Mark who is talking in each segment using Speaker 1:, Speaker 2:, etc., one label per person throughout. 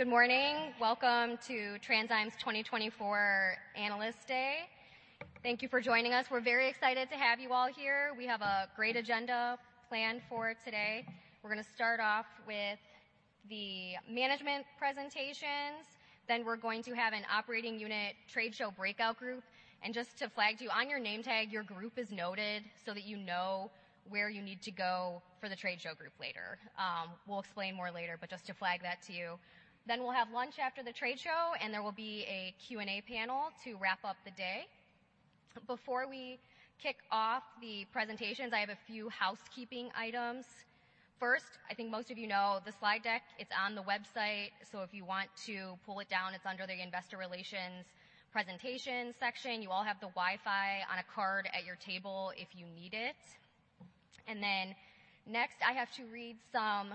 Speaker 1: Hello, everyone. Good morning. Welcome to TransDigm's 2024 Analyst Day. Thank you for joining us. We're very excited to have you all here. We have a great agenda planned for today. We're going to start off with the management presentations. Then we're going to have an Operating Unit Trade Show breakout group. Just to flag to you, on your name tag, your group is noted so that you know where you need to go for the trade show group later. We'll explain more later, but just to flag that to you. We'll have lunch after the trade show, and there will be a Q&A panel to wrap up the day. Before we kick off the presentations, I have a few housekeeping items. First, I think most of you know the slide deck. It's on the website. So if you want to pull it down, it's under the Investor Relations presentation section. You all have the Wi-Fi on a card at your table if you need it. And then next, I have to read some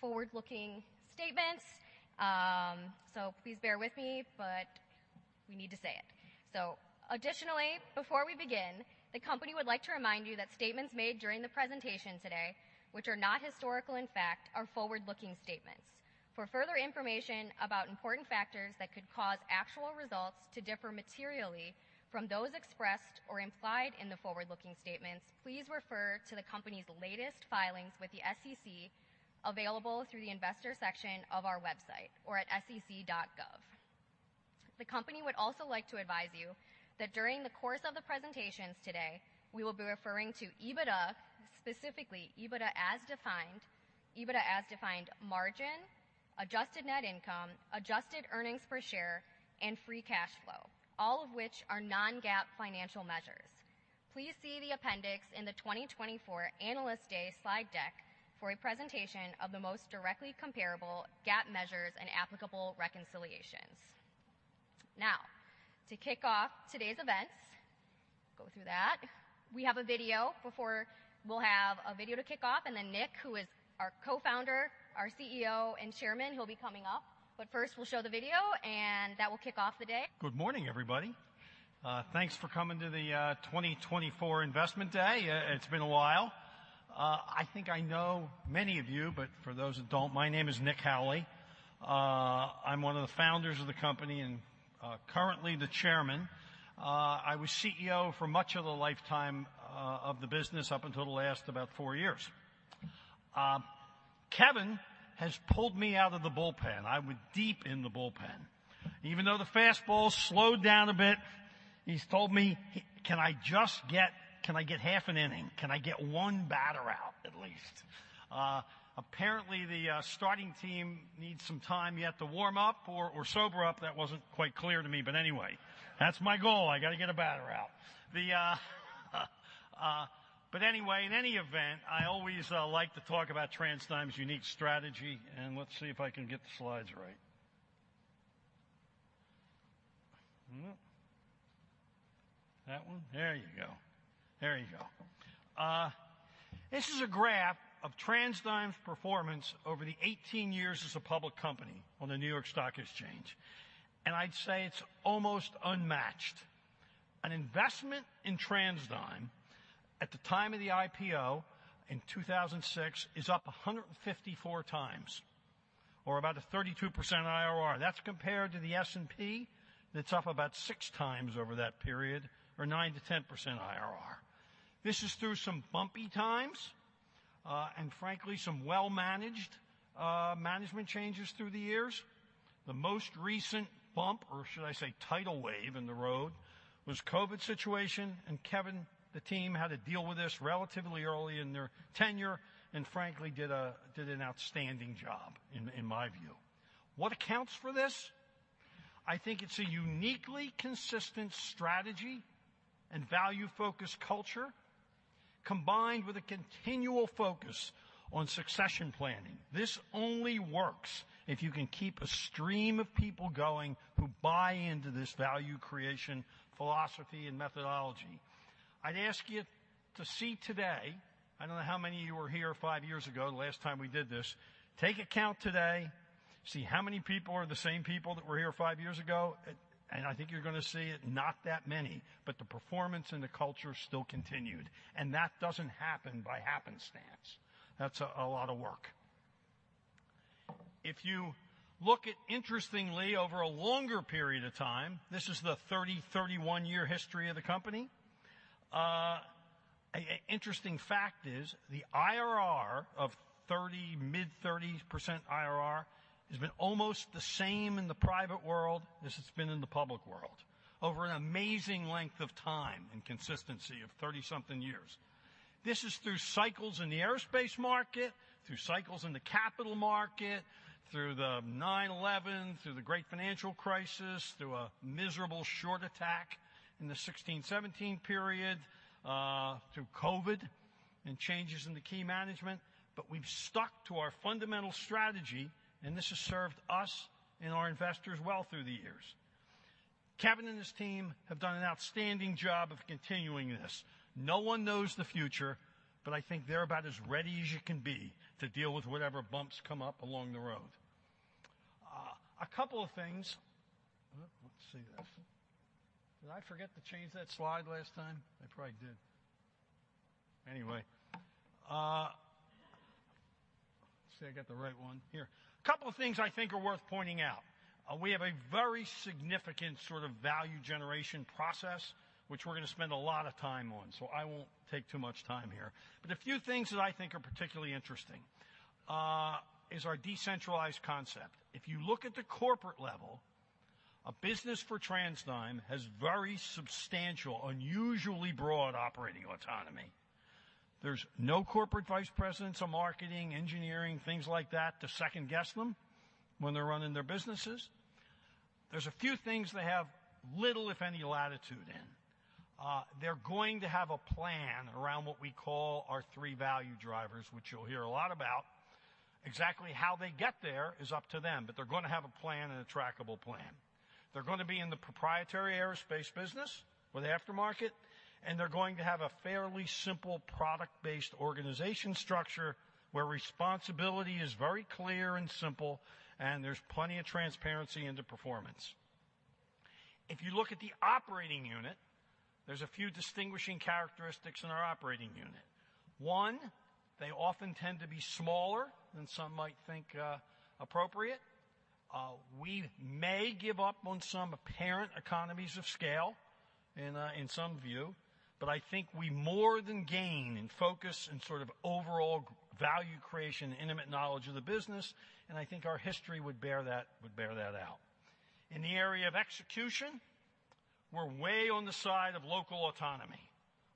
Speaker 1: forward-looking statements. So please bear with me, but we need to say it. So additionally, before we begin, the company would like to remind you that statements made during the presentation today, which are not historical in fact, are forward-looking statements. For further information about important factors that could cause actual results to differ materially from those expressed or implied in the forward-looking statements, please refer to the company's latest filings with the SEC available through the investor section of our website or at SEC.gov. The company would also like to advise you that during the course of the presentations today, we will be referring to EBITDA, specifically EBITDA as defined, EBITDA as defined margin, adjusted net income, adjusted earnings per share, and free cash flow, all of which are non-GAAP financial measures. Please see the appendix in the 2024 Analyst Day slide deck for a presentation of the most directly comparable GAAP measures and applicable reconciliations. Now, to kick off today's events, go through that. We have a video before we'll have a video to kick off. And then Nick, who is our co-founder, our CEO and chairman, he'll be coming up. But first, we'll show the video, and that will kick off the day.
Speaker 2: Good morning, everybody. Thanks for coming to the 2024 Investment Day. It's been a while. I think I know many of you, but for those who don't, my name is Nick Howley. I'm one of the founders of the company and currently the chairman. I was CEO for much of the lifetime of the business up until the last about four years. Kevin has pulled me out of the bullpen. I was deep in the bullpen. Even though the fastball slowed down a bit, he's told me, "Can I just get, can I get half an inning? Can I get one batter out at least?" Apparently, the starting team needs some time yet to warm up or sober up. That wasn't quite clear to me. But anyway, that's my goal. I got to get a batter out. But anyway, in any event, I always like to talk about TransDigm's unique strategy. Let's see if I can get the slides right. That one. There you go. There you go. This is a graph of TransDigm's performance over the 18 years as a public company on the New York Stock Exchange. I'd say it's almost unmatched. An investment in TransDigm at the time of the IPO in 2006 is up 154 times or about a 32% IRR. That's compared to the S&P that's up about 6x over that period or 9%-10% IRR. This is through some bumpy times and frankly, some well-managed management changes through the years. The most recent bump, or should I say tidal wave in the road, was the COVID situation. Kevin, the team, had to deal with this relatively early in their tenure and frankly did an outstanding job, in my view. What accounts for this? I think it's a uniquely consistent strategy and value-focused culture combined with a continual focus on succession planning. This only works if you can keep a stream of people going who buy into this value creation philosophy and methodology. I'd ask you to see today, I don't know how many of you were here five years ago the last time we did this, take account today, see how many people are the same people that were here five years ago. And I think you're going to see it, not that many, but the performance and the culture still continued. That doesn't happen by happenstance. That's a lot of work. If you look at, interestingly, over a longer period of time, this is the 30- or 31-year history of the company. An interesting fact is the IRR of 30, mid-30% IRR has been almost the same in the private world as it's been in the public world over an amazing length of time and consistency of 30-something years. This is through cycles in the aerospace market, through cycles in the capital market, through the 9/11, through the Great Financial Crisis, through a miserable short attack in the 2016-2017 period, through COVID and changes in the key management. But we've stuck to our fundamental strategy, and this has served us and our investors well through the years. Kevin and his team have done an outstanding job of continuing this. No one knows the future, but I think they're about as ready as you can be to deal with whatever bumps come up along the road. A couple of things. Let's see this. Did I forget to change that slide last time? I probably did. Anyway, let's see if I got the right one here. A couple of things I think are worth pointing out. We have a very significant sort of value generation process, which we're going to spend a lot of time on. So I won't take too much time here. But a few things that I think are particularly interesting is our decentralized concept. If you look at the corporate level, a business for TransDigm has very substantial, unusually broad operating autonomy. There's no corporate vice presidents or marketing, engineering, things like that to second-guess them when they're running their businesses. There's a few things they have little, if any, latitude in. They're going to have a plan around what we call our three value drivers, which you'll hear a lot about. Exactly how they get there is up to them, but they're going to have a plan and a trackable plan. They're going to be in the proprietary aerospace business or the aftermarket, and they're going to have a fairly simple product-based organization structure where responsibility is very clear and simple, and there's plenty of transparency into performance. If you look at the operating unit, there's a few distinguishing characteristics in our operating unit. One, they often tend to be smaller than some might think appropriate. We may give up on some apparent economies of scale in some view, but I think we more than gain in focus and sort of overall value creation and intimate knowledge of the business. I think our history would bear that out. In the area of execution, we're way on the side of local autonomy.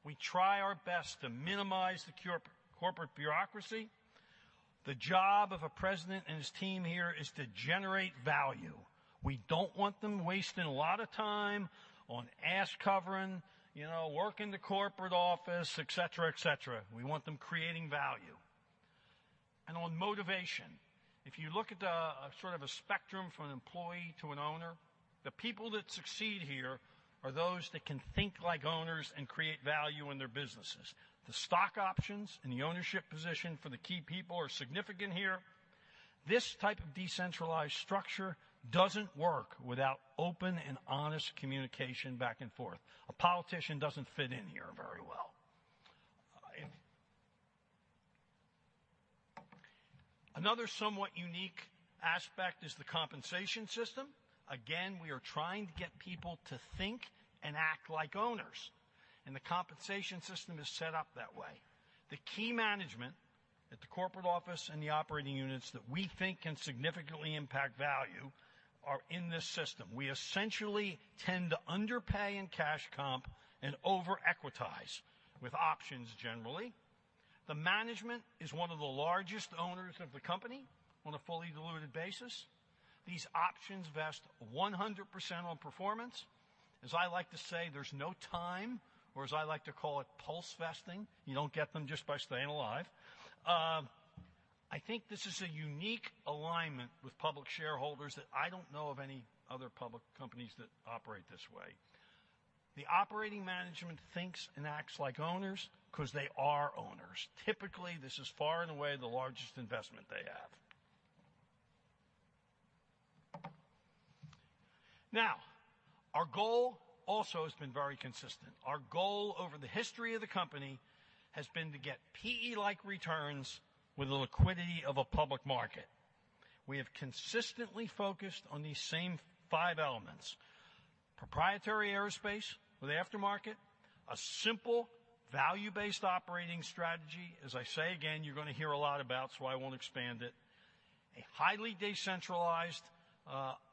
Speaker 2: We try our best to minimize the corporate bureaucracy. The job of a president and his team here is to generate value. We don't want them wasting a lot of time on ass covering, working the corporate office, etc., etc. We want them creating value. And on motivation, if you look at sort of a spectrum from an employee to an owner, the people that succeed here are those that can think like owners and create value in their businesses. The stock options and the ownership position for the key people are significant here. This type of decentralized structure doesn't work without open and honest communication back and forth. A politician doesn't fit in here very well. Another somewhat unique aspect is the compensation system. Again, we are trying to get people to think and act like owners. The compensation system is set up that way. The key management at the corporate office and the operating units that we think can significantly impact value are in this system. We essentially tend to underpay in cash comp and over-equitize with options generally. The management is one of the largest owners of the company on a fully diluted basis. These options vest 100% on performance. As I like to say, there's no time, or as I like to call it, pulse vesting. You don't get them just by staying alive. I think this is a unique alignment with public shareholders that I don't know of any other public companies that operate this way. The operating management thinks and acts like owners because they are owners. Typically, this is far and away the largest investment they have. Now, our goal also has been very consistent. Our goal over the history of the company has been to get PE-like returns with the liquidity of a public market. We have consistently focused on these same five elements: proprietary aerospace with the aftermarket, a simple value-based operating strategy, as I say again, you're going to hear a lot about, so I won't expand it, a highly decentralized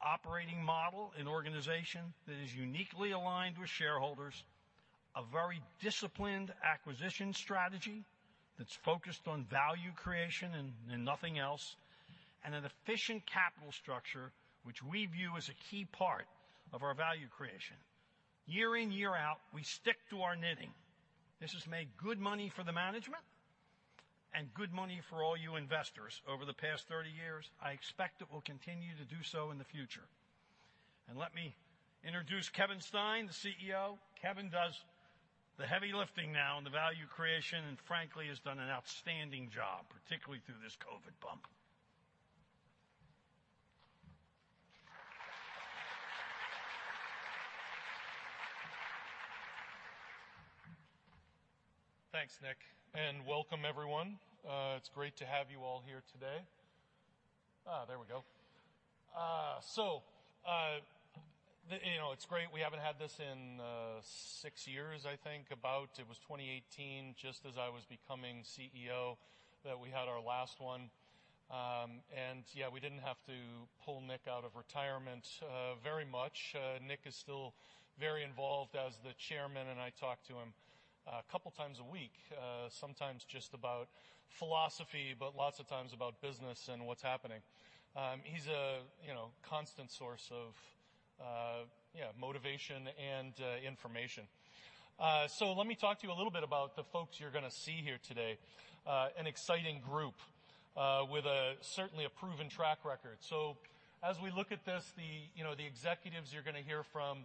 Speaker 2: operating model and organization that is uniquely aligned with shareholders, a very disciplined acquisition strategy that's focused on value creation and nothing else, and an efficient capital structure, which we view as a key part of our value creation. Year in, year out, we stick to our knitting. This has made good money for the management and good money for all you investors over the past 30 years. I expect it will continue to do so in the future. Let me introduce Kevin Stein, the CEO. Kevin does the heavy lifting now in the value creation and frankly has done an outstanding job, particularly through this COVID bump.
Speaker 3: Thanks, Nick. Welcome, everyone. It's great to have you all here today. There we go. It's great. We haven't had this in six years, I think, about. It was 2018, just as I was becoming CEO, that we had our last one. Yeah, we didn't have to pull Nick out of retirement very much. Nick is still very involved as Chairman, and I talk to him a couple of times a week, sometimes just about philosophy, but lots of times about business and what's happening. He's a constant source of motivation and information. Let me talk to you a little bit about the folks you're going to see here today, an exciting group with certainly a proven track record. So as we look at this, the executives you're going to hear from,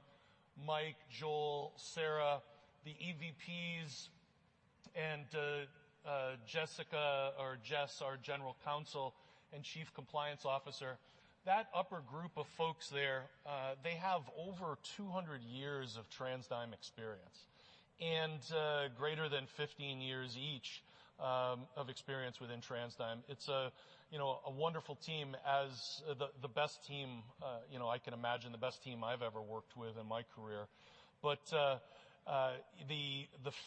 Speaker 3: Mike, Joel, Sarah, the EVPs, and Jessica or Jess, our General Counsel and Chief Compliance Officer, that upper group of folks there, they have over 200 years of TransDigm experience and greater than 15 years each of experience within TransDigm. It's a wonderful team, the best team I can imagine, the best team I've ever worked with in my career. But the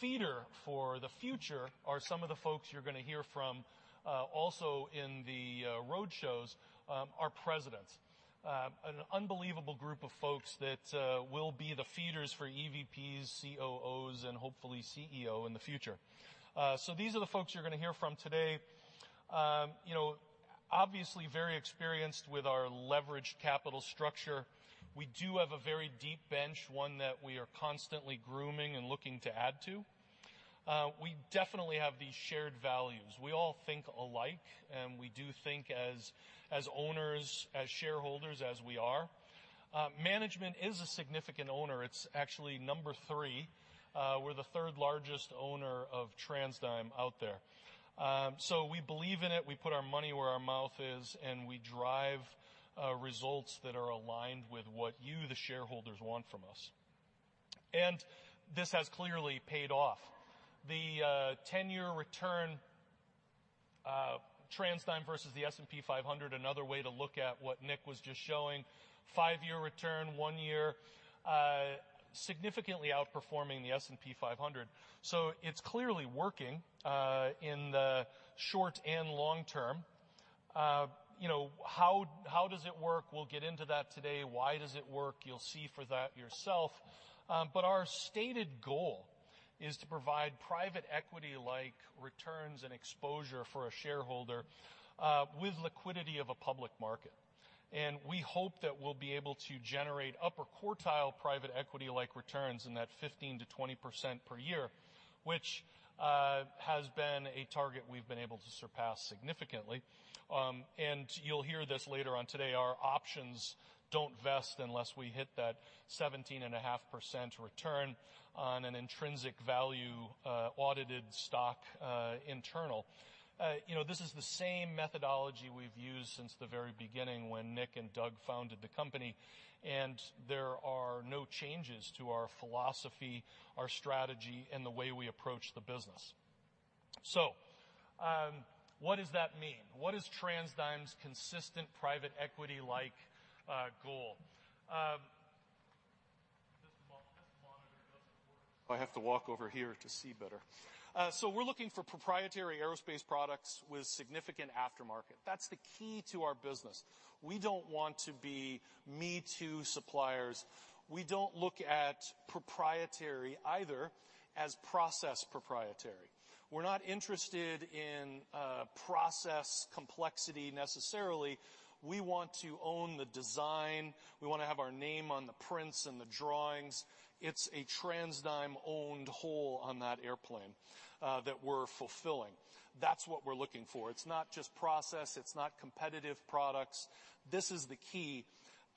Speaker 3: feeder for the future are some of the folks you're going to hear from also in the road shows, our presidents, an unbelievable group of folks that will be the feeders for EVPs, COOs, and hopefully CEO in the future. So these are the folks you're going to hear from today. Obviously, very experienced with our leveraged capital structure. We do have a very deep bench, one that we are constantly grooming and looking to add to. We definitely have these shared values. We all think alike, and we do think as owners, as shareholders as we are. Management is a significant owner. It's actually number three. We're the third largest owner of TransDigm out there. We believe in it. We put our money where our mouth is, and we drive results that are aligned with what you, the shareholders, want from us. This has clearly paid off. The 10-year return TransDigm versus the S&P 500, another way to look at what Nick was just showing, five year return, one year, significantly outperforming the S&P 500. It's clearly working in the short and long term. How does it work? We'll get into that today. Why does it work? You'll see for that yourself. But our stated goal is to provide private equity-like returns and exposure for a shareholder with liquidity of a public market. We hope that we'll be able to generate upper quartile private equity-like returns in that 15%-20% per year, which has been a target we've been able to surpass significantly. You'll hear this later on today. Our options don't vest unless we hit that 17.5% return on an intrinsic value audited stock internal. This is the same methodology we've used since the very beginning when Nick and Doug founded the company. There are no changes to our philosophy, our strategy, and the way we approach the business. So what does that mean? What is TransDigm's consistent private equity-like goal? I have to walk over here to see better. So we're looking for proprietary aerospace products with significant aftermarket. That's the key to our business. We don't want to be me-too suppliers. We don't look at proprietary either as process proprietary. We're not interested in process complexity necessarily. We want to own the design. We want to have our name on the prints and the drawings. It's a TransDigm-owned whole on that airplane that we're fulfilling. That's what we're looking for. It's not just process. It's not competitive products. This is the key.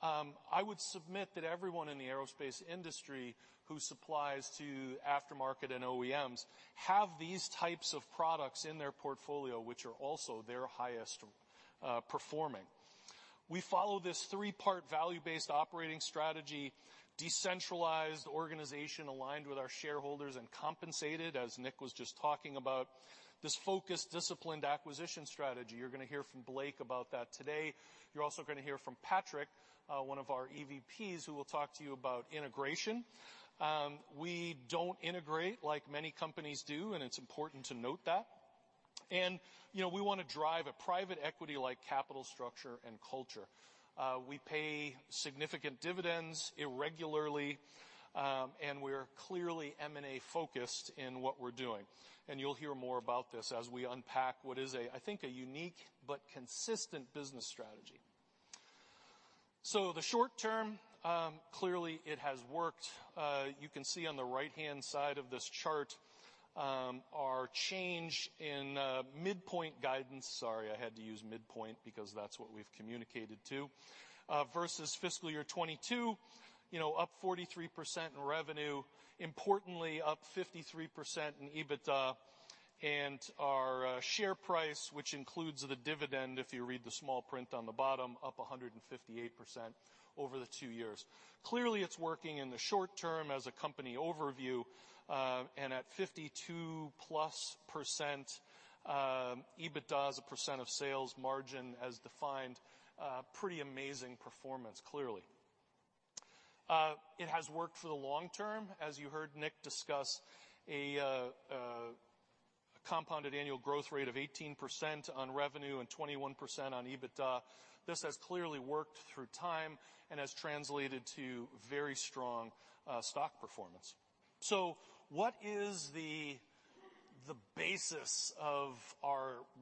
Speaker 3: I would submit that everyone in the aerospace industry who supplies to aftermarket and OEMs have these types of products in their portfolio, which are also their highest performing. We follow this three-part value-based operating strategy, decentralized organization aligned with our shareholders and compensated, as Nick was just talking about, this focused, disciplined acquisition strategy. You're going to hear from Blake about that today. You're also going to hear from Patrick, one of our EVPs, who will talk to you about integration. We don't integrate like many companies do, and it's important to note that. We want to drive a private equity-like capital structure and culture. We pay significant dividends irregularly, and we're clearly M&A-focused in what we're doing. You'll hear more about this as we unpack what is, I think, a unique but consistent business strategy. The short term, clearly, it has worked. You can see on the right-hand side of this chart our change in midpoint guidance. Sorry, I had to use midpoint because that's what we've communicated to versus fiscal year 2022, up 43% in revenue, importantly, up 53% in EBITDA, and our share price, which includes the dividend if you read the small print on the bottom, up 158% over the two years. Clearly, it's working in the short term as a company overview and at 52+% EBITDA as a percent of sales margin as defined, pretty amazing performance, clearly. It has worked for the long term. As you heard Nick discuss, a compounded annual growth rate of 18% on revenue and 21% on EBITDA. This has clearly worked through time and has translated to very strong stock performance. So what is the basis of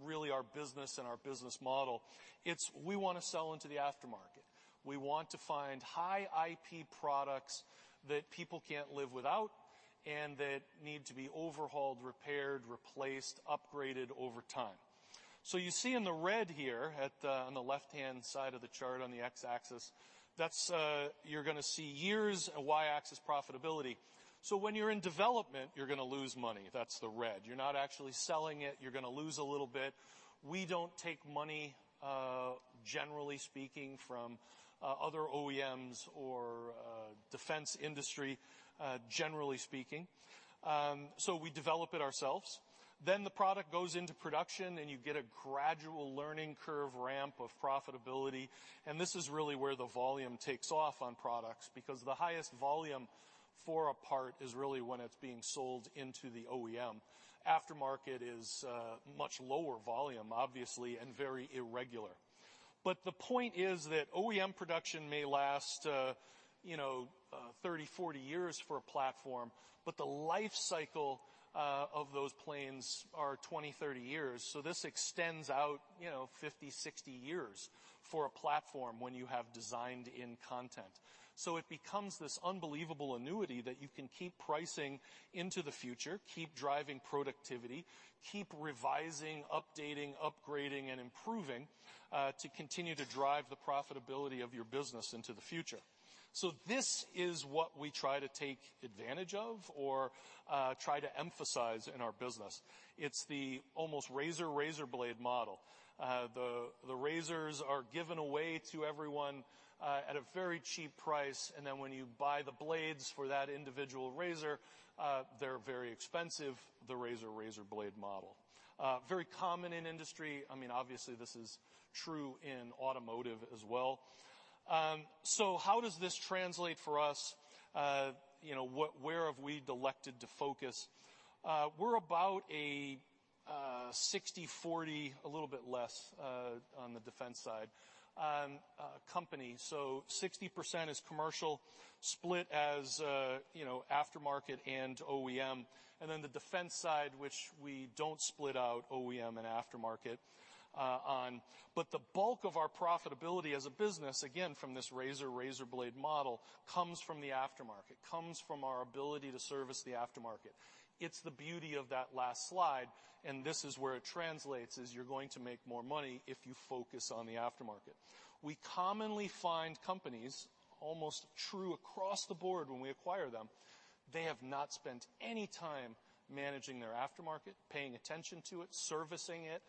Speaker 3: really our business and our business model? It's we want to sell into the aftermarket. We want to find high IP products that people can't live without and that need to be overhauled, repaired, replaced, upgraded over time. So you see in the red here on the left-hand side of the chart on the X-axis, that's, you're going to see years and Y-axis profitability. So when you're in development, you're going to lose money. That's the red. You're not actually selling it. You're going to lose a little bit. We don't take money, generally speaking, from other OEMs or defense industry, generally speaking. So we develop it ourselves. Then the product goes into production, and you get a gradual learning curve ramp of profitability. And this is really where the volume takes off on products because the highest volume for a part is really when it's being sold into the OEM. Aftermarket is much lower volume, obviously, and very irregular. But the point is that OEM production may last 30, 40 years for a platform, but the life cycle of those planes are 20, 30 years. So this extends out 50, 60 years for a platform when you have designed in content. So it becomes this unbelievable annuity that you can keep pricing into the future, keep driving productivity, keep revising, updating, upgrading, and improving to continue to drive the profitability of your business into the future. So this is what we try to take advantage of or try to emphasize in our business. It's the almost razor razor blade model. The razors are given away to everyone at a very cheap price. And then when you buy the blades for that individual razor, they're very expensive, the razor razor blade model. Very common in industry. I mean, obviously, this is true in automotive as well. So how does this translate for us? Where have we elected to focus? We're about a 60-40, a little bit less on the defense side company. So 60% is commercial, split as aftermarket and OEM. And then the defense side, which we don't split out OEM and aftermarket on. But the bulk of our profitability as a business, again, from this razor razor blade model, comes from the aftermarket, comes from our ability to service the aftermarket. It's the beauty of that last slide. And this is where it translates as you're going to make more money if you focus on the aftermarket. We commonly find companies almost true across the board when we acquire them. They have not spent any time managing their aftermarket, paying attention to it, servicing it.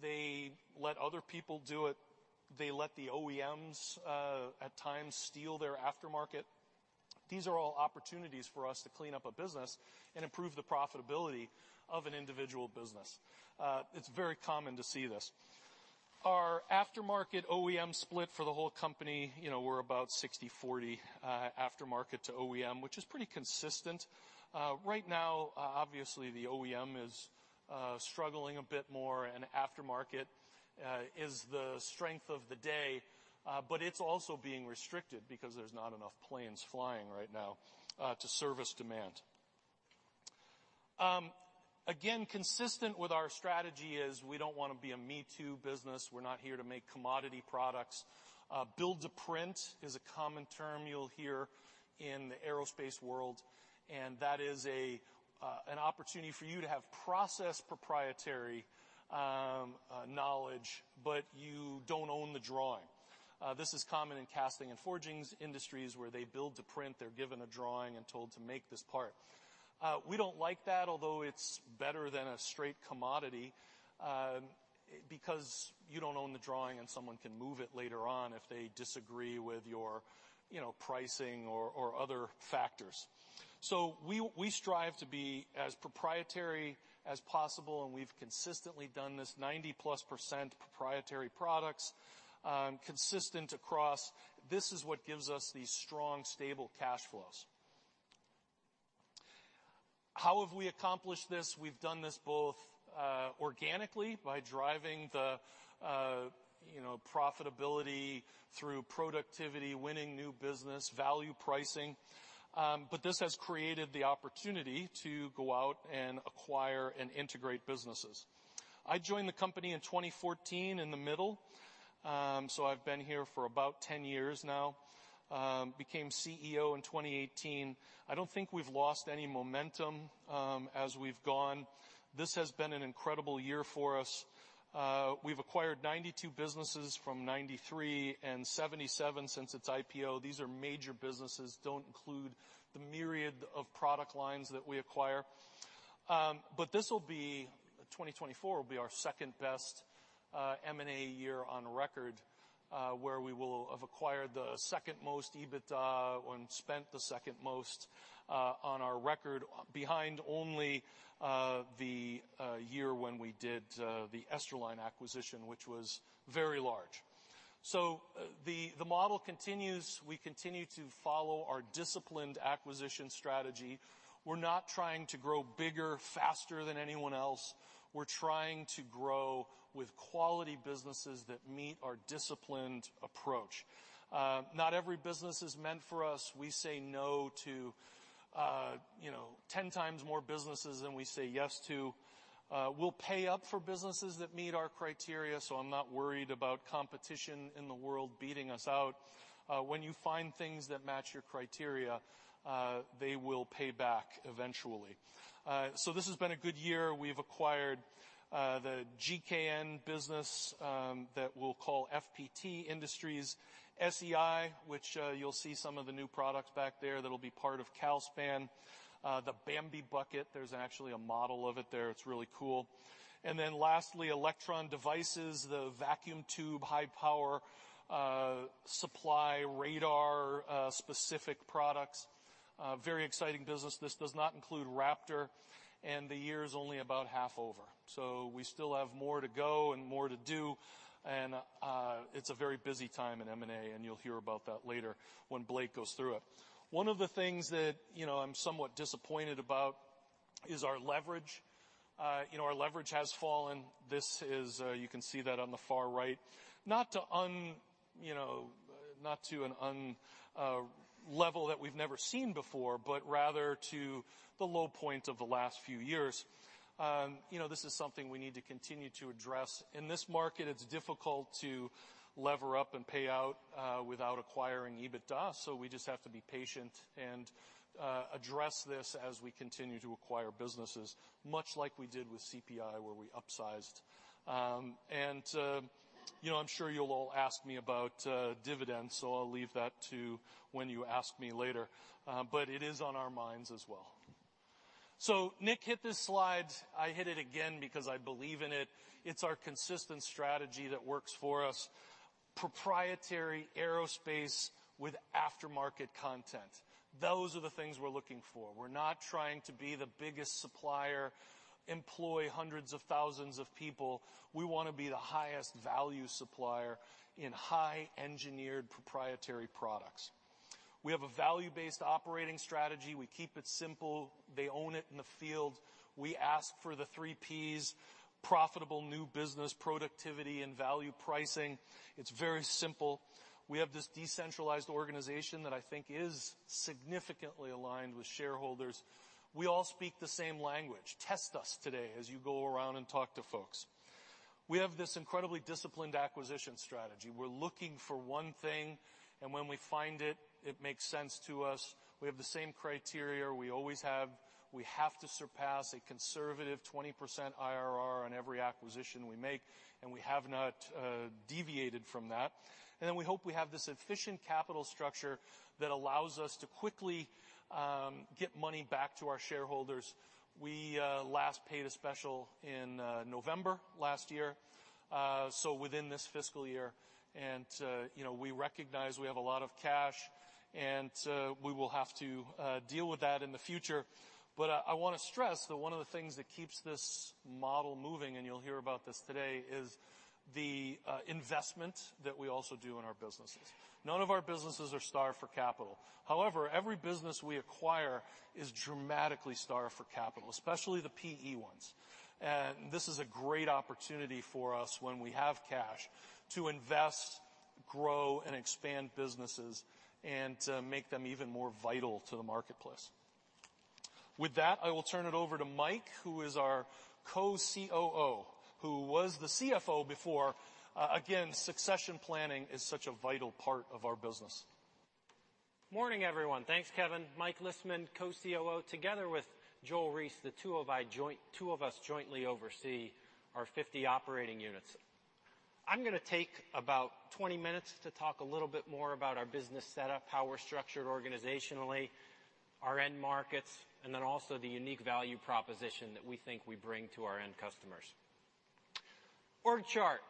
Speaker 3: They let other people do it. They let the OEMs at times steal their aftermarket. These are all opportunities for us to clean up a business and improve the profitability of an individual business. It's very common to see this. Our aftermarket OEM split for the whole company, we're about 60/40 aftermarket to OEM, which is pretty consistent. Right now, obviously, the OEM is struggling a bit more, and aftermarket is the strength of the day. But it's also being restricted because there's not enough planes flying right now to service demand. Again, consistent with our strategy is we don't want to be a me-too business. We're not here to make commodity products. Build-to-print is a common term you'll hear in the aerospace world. And that is an opportunity for you to have process proprietary knowledge, but you don't own the drawing. This is common in casting and forging industries where they build to print. They're given a drawing and told to make this part. We don't like that, although it's better than a straight commodity because you don't own the drawing and someone can move it later on if they disagree with your pricing or other factors. So we strive to be as proprietary as possible, and we've consistently done this 90%+ proprietary products, consistent across. This is what gives us these strong, stable cash flows. How have we accomplished this? We've done this both organically by driving the profitability through productivity, winning new business, value pricing. But this has created the opportunity to go out and acquire and integrate businesses. I joined the company in 2014 in the middle. So I've been here for about 10 years now. Became CEO in 2018. I don't think we've lost any momentum as we've gone. This has been an incredible year for us. We've acquired 92 businesses from 1993 and 77 since its IPO. These are major businesses. Don't include the myriad of product lines that we acquire. But 2024 will be our second best M&A year on record where we will have acquired the second most EBITDA and spent the second most on record, behind only the year when we did the Esterline acquisition, which was very large. So the model continues. We continue to follow our disciplined acquisition strategy. We're not trying to grow bigger, faster than anyone else. We're trying to grow with quality businesses that meet our disciplined approach. Not every business is meant for us. We say no to 10x more businesses than we say yes to. We'll pay up for businesses that meet our criteria. So I'm not worried about competition in the world beating us out. When you find things that match your criteria, they will pay back eventually. So this has been a good year. We've acquired the GKN business that we'll call FPT Industries, SEI, which you'll see some of the new products back there that will be part of Calspan, the Bambi Bucket. There's actually a model of it there. It's really cool. And then lastly, Electron Devices, the vacuum tube, high power supply, radar-specific products. Very exciting business. This does not include Raptor. And the year is only about half over. So we still have more to go and more to do. And it's a very busy time in M&A. And you'll hear about that later when Blake goes through it. One of the things that I'm somewhat disappointed about is our leverage. Our leverage has fallen. This is you can see that on the far right. Not to an unprecedented level that we've never seen before, but rather to the low point of the last few years. This is something we need to continue to address. In this market, it's difficult to lever up and pay out without acquiring EBITDA. So we just have to be patient and address this as we continue to acquire businesses, much like we did with CPI where we upsized. And I'm sure you'll all ask me about dividends. So I'll leave that to when you ask me later. But it is on our minds as well. So Nick hit this slide. I hit it again because I believe in it. It's our consistent strategy that works for us. Proprietary aerospace with aftermarket content. Those are the things we're looking for. We're not trying to be the biggest supplier, employ hundreds of thousands of people. We want to be the highest value supplier in high-engineered proprietary products. We have a value-based operating strategy. We keep it simple. They own it in the field. We ask for the three Ps, profitable new business, productivity, and value pricing. It's very simple. We have this decentralized organization that I think is significantly aligned with shareholders. We all speak the same language. Test us today as you go around and talk to folks. We have this incredibly disciplined acquisition strategy. We're looking for one thing. And when we find it, it makes sense to us. We have the same criteria we always have. We have to surpass a conservative 20% IRR on every acquisition we make. And we have not deviated from that. And then we hope we have this efficient capital structure that allows us to quickly get money back to our shareholders. We last paid a special in November last year. Within this fiscal year. We recognize we have a lot of cash. We will have to deal with that in the future. I want to stress that one of the things that keeps this model moving, and you'll hear about this today, is the investment that we also do in our businesses. None of our businesses are starved for capital. However, every business we acquire is dramatically starved for capital, especially the PE ones. This is a great opportunity for us when we have cash to invest, grow, and expand businesses and make them even more vital to the marketplace. With that, I will turn it over to Mike, who is our Co-COO, who was the CFO before. Again, succession planning is such a vital part of our business.
Speaker 4: Morning, everyone. Thanks, Kevin. Mike Lisman, Co-COO, together with Joel Reiss, the two of us jointly oversee our 50 operating units. I'm going to take about 20 minutes to talk a little bit more about our business setup, how we're structured organizationally, our end markets, and then also the unique value proposition that we think we bring to our end customers. Org chart.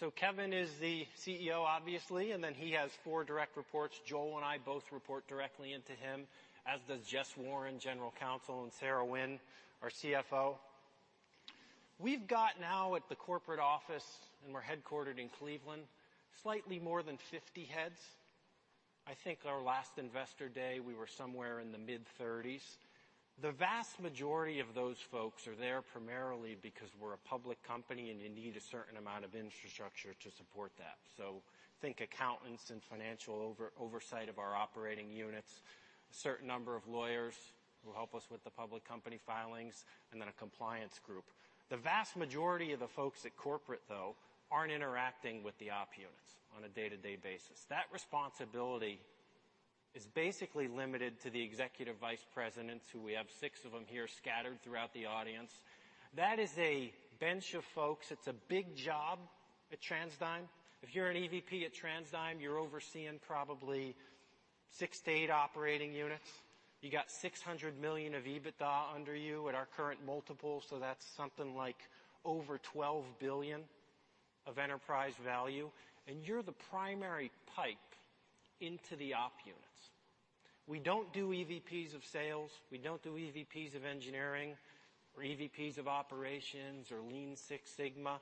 Speaker 4: So Kevin is the CEO, obviously, and then he has four direct reports. Joel and I both report directly into him, as does Jess Warren, General Counsel, and Sarah Wynne, our CFO. We've got now at the corporate office, and we're headquartered in Cleveland, slightly more than 50 heads. I think our last investor day, we were somewhere in the mid-30s. The vast majority of those folks are there primarily because we're a public company and you need a certain amount of infrastructure to support that. So think accountants and financial oversight of our operating units, a certain number of lawyers who help us with the public company filings, and then a compliance group. The vast majority of the folks at corporate, though, aren't interacting with the op units on a day-to-day basis. That responsibility is basically limited to the executive vice presidents, who we have six of them here scattered throughout the audience. That is a bench of folks. It's a big job at TransDigm. If you're an EVP at TransDigm, you're overseeing probably six to eight operating units. You got $600 million of EBITDA under you at our current multiple. So that's something like over $12 billion of enterprise value. And you're the primary pipe into the op units. We don't do EVPs of sales. We don't do EVPs of engineering or EVPs of operations or Lean Six Sigma.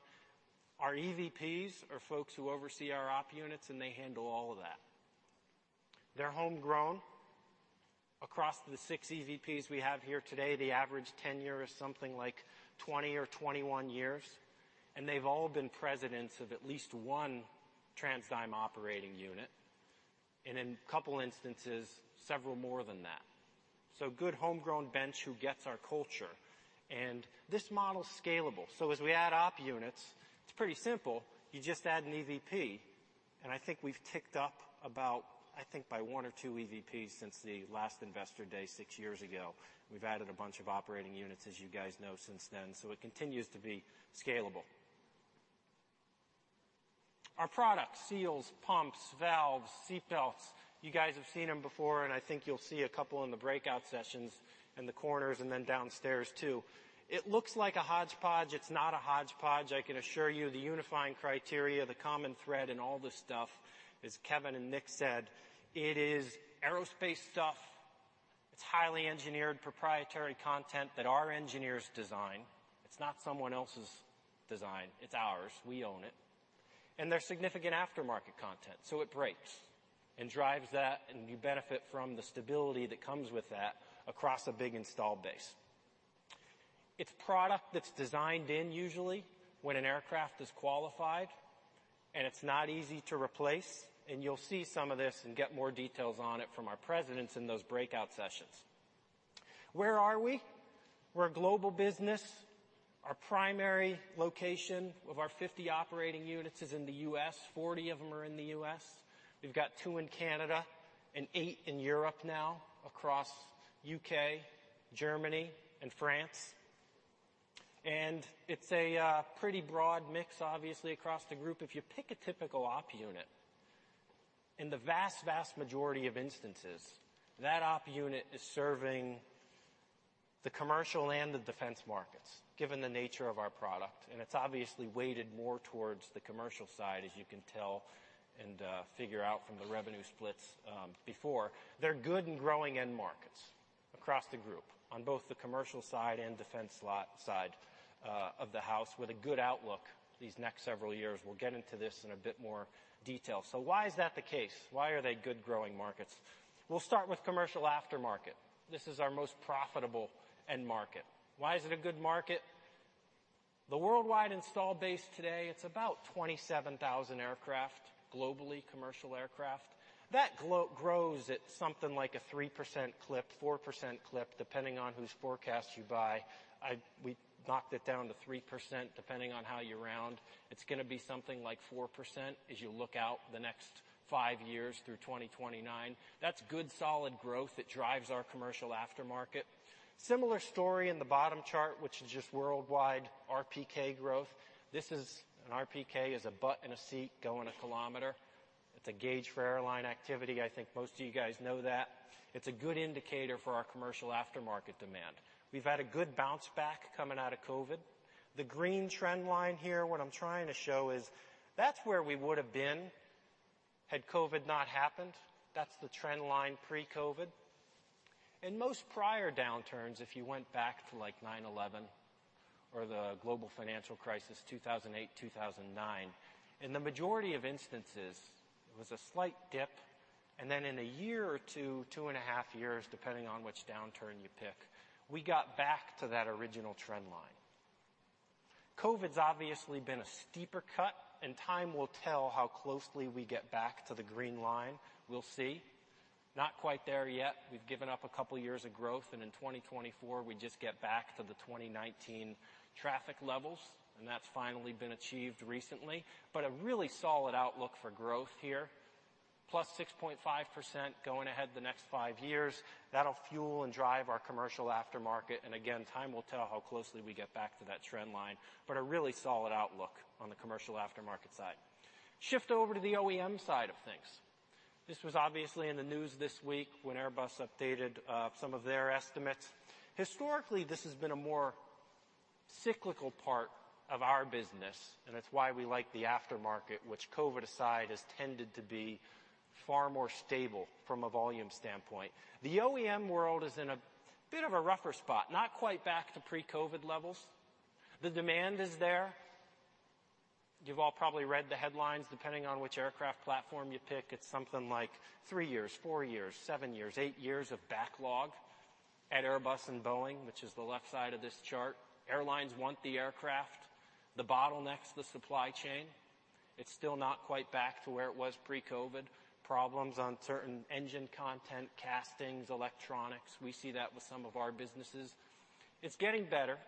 Speaker 4: Our EVPs are folks who oversee our op units, and they handle all of that. They're homegrown. Across the six EVPs we have here today, the average tenure is something like 20 or 21 years. And they've all been presidents of at least one TransDigm operating unit and in a couple of instances, several more than that. So good homegrown bench who gets our culture. And this model is scalable. So as we add op units, it's pretty simple. You just add an EVP. And I think we've ticked up about, I think, by one or two EVPs since the last investor day six years ago. We've added a bunch of operating units, as you guys know, since then. So it continues to be scalable. Our product: seals, pumps, valves, seat belts. You guys have seen them before, and I think you'll see a couple in the breakout sessions in the corners and then downstairs too. It looks like a hodgepodge. It's not a hodgepodge. I can assure you the unifying criteria, the common thread, and all this stuff is, Kevin and Nick said, it is aerospace stuff. It's highly engineered proprietary content that our engineers design. It's not someone else's design. It's ours. We own it. And there's significant aftermarket content. So it breaks and drives that. And you benefit from the stability that comes with that across a big installed base. It's product that's designed in usually when an aircraft is qualified, and it's not easy to replace. And you'll see some of this and get more details on it from our presidents in those breakout sessions. Where are we? We're a global business. Our primary location of our 50 operating units is in the U.S. 40 of them are in the U.S. We've got two in Canada and eight in Europe now across U.K., Germany, and France. It's a pretty broad mix, obviously, across the group. If you pick a typical op unit, in the vast, vast majority of instances, that op unit is serving the commercial and the defense markets, given the nature of our product. It's obviously weighted more towards the commercial side, as you can tell and figure out from the revenue splits before. They're good and growing end markets across the group on both the commercial side and defense side of the house with a good outlook these next several years. We'll get into this in a bit more detail. Why is that the case? Why are they good growing markets? We'll start with commercial aftermarket. This is our most profitable end market. Why is it a good market? The worldwide installed base today, it's about 27,000 aircraft globally, commercial aircraft. That grows at something like a 3% clip, 4% clip, depending on whose forecast you buy. We knocked it down to 3% depending on how you round. It's going to be something like 4% as you look out the next five years through 2029. That's good solid growth. It drives our commercial aftermarket. Similar story in the bottom chart, which is just worldwide RPK growth. This is an RPK is a butt in a seat going a kilometer. It's a gauge for airline activity. I think most of you guys know that. It's a good indicator for our commercial aftermarket demand. We've had a good bounce back coming out of COVID. The green trend line here, what I'm trying to show is that's where we would have been had COVID not happened. That's the trend line pre-COVID. Most prior downturns, if you went back to like 9/11 or the global financial crisis, 2008, 2009, in the majority of instances, it was a slight dip. Then in a year or two, two and a half years, depending on which downturn you pick, we got back to that original trend line. COVID's obviously been a steeper cut. Time will tell how closely we get back to the green line. We'll see. Not quite there yet. We've given up a couple of years of growth. In 2024, we just get back to the 2019 traffic levels. That's finally been achieved recently. But a really solid outlook for growth here, +6.5% going ahead the next five years. That'll fuel and drive our commercial aftermarket. And again, time will tell how closely we get back to that trend line. But a really solid outlook on the commercial aftermarket side. Shift over to the OEM side of things. This was obviously in the news this week when Airbus updated some of their estimates. Historically, this has been a more cyclical part of our business. And it's why we like the aftermarket, which COVID aside has tended to be far more stable from a volume standpoint. The OEM world is in a bit of a rougher spot, not quite back to pre-COVID levels. The demand is there. You've all probably read the headlines. Depending on which aircraft platform you pick, it's something like three years, four years, seven years, eight years of backlog at Airbus and Boeing, which is the left side of this chart. Airlines want the aircraft, the bottlenecks, the supply chain. It's still not quite back to where it was pre-COVID. Problems on certain engine content, castings, electronics. We see that with some of our businesses. It's getting better,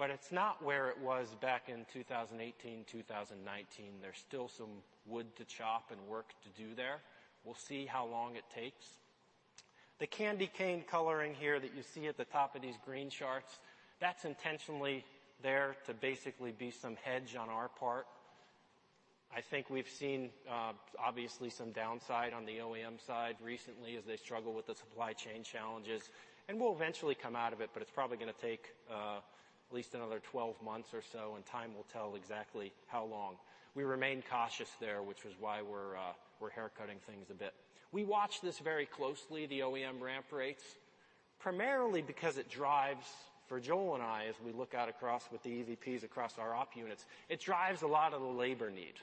Speaker 4: but it's not where it was back in 2018, 2019. There's still some wood to chop and work to do there. We'll see how long it takes. The candy cane coloring here that you see at the top of these green charts, that's intentionally there to basically be some hedge on our part. I think we've seen, obviously, some downside on the OEM side recently as they struggle with the supply chain challenges. We'll eventually come out of it, but it's probably going to take at least another 12 months or so. Time will tell exactly how long. We remain cautious there, which was why we're haircutting things a bit. We watch this very closely, the OEM ramp rates, primarily because it drives for Joel and I, as we look out across with the EVPs across our op units. It drives a lot of the labor need.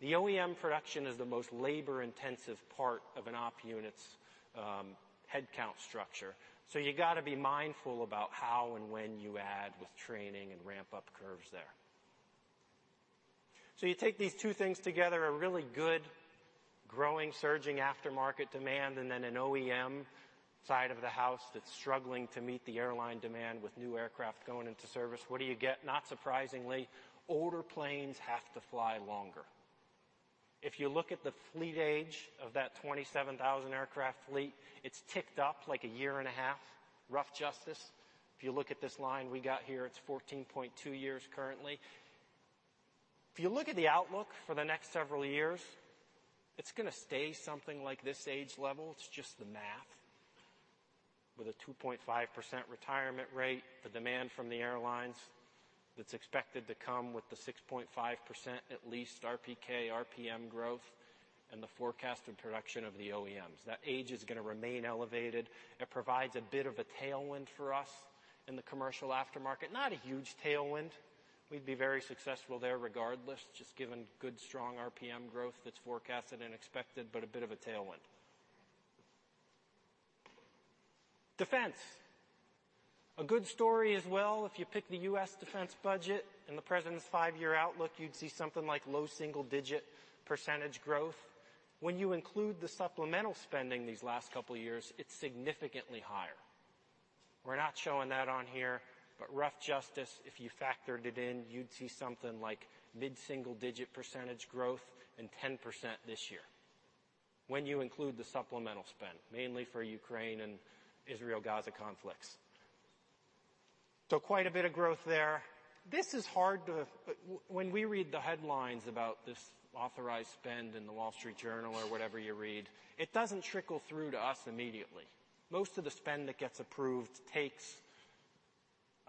Speaker 4: The OEM production is the most labor-intensive part of an op unit's headcount structure. So you got to be mindful about how and when you add with training and ramp-up curves there. So you take these two things together, a really good growing, surging aftermarket demand, and then an OEM side of the house that's struggling to meet the airline demand with new aircraft going into service. What do you get? Not surprisingly, older planes have to fly longer. If you look at the fleet age of that 27,000 aircraft fleet, it's ticked up like a year and a half, rough justice. If you look at this line we got here, it's 14.2 years currently. If you look at the outlook for the next several years, it's going to stay something like this age level. It's just the math. With a 2.5% retirement rate, the demand from the airlines that's expected to come with the 6.5% at least RPK, RPM growth, and the forecasted production of the OEMs. That age is going to remain elevated. It provides a bit of a tailwind for us in the commercial aftermarket. Not a huge tailwind. We'd be very successful there regardless, just given good strong RPM growth that's forecasted and expected, but a bit of a tailwind. Defense. A good story as well. If you pick the U.S. defense budget and the president's five-year outlook, you'd see something like low single-digit % growth. When you include the supplemental spending these last couple of years, it's significantly higher. We're not showing that on here, but rough justice, if you factored it in, you'd see something like mid-single-digit percentage growth and 10% this year when you include the supplemental spend, mainly for Ukraine and Israel-Gaza conflicts. Quite a bit of growth there. This is hard to when we read the headlines about this authorized spend in The Wall Street Journal or whatever you read, it doesn't trickle through to us immediately. Most of the spend that gets approved takes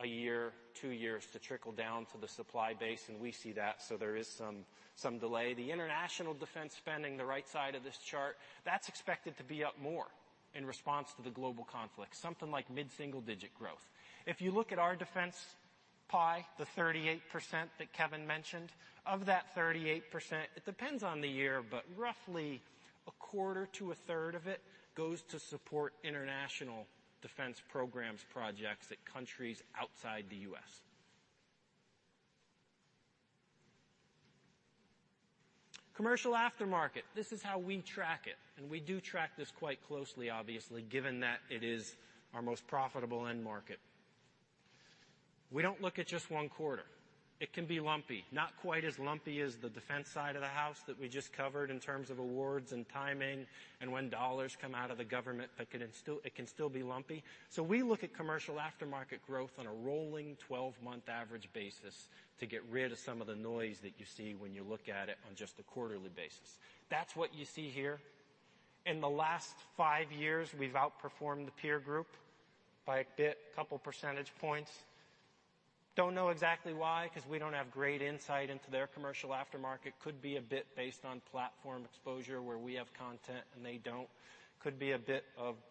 Speaker 4: a year, two years to trickle down to the supply base. We see that. There is some delay. The international defense spending, the right side of this chart, that's expected to be up more in response to the global conflict, something like mid-single-digit growth. If you look at our defense pie, the 38% that Kevin mentioned, of that 38%, it depends on the year, but roughly a quarter to a third of it goes to support international defense programs projects at countries outside the U.S. Commercial aftermarket, this is how we track it. And we do track this quite closely, obviously, given that it is our most profitable end market. We don't look at just one quarter. It can be lumpy, not quite as lumpy as the defense side of the house that we just covered in terms of awards and timing and when dollars come out of the government, but it can still be lumpy. So we look at commercial aftermarket growth on a rolling 12-month average basis to get rid of some of the noise that you see when you look at it on just a quarterly basis. That's what you see here. In the last five years, we've outperformed the peer group by a bit, a couple of percentage points. Don't know exactly why because we don't have great insight into their commercial aftermarket. Could be a bit based on platform exposure where we have content and they don't. Could be a bit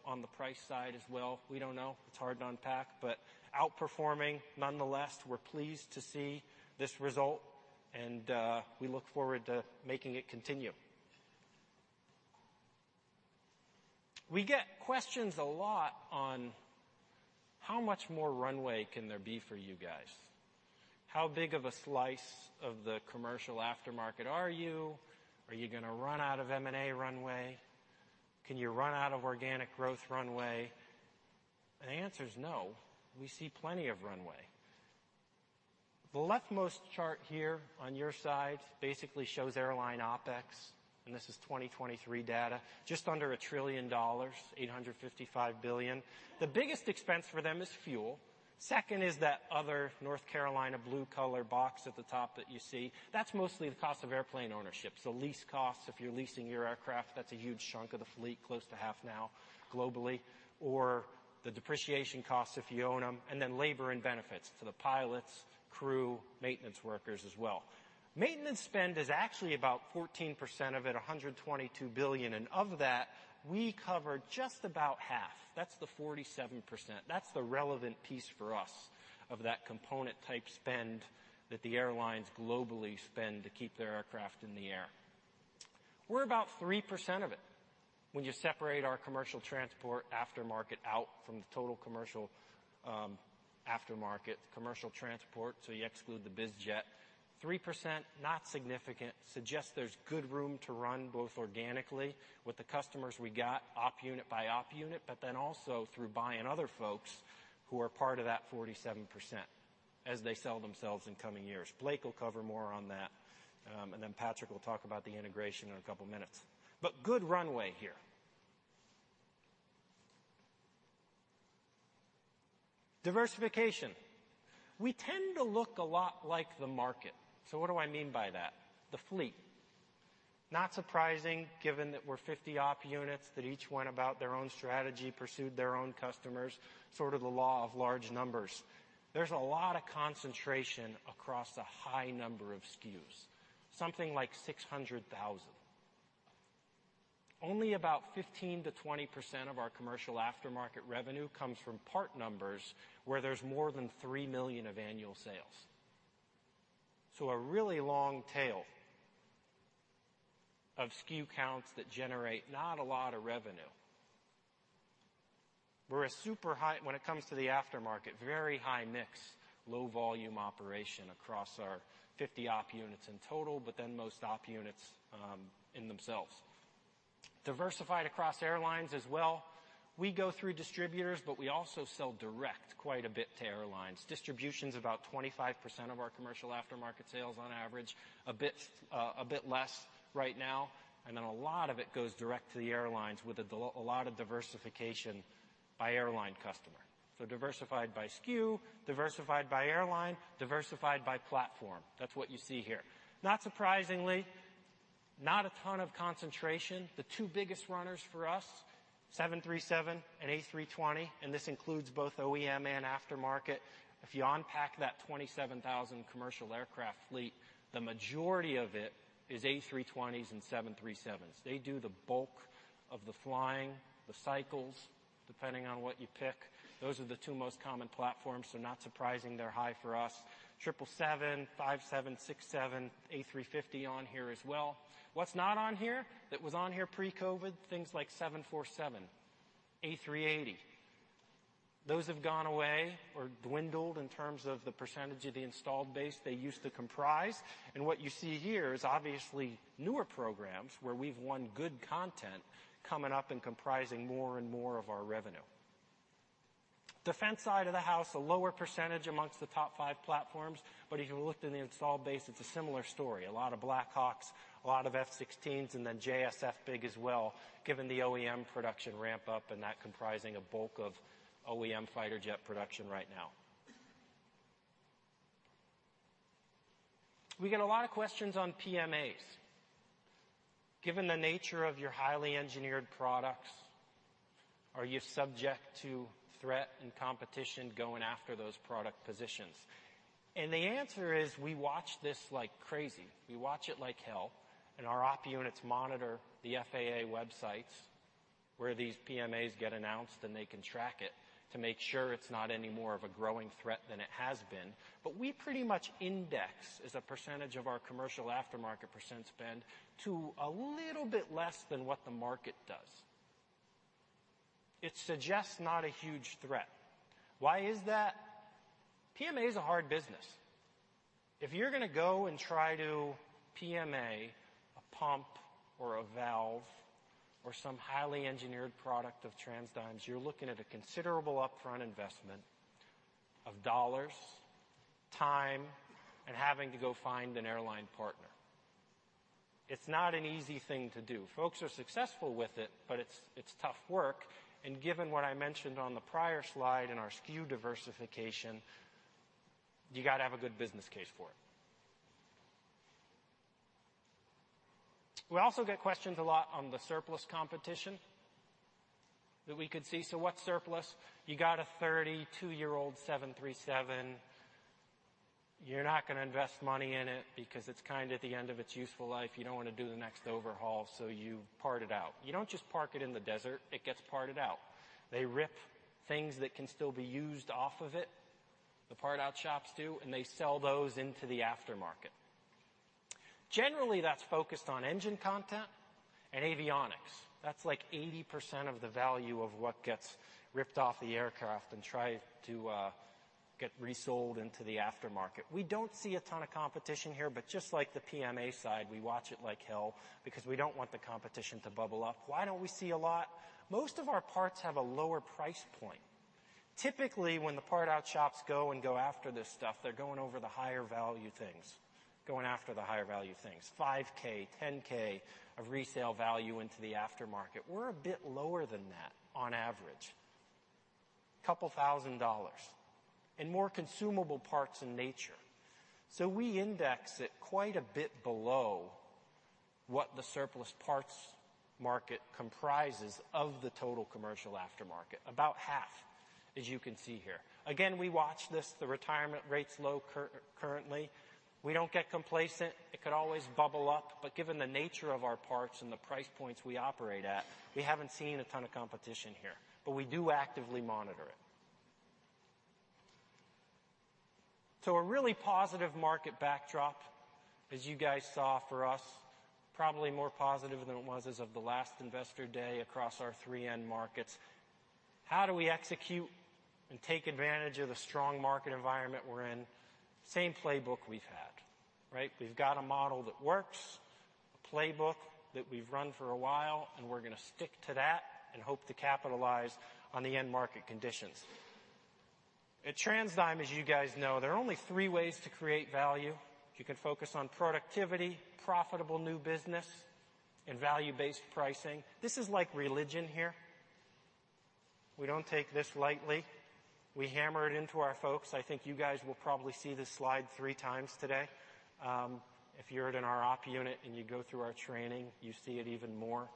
Speaker 4: on the price side as well. We don't know. It's hard to unpack, but outperforming nonetheless. We're pleased to see this result. We look forward to making it continue. We get questions a lot on how much more runway can there be for you guys? How big of a slice of the commercial aftermarket are you? Are you going to run out of M&A runway? Can you run out of organic growth runway? And the answer is no. We see plenty of runway. The leftmost chart here on your side basically shows airline OpEx. This is 2023 data, just under a trillion dollars, $855 billion. The biggest expense for them is fuel. Second is that other North Carolina blue color box at the top that you see. That's mostly the cost of airplane ownership, so lease costs if you're leasing your aircraft. That's a huge chunk of the fleet, close to half now globally, or the depreciation costs if you own them, and then labor and benefits to the pilots, crew, maintenance workers as well. Maintenance spend is actually about 14% of it, $122 billion. Of that, we cover just about half. That's the 47%. That's the relevant piece for us of that component-type spend that the airlines globally spend to keep their aircraft in the air. We're about 3% of it when you separate our commercial transport aftermarket out from the total commercial aftermarket commercial transport. So you exclude the biz jet. 3%, not significant, suggests there's good room to run both organically with the customers we got, op unit by op unit, but then also through buying other folks who are part of that 47% as they sell themselves in coming years. Blake will cover more on that. And then Patrick will talk about the integration in a couple of minutes. But good runway here. Diversification. We tend to look a lot like the market. So what do I mean by that? The fleet. Not surprising, given that we're 50 op units that each went about their own strategy, pursued their own customers, sort of the law of large numbers. There's a lot of concentration across a high number of SKUs, something like 600,000. Only about 15%-20% of our commercial aftermarket revenue comes from part numbers where there's more than $3 million of annual sales. So a really long tail of SKU counts that generate not a lot of revenue. We're a super high, when it comes to the aftermarket, very high mix, low volume operation across our 50 op units in total, but then most op units in themselves. Diversified across airlines as well. We go through distributors, but we also sell direct quite a bit to airlines. Distribution is about 25% of our commercial aftermarket sales on average, a bit less right now. And then a lot of it goes direct to the airlines with a lot of diversification by airline customer. So diversified by SKU, diversified by airline, diversified by platform. That's what you see here. Not surprisingly, not a ton of concentration. The two biggest runners for us, 737 and A320, and this includes both OEM and aftermarket. If you unpack that 27,000 commercial aircraft fleet, the majority of it is A320s and 737s. They do the bulk of the flying, the cycles, depending on what you pick. Those are the two most common platforms. So not surprising they're high for us. 777, 767, A350 on here as well. What's not on here that was on here pre-COVID, things like 747, A380. Those have gone away or dwindled in terms of the percentage of the installed base they used to comprise. And what you see here is obviously newer programs where we've won good content coming up and comprising more and more of our revenue. Defense side of the house, a lower percentage amongst the top five platforms. But if you looked at the installed base, it's a similar story. A lot of Black Hawks, a lot of F-16s, and then JSF big as well, given the OEM production ramp-up and that comprising a bulk of OEM fighter jet production right now. We get a lot of questions on PMAs. Given the nature of your highly engineered products, are you subject to threat and competition going after those product positions? And the answer is we watch this like crazy. We watch it like hell. And our op units monitor the FAA websites where these PMAs get announced, and they can track it to make sure it's not any more of a growing threat than it has been. But we pretty much index as a percentage of our commercial aftermarket percent spend to a little bit less than what the market does. It suggests not a huge threat. Why is that? PMA is a hard business. If you're going to go and try to PMA a pump or a valve or some highly engineered product of TransDigm, you're looking at a considerable upfront investment of dollars, time, and having to go find an airline partner. It's not an easy thing to do. Folks are successful with it, but it's tough work. Given what I mentioned on the prior slide in our SKU diversification, you got to have a good business case for it. We also get questions a lot on the surplus competition that we could see. So what's surplus? You got a 32-year-old 737. You're not going to invest money in it because it's kind of at the end of its useful life. You don't want to do the next overhaul, so you part it out. You don't just park it in the desert. It gets parted out. They rip things that can still be used off of it. The part-out shops do, and they sell those into the aftermarket. Generally, that's focused on engine content and avionics. That's like 80% of the value of what gets ripped off the aircraft and tried to get resold into the aftermarket. We don't see a ton of competition here, but just like the PMA side, we watch it like hell because we don't want the competition to bubble up. Why don't we see a lot? Most of our parts have a lower price point. Typically, when the part-out shops go and go after this stuff, they're going over the higher value things, going after the higher value things, $5,000, $10,000 of resale value into the aftermarket. We're a bit lower than that on average, $2,000, and more consumable parts in nature. So we index it quite a bit below what the surplus parts market comprises of the total commercial aftermarket, about half, as you can see here. Again, we watch this. The retirement rate's low currently. We don't get complacent. It could always bubble up. But given the nature of our parts and the price points we operate at, we haven't seen a ton of competition here, but we do actively monitor it. So a really positive market backdrop, as you guys saw for us, probably more positive than it was as of the last investor day across our three-end markets. How do we execute and take advantage of the strong market environment we're in? Same playbook we've had, right? We've got a model that works, a playbook that we've run for a while, and we're going to stick to that and hope to capitalize on the end market conditions. At TransDigm, as you guys know, there are only three ways to create value. You can focus on productivity, profitable new business, and value-based pricing. This is like religion here. We don't take this lightly. We hammer it into our folks. I think you guys will probably see this slide three times today. If you're in our op unit and you go through our training, you see it even more.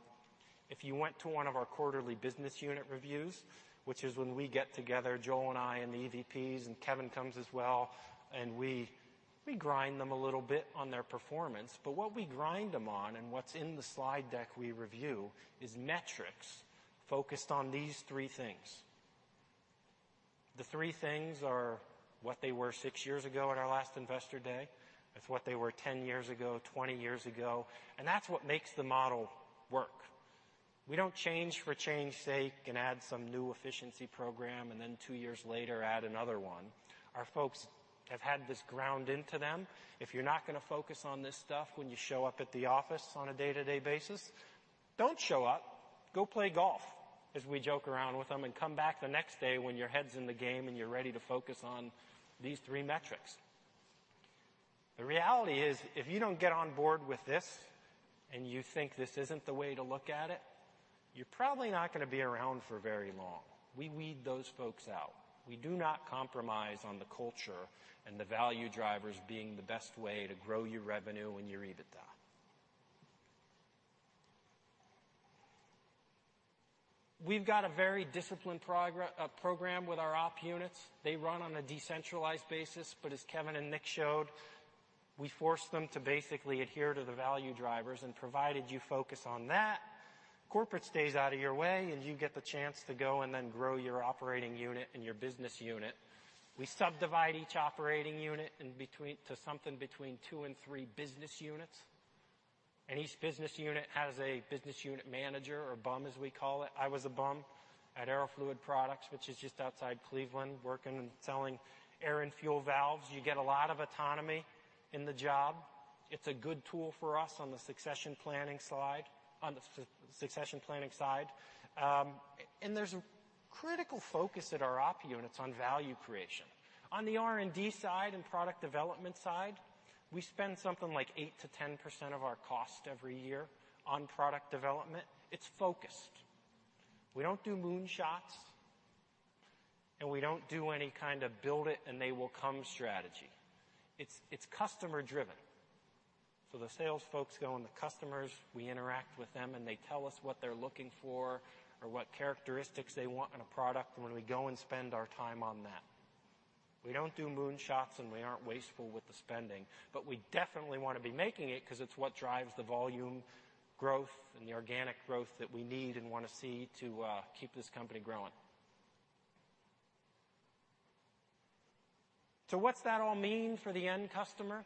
Speaker 4: If you went to one of our quarterly business unit reviews, which is when we get together, Joel and I and the EVPs and Kevin comes as well, and we grind them a little bit on their performance. But what we grind them on and what's in the slide deck we review is metrics focused on these three things. The three things are what they were six years ago at our last investor day. It's what they were 10 years ago, 20 years ago. That's what makes the model work. We don't change for change's sake and add some new efficiency program and then two years later add another one. Our folks have had this ground into them. If you're not going to focus on this stuff when you show up at the office on a day-to-day basis, don't show up. Go play golf, as we joke around with them, and come back the next day when your head's in the game and you're ready to focus on these three metrics. The reality is, if you don't get on board with this and you think this isn't the way to look at it, you're probably not going to be around for very long. We weed those folks out. We do not compromise on the culture and the value drivers being the best way to grow your revenue and your EBITDA. We've got a very disciplined program with our op units. They run on a decentralized basis, but as Kevin and Nick showed, we forced them to basically adhere to the value drivers. And provided you focus on that, corporate stays out of your way, and you get the chance to go and then grow your operating unit and your business unit. We subdivide each operating unit to something between two and three business units. And each business unit has a business unit manager or BUM, as we call it. I was a BUM at Aerofluid Products, which is just outside Cleveland, working and selling air and fuel valves. You get a lot of autonomy in the job. It's a good tool for us on the succession planning side. There's a critical focus at our op units on value creation. On the R&D side and product development side, we spend something like 8%-10% of our cost every year on product development. It's focused. We don't do moonshots, and we don't do any kind of build it and they will come strategy. It's customer-driven. So the sales folks go and the customers, we interact with them, and they tell us what they're looking for or what characteristics they want in a product, and we go and spend our time on that. We don't do moonshots, and we aren't wasteful with the spending, but we definitely want to be making it because it's what drives the volume growth and the organic growth that we need and want to see to keep this company growing. So what's that all mean for the end customer?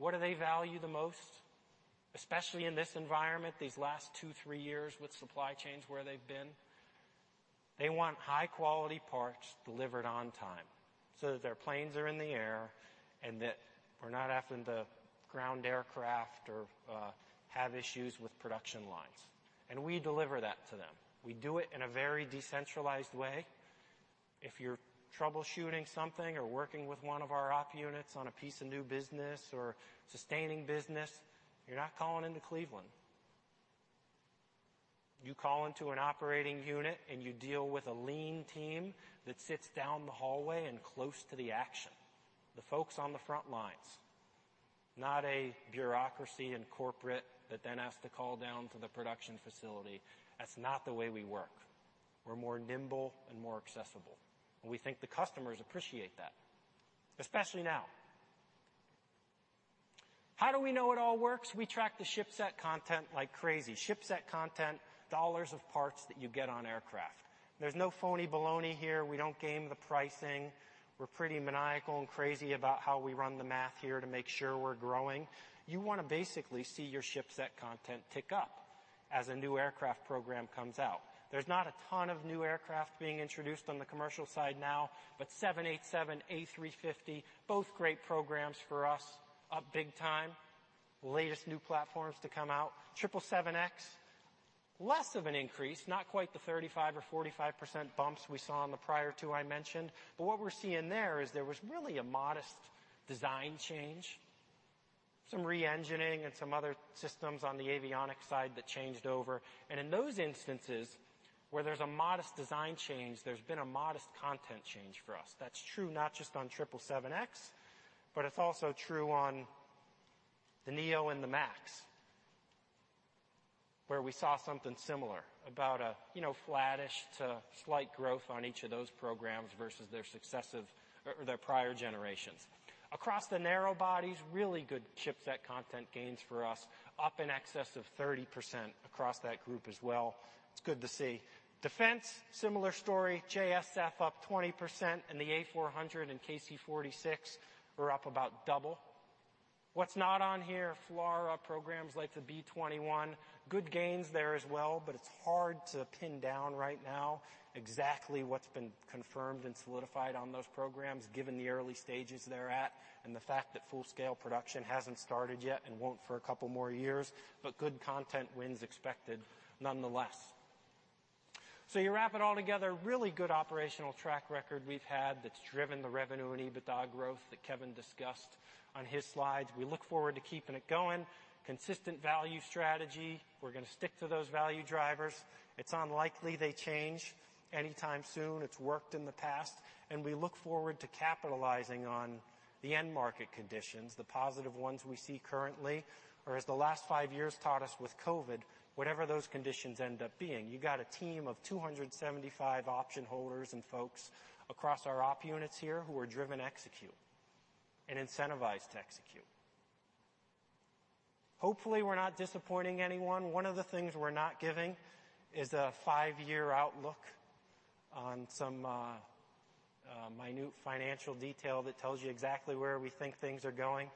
Speaker 4: What do they value the most, especially in this environment, these last two, three years with supply chains where they've been? They want high-quality parts delivered on time so that their planes are in the air and that we're not having to ground aircraft or have issues with production lines. We deliver that to them. We do it in a very decentralized way. If you're troubleshooting something or working with one of our op units on a piece of new business or sustaining business, you're not calling into Cleveland. You call into an operating unit, and you deal with a lean team that sits down the hallway and close to the action. The folks on the front lines, not a bureaucracy and corporate that then has to call down to the production facility. That's not the way we work. We're more nimble and more accessible. And we think the customers appreciate that, especially now. How do we know it all works? We track the shipset content like crazy. Shipset content. Dollars of parts that you get on aircraft. There's no phony baloney here. We don't game the pricing. We're pretty maniacal and crazy about how we run the math here to make sure we're growing. You want to basically see your shipset content tick up as a new aircraft program comes out. There's not a ton of new aircraft being introduced on the commercial side now, but 787, A350, both great programs for us up big time. Latest new platforms to come out. 777X, less of an increase, not quite the 35% or 45% bumps we saw in the prior two I mentioned. But what we're seeing there is there was really a modest design change, some re-engineering, and some other systems on the avionics side that changed over. And in those instances where there's a modest design change, there's been a modest content change for us. That's true not just on 777X, but it's also true on the NEO and the MAX, where we saw something similar about a flattish to slight growth on each of those programs versus their successive or their prior generations. Across the narrow bodies, really good shipset content gains for us, up in excess of 30% across that group as well. It's good to see. Defense, similar story. JSF up 20%, and the A400 and KC-46 were up about double. What's not on here? FLRA programs like the B-21. Good gains there as well, but it's hard to pin down right now exactly what's been confirmed and solidified on those programs given the early stages they're at and the fact that full-scale production hasn't started yet and won't for a couple more years, but good content wins expected nonetheless. So you wrap it all together, really good operational track record we've had that's driven the revenue and EBITDA growth that Kevin discussed on his slides. We look forward to keeping it going. Consistent value strategy. We're going to stick to those value drivers. It's unlikely they change anytime soon. It's worked in the past. And we look forward to capitalizing on the end market conditions, the positive ones we see currently, or as the last five years taught us with COVID, whatever those conditions end up being. You got a team of 275 option holders and folks across our op units here who are driven to execute and incentivized to execute. Hopefully, we're not disappointing anyone. One of the things we're not giving is a five-year outlook on some minute financial detail that tells you exactly where we think things are going.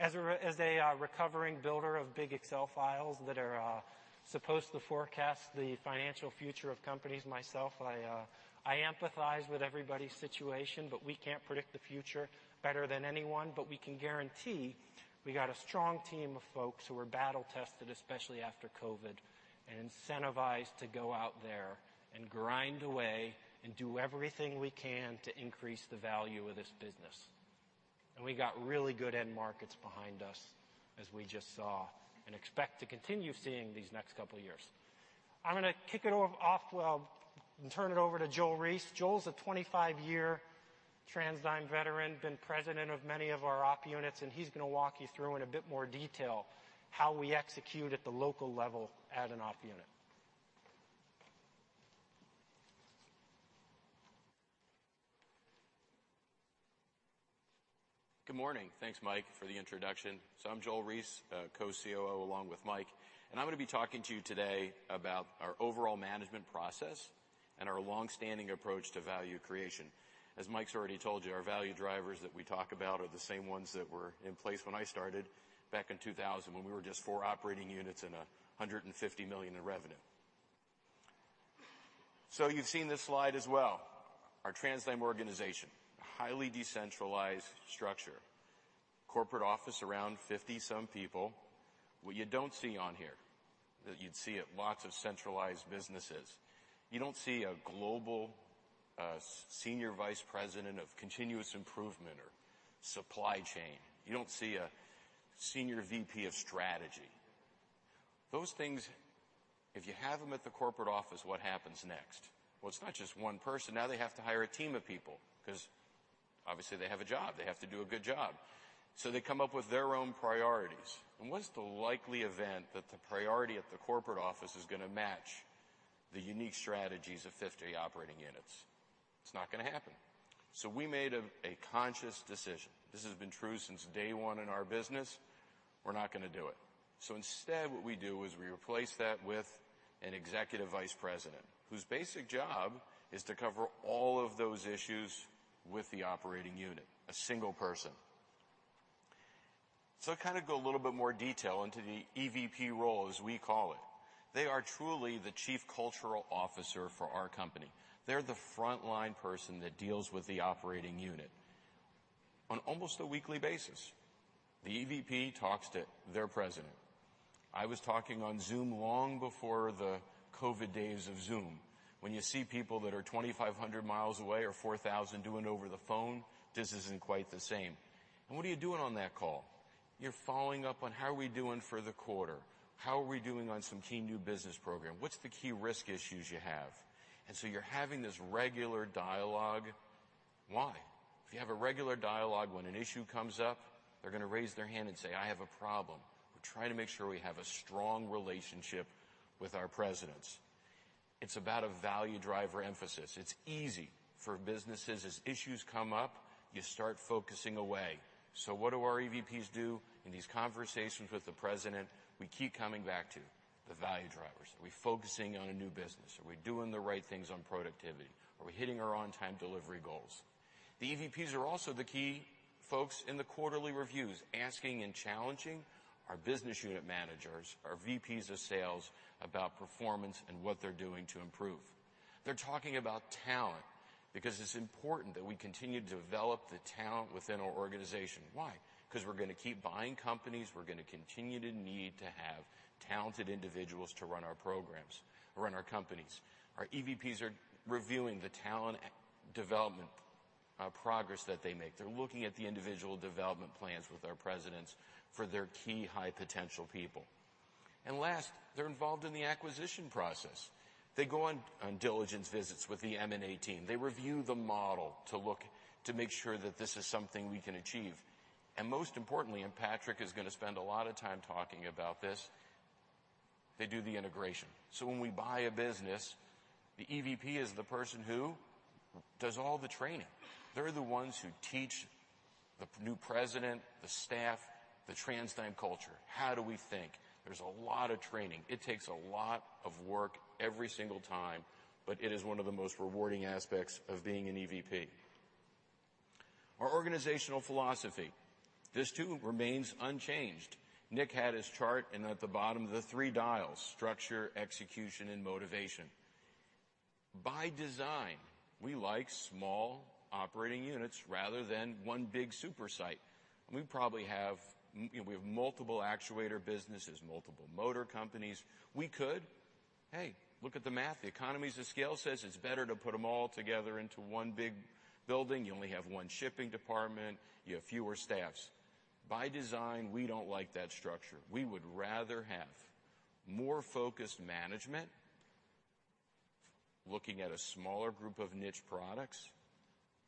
Speaker 4: As a recovering builder of big Excel files that are supposed to forecast the financial future of companies, myself, I empathize with everybody's situation, but we can't predict the future better than anyone. But we can guarantee we got a strong team of folks who are battle-tested, especially after COVID, and incentivized to go out there and grind away and do everything we can to increase the value of this business. And we got really good end markets behind us, as we just saw, and expect to continue seeing these next couple of years. I'm going to kick it off and turn it over to Joel Reiss. Joel's a 25-year TransDigm veteran, been president of many of our op units, and he's going to walk you through in a bit more detail how we execute at the local level at an op unit.
Speaker 5: Good morning. Thanks, Mike, for the introduction. I'm Joel Reiss, co-COO along with Mike. And I'm going to be talking to you today about our overall management process and our long-standing approach to value creation. As Mike's already told you, our value drivers that we talk about are the same ones that were in place when I started back in 2000 when we were just four operating units and $150 million in revenue. You've seen this slide as well. Our TransDigm organization, a highly decentralized structure, corporate office around 50-some people. What you don't see on here that you'd see at lots of centralized businesses, you don't see a global senior vice president of continuous improvement or supply chain. You don't see a senior VP of strategy. Those things, if you have them at the corporate office, what happens next? Well, it's not just one person. Now they have to hire a team of people because, obviously, they have a job. They have to do a good job. So they come up with their own priorities. And what's the likely event that the priority at the corporate office is going to match the unique strategies of 50 operating units? It's not going to happen. So we made a conscious decision. This has been true since day one in our business. We're not going to do it. So instead, what we do is we replace that with an Executive Vice President whose basic job is to cover all of those issues with the operating unit, a single person. So I'll kind of go a little bit more detail into the EVP role, as we call it. They are truly the chief cultural officer for our company. They're the frontline person that deals with the operating unit on almost a weekly basis. The EVP talks to their president. I was talking on Zoom long before the COVID days of Zoom. When you see people that are 2,500 miles away or 4,000 doing over the phone, this isn't quite the same. And what are you doing on that call? You're following up on how are we doing for the quarter? How are we doing on some key new business program? What's the key risk issues you have? So you're having this regular dialogue. Why? If you have a regular dialogue when an issue comes up, they're going to raise their hand and say, "I have a problem." We're trying to make sure we have a strong relationship with our presidents. It's about a value driver emphasis. It's easy for businesses. As issues come up, you start focusing away. So what do our EVPs do in these conversations with the president? We keep coming back to the value drivers. Are we focusing on a new business? Are we doing the right things on productivity? Are we hitting our on-time delivery goals? The EVPs are also the key folks in the quarterly reviews, asking and challenging our business unit managers, our VPs of sales, about performance and what they're doing to improve. They're talking about talent because it's important that we continue to develop the talent within our organization. Why? Because we're going to keep buying companies. We're going to continue to need to have talented individuals to run our programs or run our companies. Our EVPs are reviewing the talent development progress that they make. They're looking at the individual development plans with our presidents for their key high-potential people. And last, they're involved in the acquisition process. They go on diligence visits with the M&A team. They review the model to make sure that this is something we can achieve. And most importantly, and Patrick is going to spend a lot of time talking about this, they do the integration. So when we buy a business, the EVP is the person who does all the training. They're the ones who teach the new president, the staff, the TransDigm culture. How do we think? There's a lot of training. It takes a lot of work every single time, but it is one of the most rewarding aspects of being an EVP. Our organizational philosophy, this too remains unchanged. Nick had his chart, and at the bottom, the three dials: structure, execution, and motivation. By design, we like small operating units rather than one big super site. We probably have multiple actuator businesses, multiple motor companies. We could, hey, look at the math. The economies of scale says it's better to put them all together into one big building. You only have one shipping department. You have fewer staffs. By design, we don't like that structure. We would rather have more focused management looking at a smaller group of niche products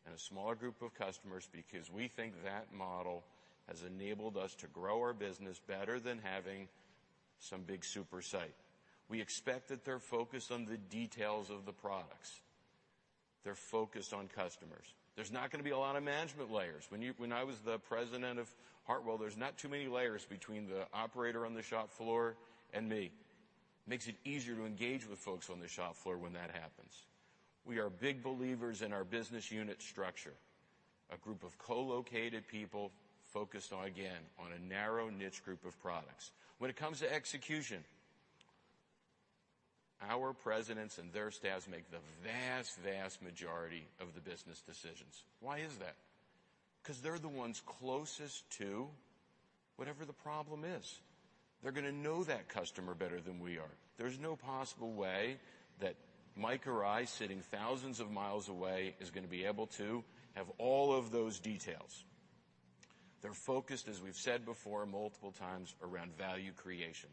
Speaker 5: and a smaller group of customers because we think that model has enabled us to grow our business better than having some big super site. We expect that they're focused on the details of the products. They're focused on customers. There's not going to be a lot of management layers. When I was the president of Hartwell, there's not too many layers between the operator on the shop floor and me. Makes it easier to engage with folks on the shop floor when that happens. We are big believers in our business unit structure, a group of co-located people focused on, again, a narrow niche group of products. When it comes to execution, our presidents and their staff make the vast, vast majority of the business decisions. Why is that? Because they're the ones closest to whatever the problem is. They're going to know that customer better than we are. There's no possible way that Mike or I sitting thousands of miles away is going to be able to have all of those details. They're focused, as we've said before multiple times, around value creation.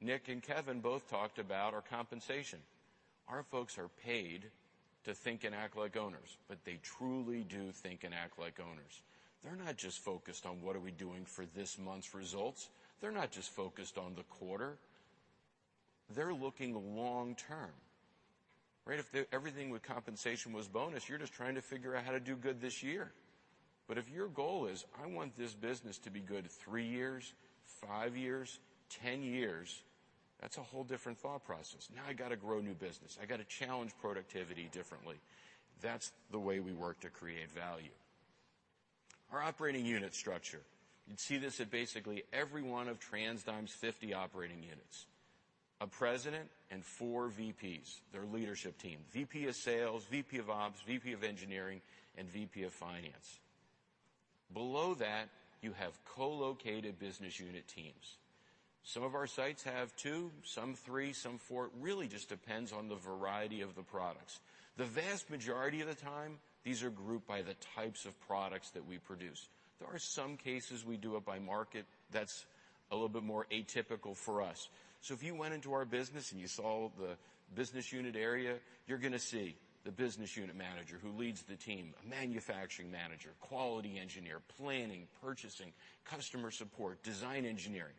Speaker 5: Nick and Kevin both talked about our compensation. Our folks are paid to think and act like owners, but they truly do think and act like owners. They're not just focused on what are we doing for this month's results. They're not just focused on the quarter. They're looking long-term. Right? If everything with compensation was bonus, you're just trying to figure out how to do good this year. But if your goal is, "I want this business to be good three years, five years, 10 years," that's a whole different thought process. Now I got to grow new business. I got to challenge productivity differently. That's the way we work to create value. Our operating unit structure. You'd see this at basically every one of TransDigm's 50 operating units, a president and four VPs, their leadership team: VP of Sales, VP of Ops, VP of Engineering, and VP of Finance. Below that, you have co-located business unit teams. Some of our sites have two, some three, some four. It really just depends on the variety of the products. The vast majority of the time, these are grouped by the types of products that we produce. There are some cases we do it by market. That's a little bit more atypical for us. So if you went into our business and you saw the business unit area, you're going to see the business unit manager who leads the team, a manufacturing manager, quality engineer, planning, purchasing, customer support, design engineering.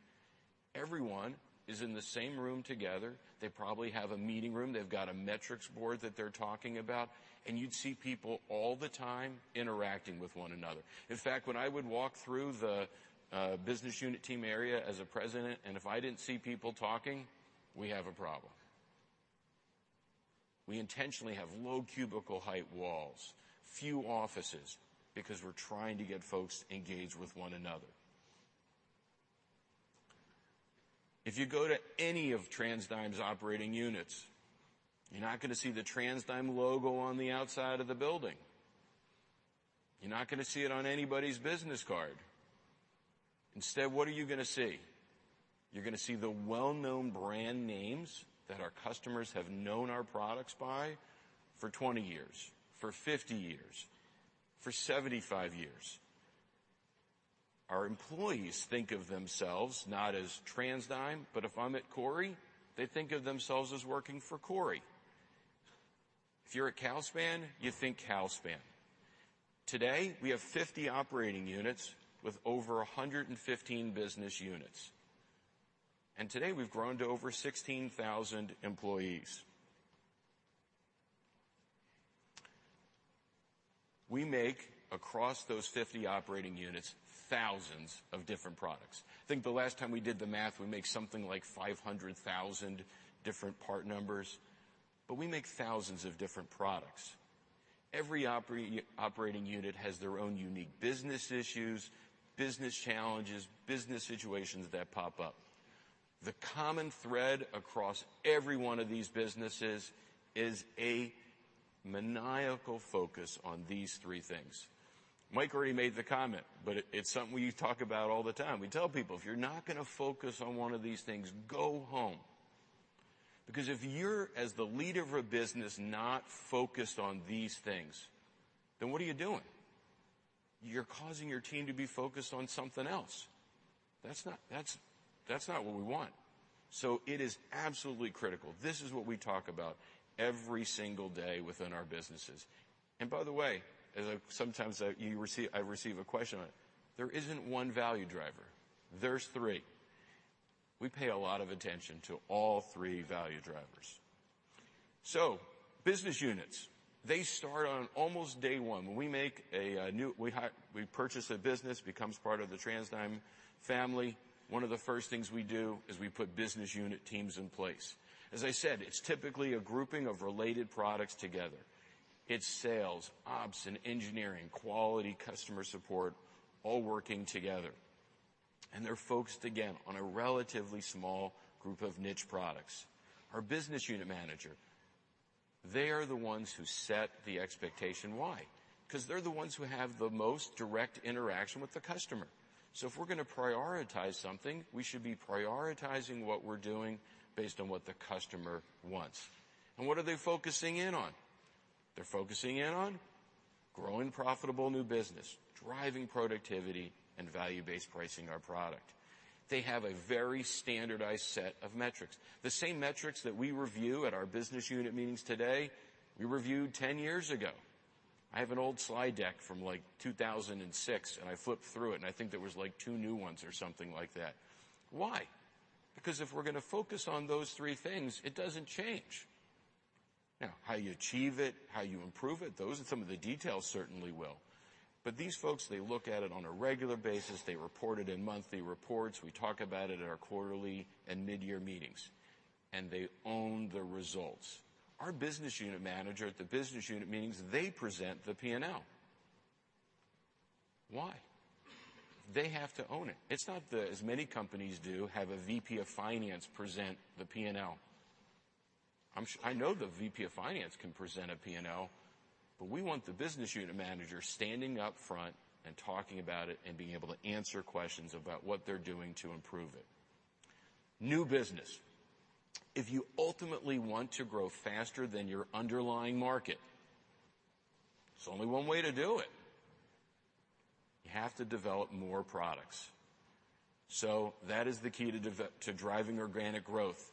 Speaker 5: Everyone is in the same room together. They probably have a meeting room. They've got a metrics board that they're talking about. And you'd see people all the time interacting with one another. In fact, when I would walk through the business unit team area as a president, and if I didn't see people talking, we have a problem. We intentionally have low cubicle height walls, few offices, because we're trying to get folks engaged with one another. If you go to any of TransDigm's operating units, you're not going to see the TransDigm logo on the outside of the building. You're not going to see it on anybody's business card. Instead, what are you going to see? You're going to see the well-known brand names that our customers have known our products by for 20 years, for 50 years, for 75 years. Our employees think of themselves not as TransDigm, but if I'm at Korry, they think of themselves as working for Korry. If you're at Kaufman, you think Kaufman. Today, we have 50 operating units with over 115 business units. And today, we've grown to over 16,000 employees. We make, across those 50 operating units, thousands of different products. I think the last time we did the math, we make something like 500,000 different part numbers. But we make thousands of different products. Every operating unit has their own unique business issues, business challenges, business situations that pop up. The common thread across every one of these businesses is a maniacal focus on these three things. Mike already made the comment, but it's something we talk about all the time. We tell people, "If you're not going to focus on one of these things, go home." Because if you're, as the leader of a business, not focused on these things, then what are you doing? You're causing your team to be focused on something else. That's not what we want. So it is absolutely critical. This is what we talk about every single day within our businesses. And by the way, sometimes I receive a question on it. There isn't one value driver. There's three. We pay a lot of attention to all three value drivers. So business units, they start on almost day one. When we purchase a business, it becomes part of the TransDigm family. One of the first things we do is we put business unit teams in place. As I said, it's typically a grouping of related products together. It's sales, ops, and engineering, quality, customer support, all working together. And they're focused, again, on a relatively small group of niche products. Our business unit manager, they are the ones who set the expectation. Why? Because they're the ones who have the most direct interaction with the customer. So if we're going to prioritize something, we should be prioritizing what we're doing based on what the customer wants. And what are they focusing in on? They're focusing in on growing profitable new business, driving productivity, and value-based pricing our product. They have a very standardized set of metrics. The same metrics that we review at our business unit meetings today, we reviewed 10 years ago. I have an old slide deck from like 2006, and I flipped through it, and I think there was like two new ones or something like that. Why? Because if we're going to focus on those three things, it doesn't change. Now, how you achieve it, how you improve it, those and some of the details certainly will. But these folks, they look at it on a regular basis. They report it in monthly reports. We talk about it at our quarterly and mid-year meetings. And they own the results. Our business unit manager at the business unit meetings, they present the P&L. Why? They have to own it. It's not that as many companies do, have a VP of Finance present the P&L. I know the VP of Finance can present a P&L, but we want the business unit manager standing up front and talking about it and being able to answer questions about what they're doing to improve it. New business. If you ultimately want to grow faster than your underlying market, there's only one way to do it. You have to develop more products. So that is the key to driving organic growth.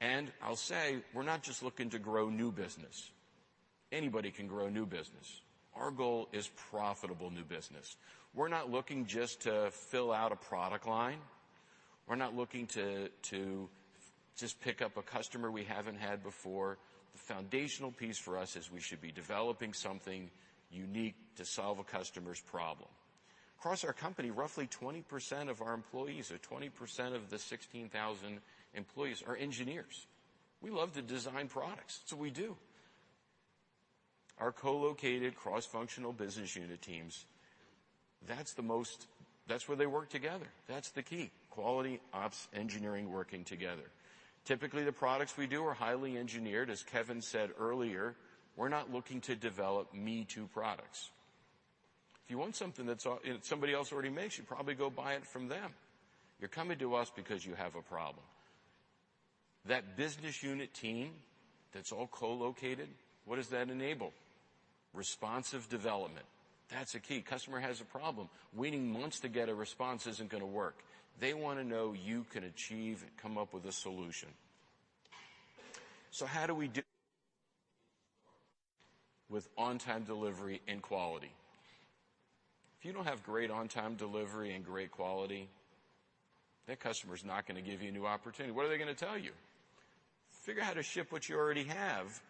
Speaker 5: And I'll say, we're not just looking to grow new business. Anybody can grow new business. Our goal is profitable new business. We're not looking just to fill out a product line. We're not looking to just pick up a customer we haven't had before. The foundational piece for us is we should be developing something unique to solve a customer's problem. Across our company, roughly 20% of our employees, or 20% of the 16,000 employees, are engineers. We love to design products. That's what we do. Our co-located cross-functional business unit teams, that's where they work together. That's the key. Quality, ops, engineering working together. Typically, the products we do are highly engineered. As Kevin said earlier, we're not looking to develop me-too products. If you want something that somebody else already makes, you probably go buy it from them. You're coming to us because you have a problem. That business unit team that's all co-located, what does that enable? Responsive development. That's a key. Customer has a problem. Waiting months to get a response isn't going to work. They want to know you can achieve and come up with a solution. So how do we do with on-time delivery and quality? If you don't have great on-time delivery and great quality, that customer's not going to give you a new opportunity. What are they going to tell you? Figure out how to ship what you already have.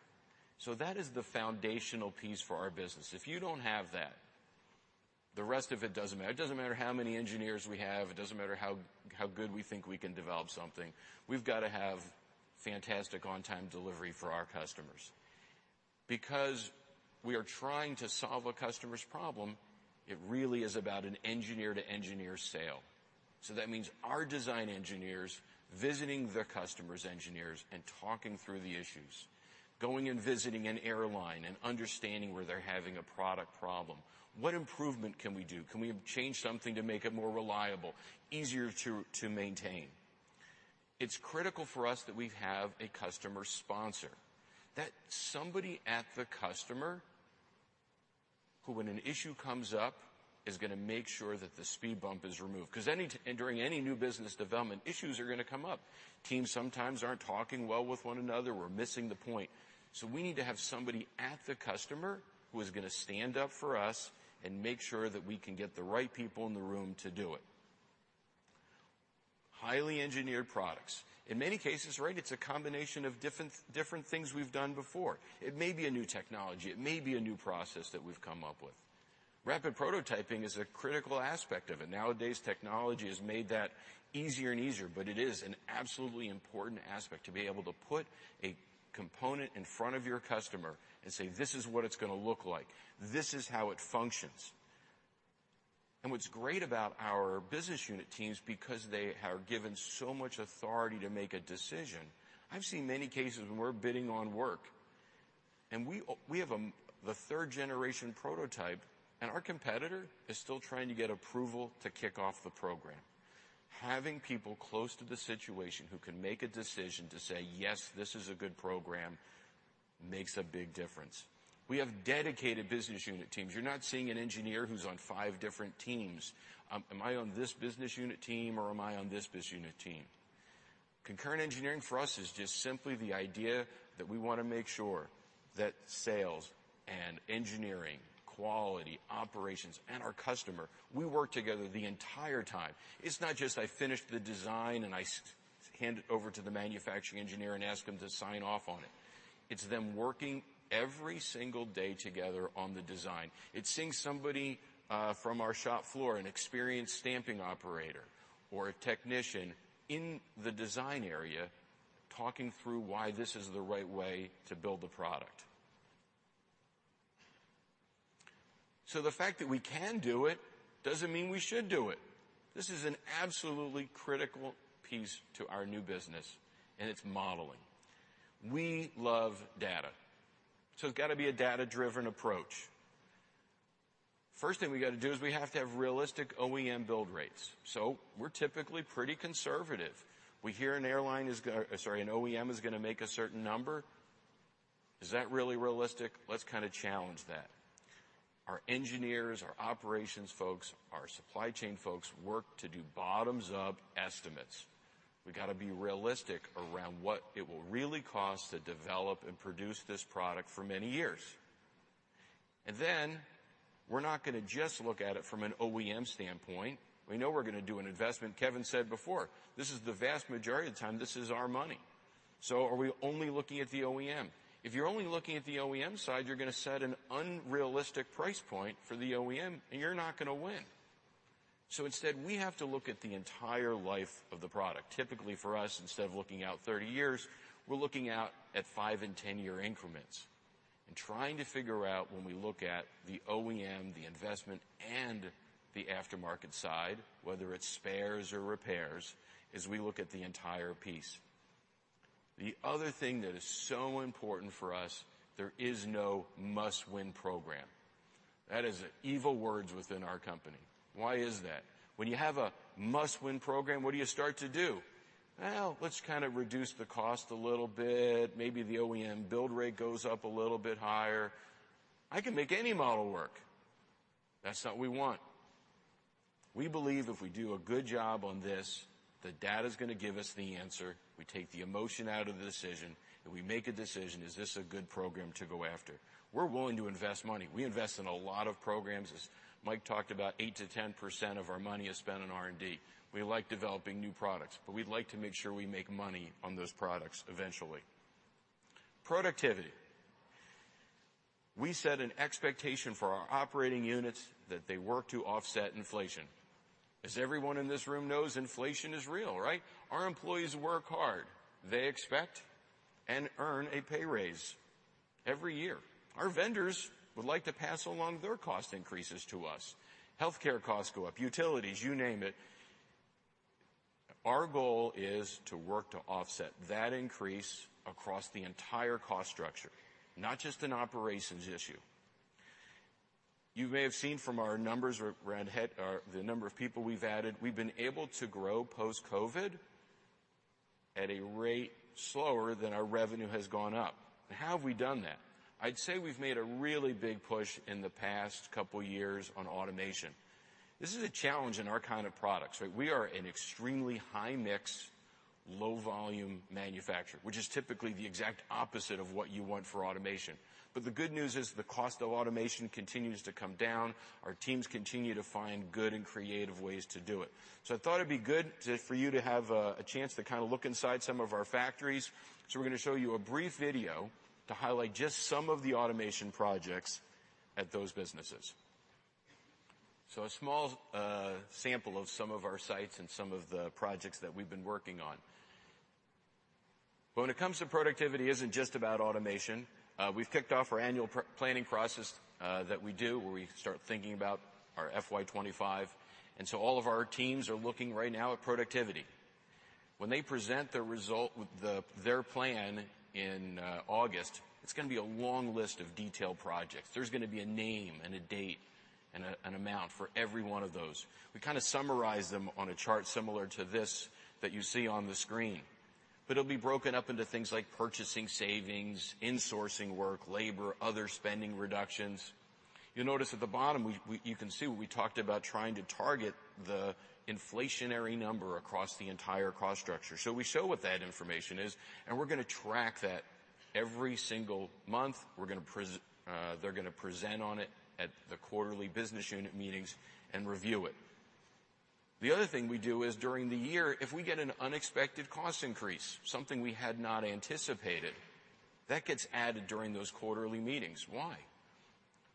Speaker 5: So that is the foundational piece for our business. If you don't have that, the rest of it doesn't matter. It doesn't matter how many engineers we have. It doesn't matter how good we think we can develop something. We've got to have fantastic on-time delivery for our customers. Because we are trying to solve a customer's problem, it really is about an engineer-to-engineer sale. So that means our design engineers visiting the customer's engineers and talking through the issues, going and visiting an airline and understanding where they're having a product problem. What improvement can we do? Can we change something to make it more reliable, easier to maintain? It's critical for us that we have a customer sponsor. That somebody at the customer who, when an issue comes up, is going to make sure that the speed bump is removed. Because during any new business development, issues are going to come up. Teams sometimes aren't talking well with one another. We're missing the point. So we need to have somebody at the customer who is going to stand up for us and make sure that we can get the right people in the room to do it. Highly engineered products. In many cases, right, it's a combination of different things we've done before. It may be a new technology. It may be a new process that we've come up with. Rapid prototyping is a critical aspect of it. Nowadays, technology has made that easier and easier, but it is an absolutely important aspect to be able to put a component in front of your customer and say, "This is what it's going to look like. This is how it functions." And what's great about our business unit teams, because they are given so much authority to make a decision, I've seen many cases when we're bidding on work. And we have the third-generation prototype, and our competitor is still trying to get approval to kick off the program. Having people close to the situation who can make a decision to say, "Yes, this is a good program," makes a big difference. We have dedicated business unit teams. You're not seeing an engineer who's on five different teams. Am I on this business unit team, or am I on this business unit team? Concurrent engineering for us is just simply the idea that we want to make sure that sales and engineering, quality, operations, and our customer, we work together the entire time. It's not just I finished the design and I hand it over to the manufacturing engineer and ask him to sign off on it. It's them working every single day together on the design. It's seeing somebody from our shop floor, an experienced stamping operator or a technician in the design area talking through why this is the right way to build the product. So the fact that we can do it doesn't mean we should do it. This is an absolutely critical piece to our new business, and it's modeling. We love data. So it's got to be a data-driven approach. First thing we got to do is we have to have realistic OEM build rates. We're typically pretty conservative. We hear an airline is going to, sorry, an OEM is going to make a certain number. Is that really realistic? Let's kind of challenge that. Our engineers, our operations folks, our supply chain folks work to do bottoms-up estimates. We got to be realistic around what it will really cost to develop and produce this product for many years. Then we're not going to just look at it from an OEM standpoint. We know we're going to do an investment. Kevin said before, "This is the vast majority of the time. This is our money." Are we only looking at the OEM? If you're only looking at the OEM side, you're going to set an unrealistic price point for the OEM, and you're not going to win. Instead, we have to look at the entire life of the product. Typically, for us, instead of looking out 30 years, we're looking out at five and 10-year increments and trying to figure out when we look at the OEM, the investment, and the aftermarket side, whether it's spares or repairs, as we look at the entire piece. The other thing that is so important for us, there is no must-win program. That is evil words within our company. Why is that? When you have a must-win program, what do you start to do? "Well, let's kind of reduce the cost a little bit. Maybe the OEM build rate goes up a little bit higher. I can make any model work." That's not what we want. We believe if we do a good job on this, the data is going to give us the answer. We take the emotion out of the decision, and we make a decision, "Is this a good program to go after?" We're willing to invest money. We invest in a lot of programs. As Mike talked about, 8%-10% of our money is spent on R&D. We like developing new products, but we'd like to make sure we make money on those products eventually. Productivity. We set an expectation for our operating units that they work to offset inflation. As everyone in this room knows, inflation is real, right? Our employees work hard. They expect and earn a pay raise every year. Our vendors would like to pass along their cost increases to us. Healthcare costs go up, utilities, you name it. Our goal is to work to offset that increase across the entire cost structure, not just an operations issue. You may have seen from our numbers around the number of people we've added, we've been able to grow post-COVID at a rate slower than our revenue has gone up. And how have we done that? I'd say we've made a really big push in the past couple of years on automation. This is a challenge in our kind of products, right? We are an extremely high-mix, low-volume manufacturer, which is typically the exact opposite of what you want for automation. But the good news is the cost of automation continues to come down. Our teams continue to find good and creative ways to do it. So I thought it'd be good for you to have a chance to kind of look inside some of our factories. So we're going to show you a brief video to highlight just some of the automation projects at those businesses. So a small sample of some of our sites and some of the projects that we've been working on. But when it comes to productivity, it isn't just about automation. We've kicked off our annual planning process that we do where we start thinking about our FY 2025. And so all of our teams are looking right now at productivity. When they present their plan in August, it's going to be a long list of detailed projects. There's going to be a name and a date and an amount for every one of those. We kind of summarize them on a chart similar to this that you see on the screen. But it'll be broken up into things like purchasing savings, insourcing work, labor, other spending reductions. You'll notice at the bottom, you can see what we talked about trying to target the inflationary number across the entire cost structure. So we show what that information is, and we're going to track that every single month. They're going to present on it at the quarterly business unit meetings and review it. The other thing we do is during the year, if we get an unexpected cost increase, something we had not anticipated, that gets added during those quarterly meetings. Why?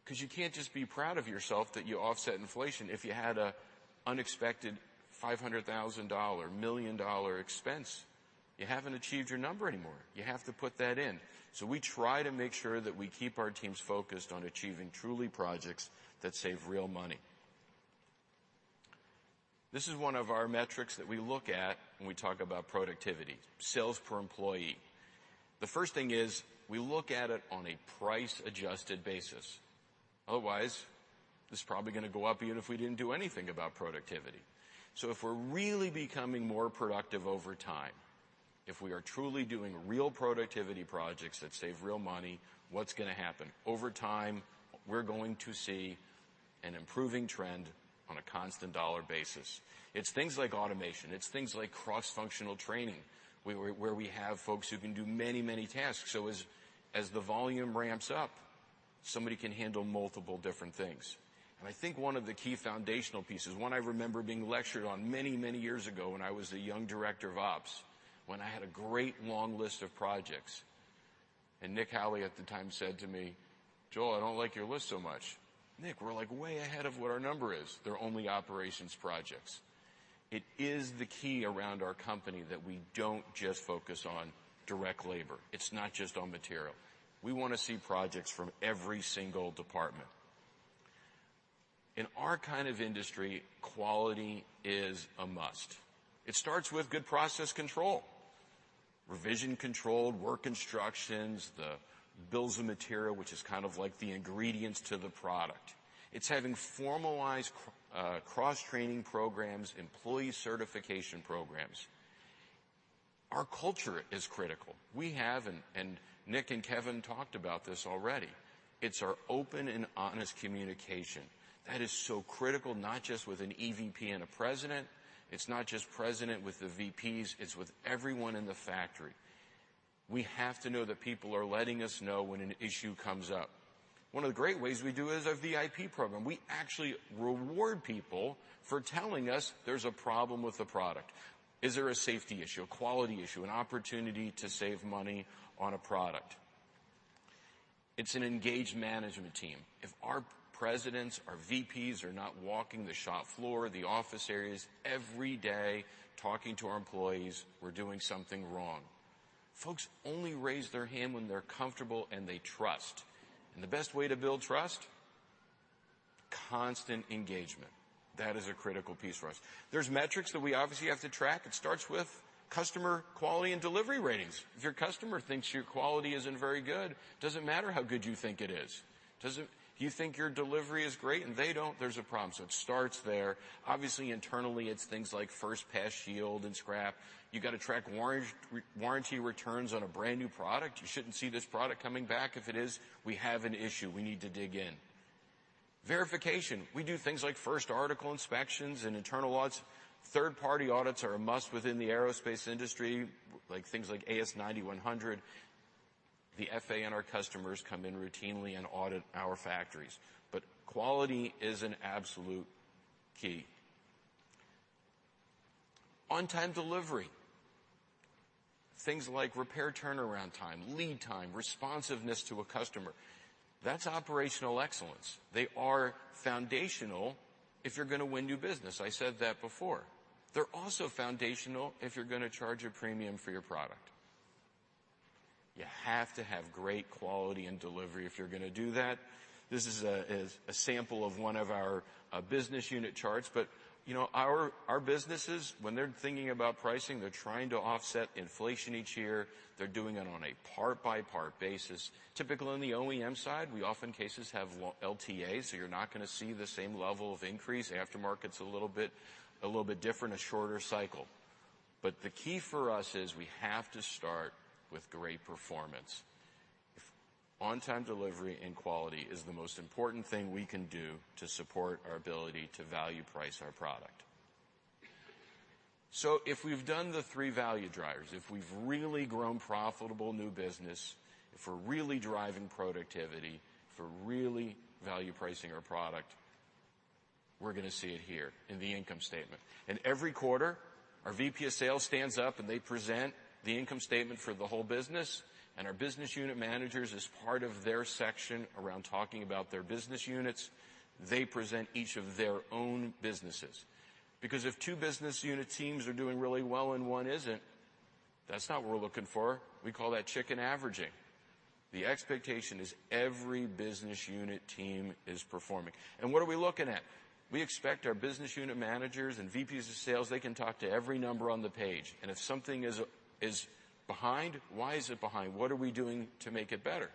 Speaker 5: Because you can't just be proud of yourself that you offset inflation. If you had an unexpected $500,000, million-dollar expense, you haven't achieved your number anymore. You have to put that in. So we try to make sure that we keep our teams focused on achieving truly projects that save real money. This is one of our metrics that we look at when we talk about productivity, sales per employee. The first thing is we look at it on a price-adjusted basis. Otherwise, this is probably going to go up even if we didn't do anything about productivity. So if we're really becoming more productive over time, if we are truly doing real productivity projects that save real money, what's going to happen? Over time, we're going to see an improving trend on a constant dollar basis. It's things like automation. It's things like cross-functional training where we have folks who can do many, many tasks. So as the volume ramps up, somebody can handle multiple different things. And I think one of the key foundational pieces, one I remember being lectured on many, many years ago when I was the young director of ops, when I had a great long list of projects. And Nick Howley at the time said to me, "Joel, I don't like your list so much." Nick, we're like way ahead of what our number is. They're only operations projects. It is the key around our company that we don't just focus on direct labor. It's not just on material. We want to see projects from every single department. In our kind of industry, quality is a must. It starts with good process control, revision control, work instructions, the bills of material, which is kind of like the ingredients to the product. It's having formalized cross-training programs, employee certification programs. Our culture is critical. We have, and Nick and Kevin talked about this already. It's our open and honest communication. That is so critical, not just with an EVP and a president. It's not just president with the VPs. It's with everyone in the factory. We have to know that people are letting us know when an issue comes up. One of the great ways we do is a VIP program. We actually reward people for telling us there's a problem with the product. Is there a safety issue, a quality issue, an opportunity to save money on a product? It's an engaged management team. If our presidents, our VPs are not walking the shop floor, the office areas every day talking to our employees, we're doing something wrong. Folks only raise their hand when they're comfortable and they trust. And the best way to build trust? Constant engagement. That is a critical piece for us. There's metrics that we obviously have to track. It starts with customer quality and delivery ratings. If your customer thinks your quality isn't very good, it doesn't matter how good you think it is. Do you think your delivery is great and they don't? There's a problem. So it starts there. Obviously, internally, it's things like first pass yield and scrap. You got to track warranty returns on a brand new product. You shouldn't see this product coming back. If it is, we have an issue. We need to dig in. Verification. We do things like first article inspections and internal audits. Third-party audits are a must within the aerospace industry, like things like AS9100. The FAA and our customers come in routinely and audit our factories. But quality is an absolute key. On-time delivery. Things like repair turnaround time, lead time, responsiveness to a customer. That's operational excellence. They are foundational if you're going to win new business. I said that before. They're also foundational if you're going to charge a premium for your product. You have to have great quality and delivery if you're going to do that. This is a sample of one of our business unit charts. But our businesses, when they're thinking about pricing, they're trying to offset inflation each year. They're doing it on a part-by-part basis. Typically, on the OEM side, in many cases we have LTA, so you're not going to see the same level of increase. Aftermarket's a little bit different, a shorter cycle. But the key for us is we have to start with great performance. On-time delivery and quality is the most important thing we can do to support our ability to value-price our product. So if we've done the three value drivers, if we're really driving productivity, if we're really value-pricing our product, we're going to see it here in the income statement. And every quarter, our VP of sales stands up and they present the income statement for the whole business. Our business unit managers, as part of their section around talking about their business units, they present each of their own businesses. Because if two business unit teams are doing really well and one isn't, that's not what we're looking for. We call that chicken averaging. The expectation is every business unit team is performing. And what are we looking at? We expect our business unit managers and VPs of sales, they can talk to every number on the page. And if something is behind, why is it behind? What are we doing to make it better?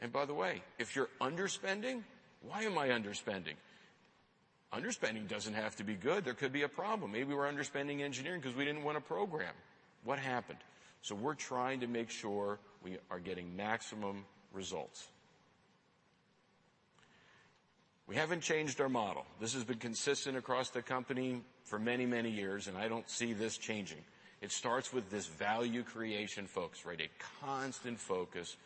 Speaker 5: And by the way, if you're underspending, why am I underspending? Underspending doesn't have to be good. There could be a problem. Maybe we're underspending engineering because we didn't want to program. What happened? So we're trying to make sure we are getting maximum results. We haven't changed our model. This has been consistent across the company for many, many years, and I don't see this changing. It starts with this value creation, folks, right? A constant focus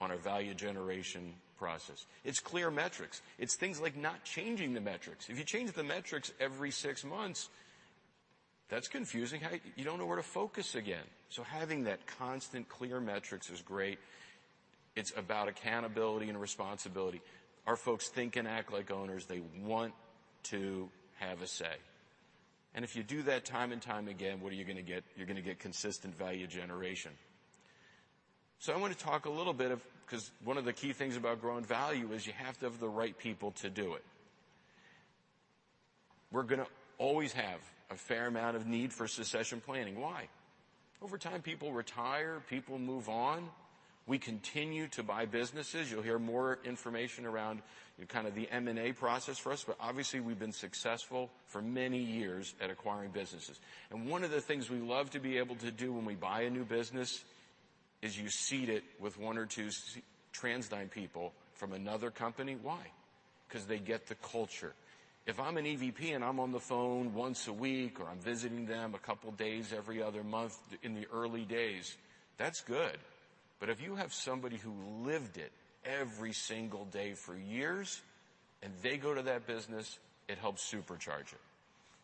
Speaker 5: on our value generation process. It's clear metrics. It's things like not changing the metrics. If you change the metrics every six months, that's confusing. You don't know where to focus again. So having that constant clear metrics is great. It's about accountability and responsibility. Our folks think and act like owners. They want to have a say. And if you do that time and time again, what are you going to get? You're going to get consistent value generation. So I want to talk a little bit of because one of the key things about growing value is you have to have the right people to do it. We're going to always have a fair amount of need for succession planning. Why? Over time, people retire. People move on. We continue to buy businesses. You'll hear more information around kind of the M&A process for us. But obviously, we've been successful for many years at acquiring businesses. And one of the things we love to be able to do when we buy a new business is you seed it with one or two TransDigm people from another company. Why? Because they get the culture. If I'm an EVP and I'm on the phone once a week or I'm visiting them a couple of days every other month in the early days, that's good. But if you have somebody who lived it every single day for years and they go to that business, it helps supercharge it.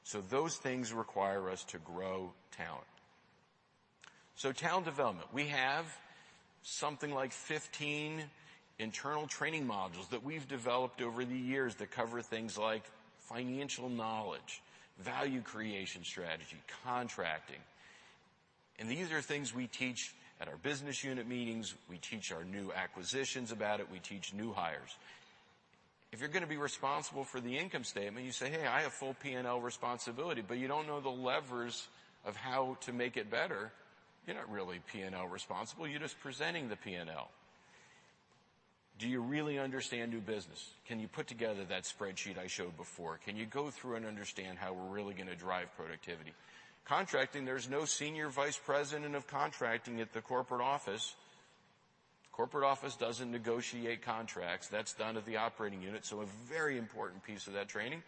Speaker 5: So those things require us to grow talent. So talent development. We have something like 15 internal training modules that we've developed over the years that cover things like financial knowledge, value creation strategy, contracting. These are things we teach at our business unit meetings. We teach our new acquisitions about it. We teach new hires. If you're going to be responsible for the income statement, you say, "Hey, I have full P&L responsibility," but you don't know the levers of how to make it better, you're not really P&L responsible. You're just presenting the P&L. Do you really understand new business? Can you put together that spreadsheet I showed before? Can you go through and understand how we're really going to drive productivity? Contracting, there's no senior vice president of contracting at the corporate office. Corporate office doesn't negotiate contracts. That's done at the operating unit. So a very important piece of that training.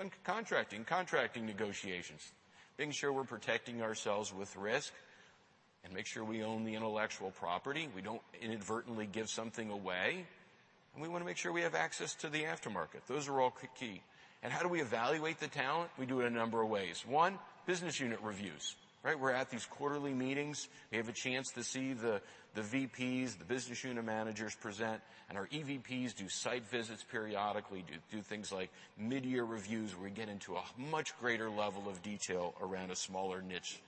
Speaker 5: In contracting, contracting negotiations, making sure we're protecting ourselves with risk and make sure we own the intellectual property. We don't inadvertently give something away. We want to make sure we have access to the aftermarket. Those are all key. How do we evaluate the talent? We do it a number of ways. One, business unit reviews, right? We're at these quarterly meetings. We have a chance to see the VPs, the business unit managers present. Our EVPs do site visits periodically, do things like mid-year reviews where we get into a much greater level of detail around a smaller niche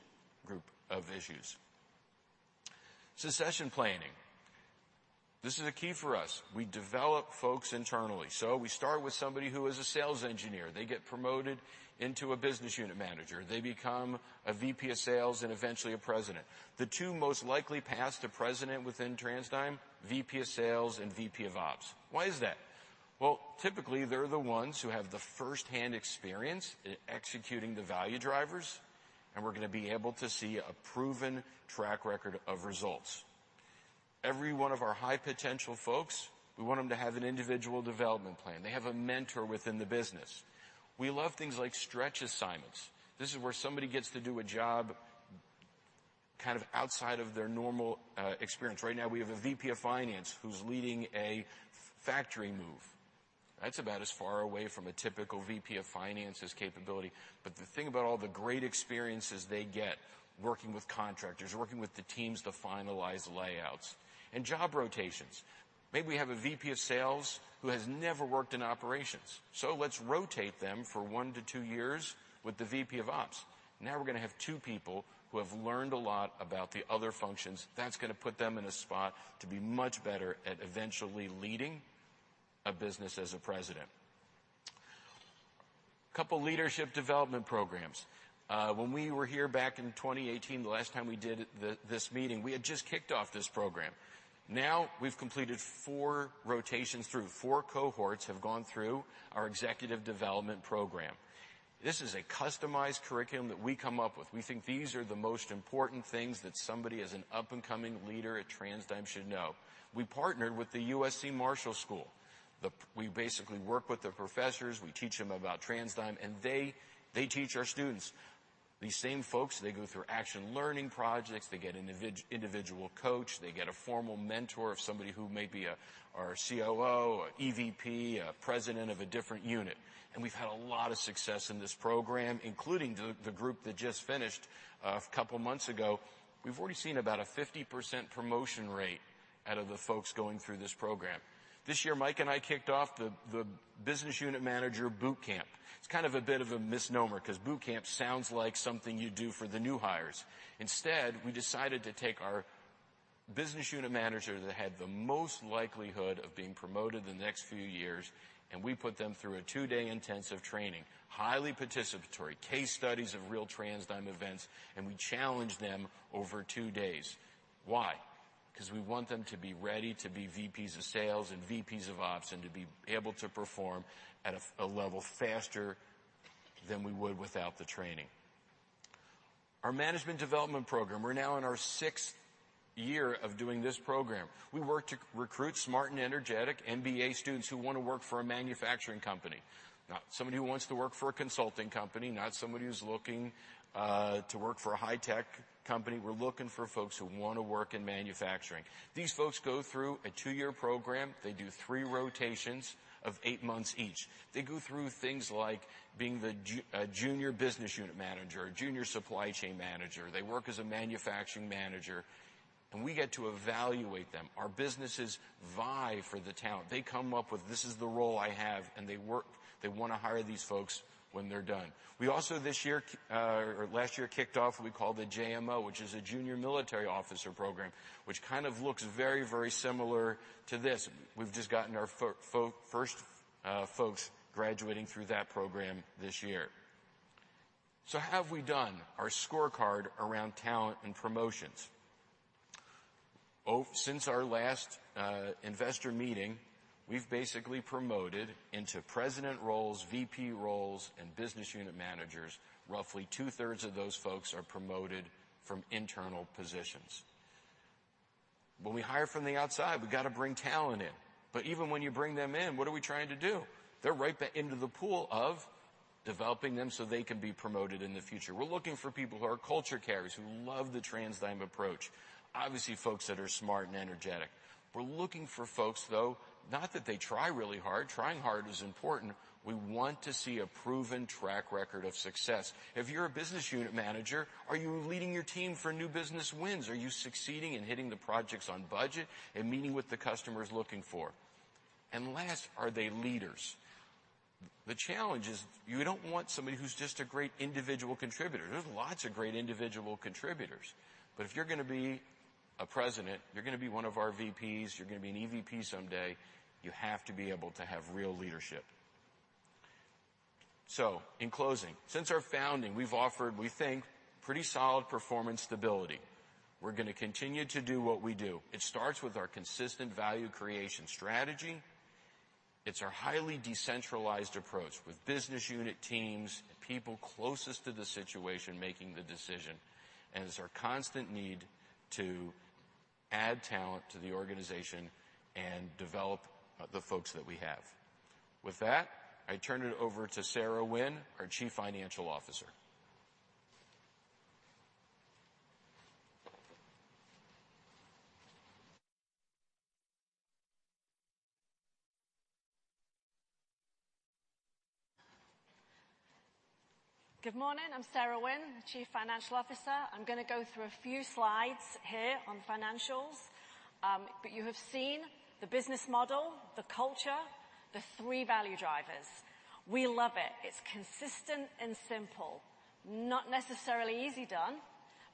Speaker 5: group of issues. Succession planning. This is a key for us. We develop folks internally. We start with somebody who is a sales engineer. They get promoted into a business unit manager. They become a VP of sales and eventually a president. The two most likely paths to president within TransDigm, VP of sales and VP of ops. Why is that? Well, typically, they're the ones who have the firsthand experience in executing the value drivers. We're going to be able to see a proven track record of results. Every one of our high-potential folks, we want them to have an individual development plan. They have a mentor within the business. We love things like stretch assignments. This is where somebody gets to do a job kind of outside of their normal experience. Right now, we have a VP of finance who's leading a factory move. That's about as far away from a typical VP of finance's capability. But the thing about all the great experiences they get working with contractors, working with the teams to finalize layouts, and job rotations. Maybe we have a VP of sales who has never worked in operations. So let's rotate them for one-twoyears with the VP of ops. Now we're going to have two people who have learned a lot about the other functions. That's going to put them in a spot to be much better at eventually leading a business as a president. A couple of leadership development programs. When we were here back in 2018, the last time we did this meeting, we had just kicked off this program. Now we've completed four rotations through. Four cohorts have gone through our executive development program. This is a customized curriculum that we come up with. We think these are the most important things that somebody as an up-and-coming leader at TransDigm should know. We partnered with the USC Marshall School. We basically work with the professors. We teach them about TransDigm, and they teach our students. These same folks, they go through action learning projects. They get an individual coach. They get a formal mentor of somebody who may be our COO, EVP, president of a different unit. And we've had a lot of success in this program, including the group that just finished a couple of months ago. We've already seen about a 50% promotion rate out of the folks going through this program. This year, Mike and I kicked off the business unit manager bootcamp. It's kind of a bit of a misnomer because bootcamp sounds like something you do for the new hires. Instead, we decided to take our business unit manager that had the most likelihood of being promoted in the next few years, and we put them through a two-day intensive training, highly participatory case studies of real TransDigm events, and we challenged them over two days. Why? Because we want them to be ready to be VPs of sales and VPs of ops and to be able to perform at a level faster than we would without the training. Our management development program. We're now in our sixth year of doing this program. We work to recruit smart and energetic MBA students who want to work for a manufacturing company. Not somebody who wants to work for a consulting company, not somebody who's looking to work for a high-tech company. We're looking for folks who want to work in manufacturing. These folks go through a two-year program. They do three rotations of eight months each. They go through things like being the junior business unit manager, a junior supply chain manager. They work as a manufacturing manager. And we get to evaluate them. Our businesses vie for the talent. They come up with, "This is the role I have," and they want to hire these folks when they're done. We also, this year or last year, kicked off what we call the JMO, which is a junior military officer program, which kind of looks very, very similar to this. We've just gotten our first folks graduating through that program this year. So how have we done our scorecard around talent and promotions? Since our last investor meeting, we've basically promoted into president roles, VP roles, and business unit managers. Roughly two-thirds of those folks are promoted from internal positions. When we hire from the outside, we got to bring talent in. But even when you bring them in, what are we trying to do? They're right into the pool of developing them so they can be promoted in the future. We're looking for people who are culture carriers, who love the TransDigm approach. Obviously, folks that are smart and energetic. We're looking for folks, though, not that they try really hard. Trying hard is important. We want to see a proven track record of success. If you're a business unit manager, are you leading your team for new business wins? Are you succeeding and hitting the projects on budget and meeting with the customers looking for? And last, are they leaders? The challenge is you don't want somebody who's just a great individual contributor. There's lots of great individual contributors. But if you're going to be a president, you're going to be one of our VPs. You're going to be an EVP someday. You have to be able to have real leadership. So in closing, since our founding, we've offered, we think, pretty solid performance stability. We're going to continue to do what we do. It starts with our consistent value creation strategy. It's our highly decentralized approach with business unit teams and people closest to the situation making the decision. And it's our constant need to add talent to the organization and develop the folks that we have. With that, I turn it over to Sarah Wynne, our Chief Financial Officer.
Speaker 6: Good morning. I'm Sarah Wynne, Chief Financial Officer. I'm going to go through a few slides here on financials. But you have seen the business model, the culture, the three value drivers. We love it. It's consistent and simple. Not necessarily easy done,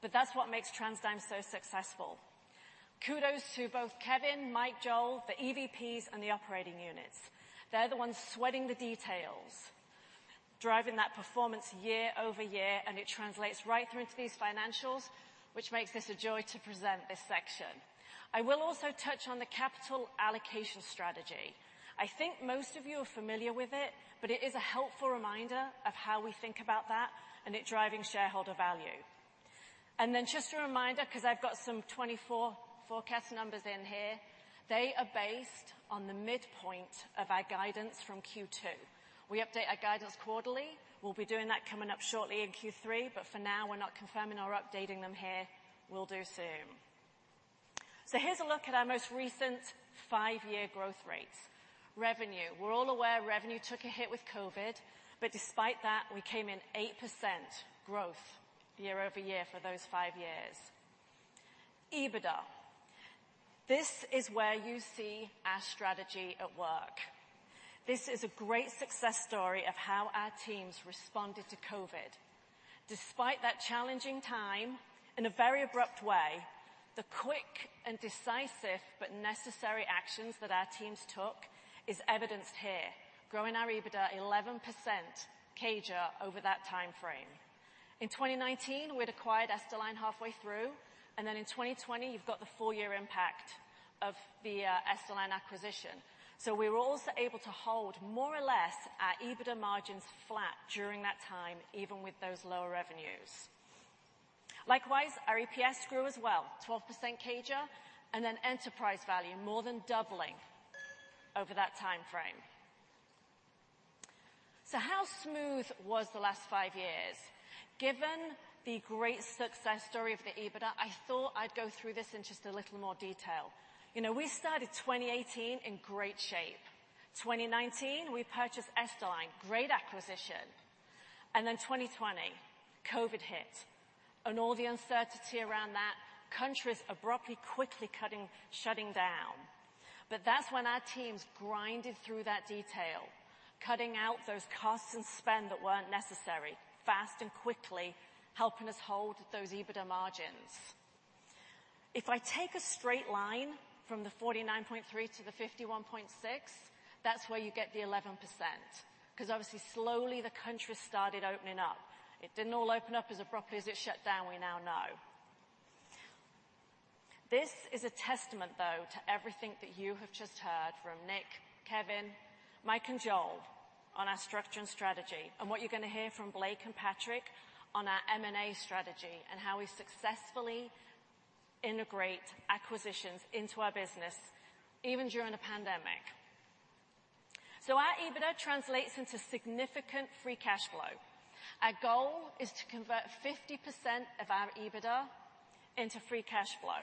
Speaker 6: but that's what makes TransDigm so successful. Kudos to both Kevin, Mike, Joel, the EVPs, and the operating units. They're the ones sweating the details, driving that performance year-over-year, and it translates right through into these financials, which makes this a joy to present this section. I will also touch on the capital allocation strategy. I think most of you are familiar with it, but it is a helpful reminder of how we think about that and it driving shareholder value. Then just a reminder, because I've got some 2024 forecast numbers in here, they are based on the midpoint of our guidance from Q2. We update our guidance quarterly. We'll be doing that coming up shortly in Q3, but for now, we're not confirming or updating them here. We'll do soon. Here's a look at our most recent five-year growth rates. Revenue. We're all aware revenue took a hit with COVID, but despite that, we came in 8% growth year-over-year for those five years. EBITDA. This is where you see our strategy at work. This is a great success story of how our teams responded to COVID. Despite that challenging time, in a very abrupt way, the quick and decisive but necessary actions that our teams took is evidenced here. Growing our EBITDA 11% CAGR over that time frame. In 2019, we'd acquired Esterline halfway through. And then in 2020, you've got the four-year impact of the Esterline acquisition. So we were also able to hold more or less our EBITDA margins flat during that time, even with those lower revenues. Likewise, our EPS grew as well, 12% CAGR, and then enterprise value more than doubling over that time frame. So how smooth was the last five years? Given the great success story of the EBITDA, I thought I'd go through this in just a little more detail. We started 2018 in great shape. 2019, we purchased Esterline. Great acquisition. And then 2020, COVID hit. And all the uncertainty around that, countries abruptly quickly shutting down. But that's when our teams grinded through that detail, cutting out those costs and spend that weren't necessary, fast and quickly, helping us hold those EBITDA margins. If I take a straight line from the 49.3 to the 51.6, that's where you get the 11%. Because obviously, slowly, the country started opening up. It didn't all open up as abruptly as it shut down, we now know. This is a testament, though, to everything that you have just heard from Nick, Kevin, Mike, and Joel on our structure and strategy. And what you're going to hear from Blake and Patrick on our M&A strategy and how we successfully integrate acquisitions into our business, even during a pandemic. So our EBITDA translates into significant free cash flow. Our goal is to convert 50% of our EBITDA into free cash flow.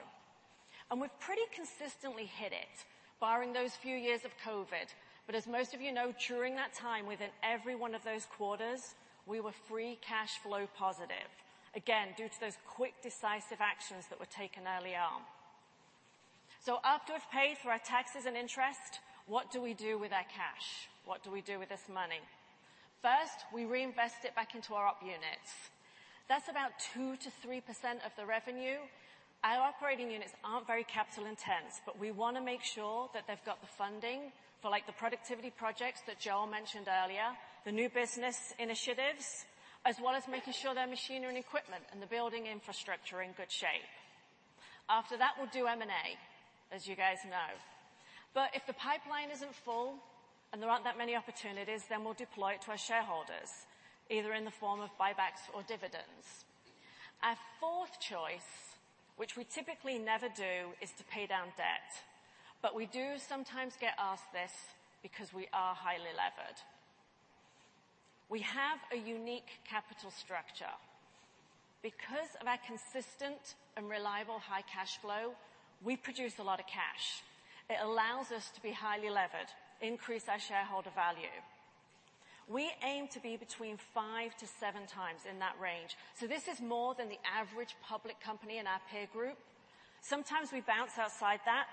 Speaker 6: And we've pretty consistently hit it barring those few years of COVID. But as most of you know, during that time, within every one of those quarters, we were free cash flow positive, again, due to those quick, decisive actions that were taken early on. So after we've paid for our taxes and interest, what do we do with our cash? What do we do with this money? First, we reinvest it back into our op units. That's about 2%-3% of the revenue. Our operating units aren't very capital-intense, but we want to make sure that they've got the funding for the productivity projects that Joel mentioned earlier, the new business initiatives, as well as making sure their machinery and equipment and the building infrastructure are in good shape. After that, we'll do M&A, as you guys know. But if the pipeline isn't full and there aren't that many opportunities, then we'll deploy it to our shareholders, either in the form of buybacks or dividends. Our fourth choice, which we typically never do, is to pay down debt. But we do sometimes get asked this because we are highly levered. We have a unique capital structure. Because of our consistent and reliable high cash flow, we produce a lot of cash. It allows us to be highly levered, increase our shareholder value. We aim to be between 5-7x in that range. So this is more than the average public company in our peer group. Sometimes we bounce outside that,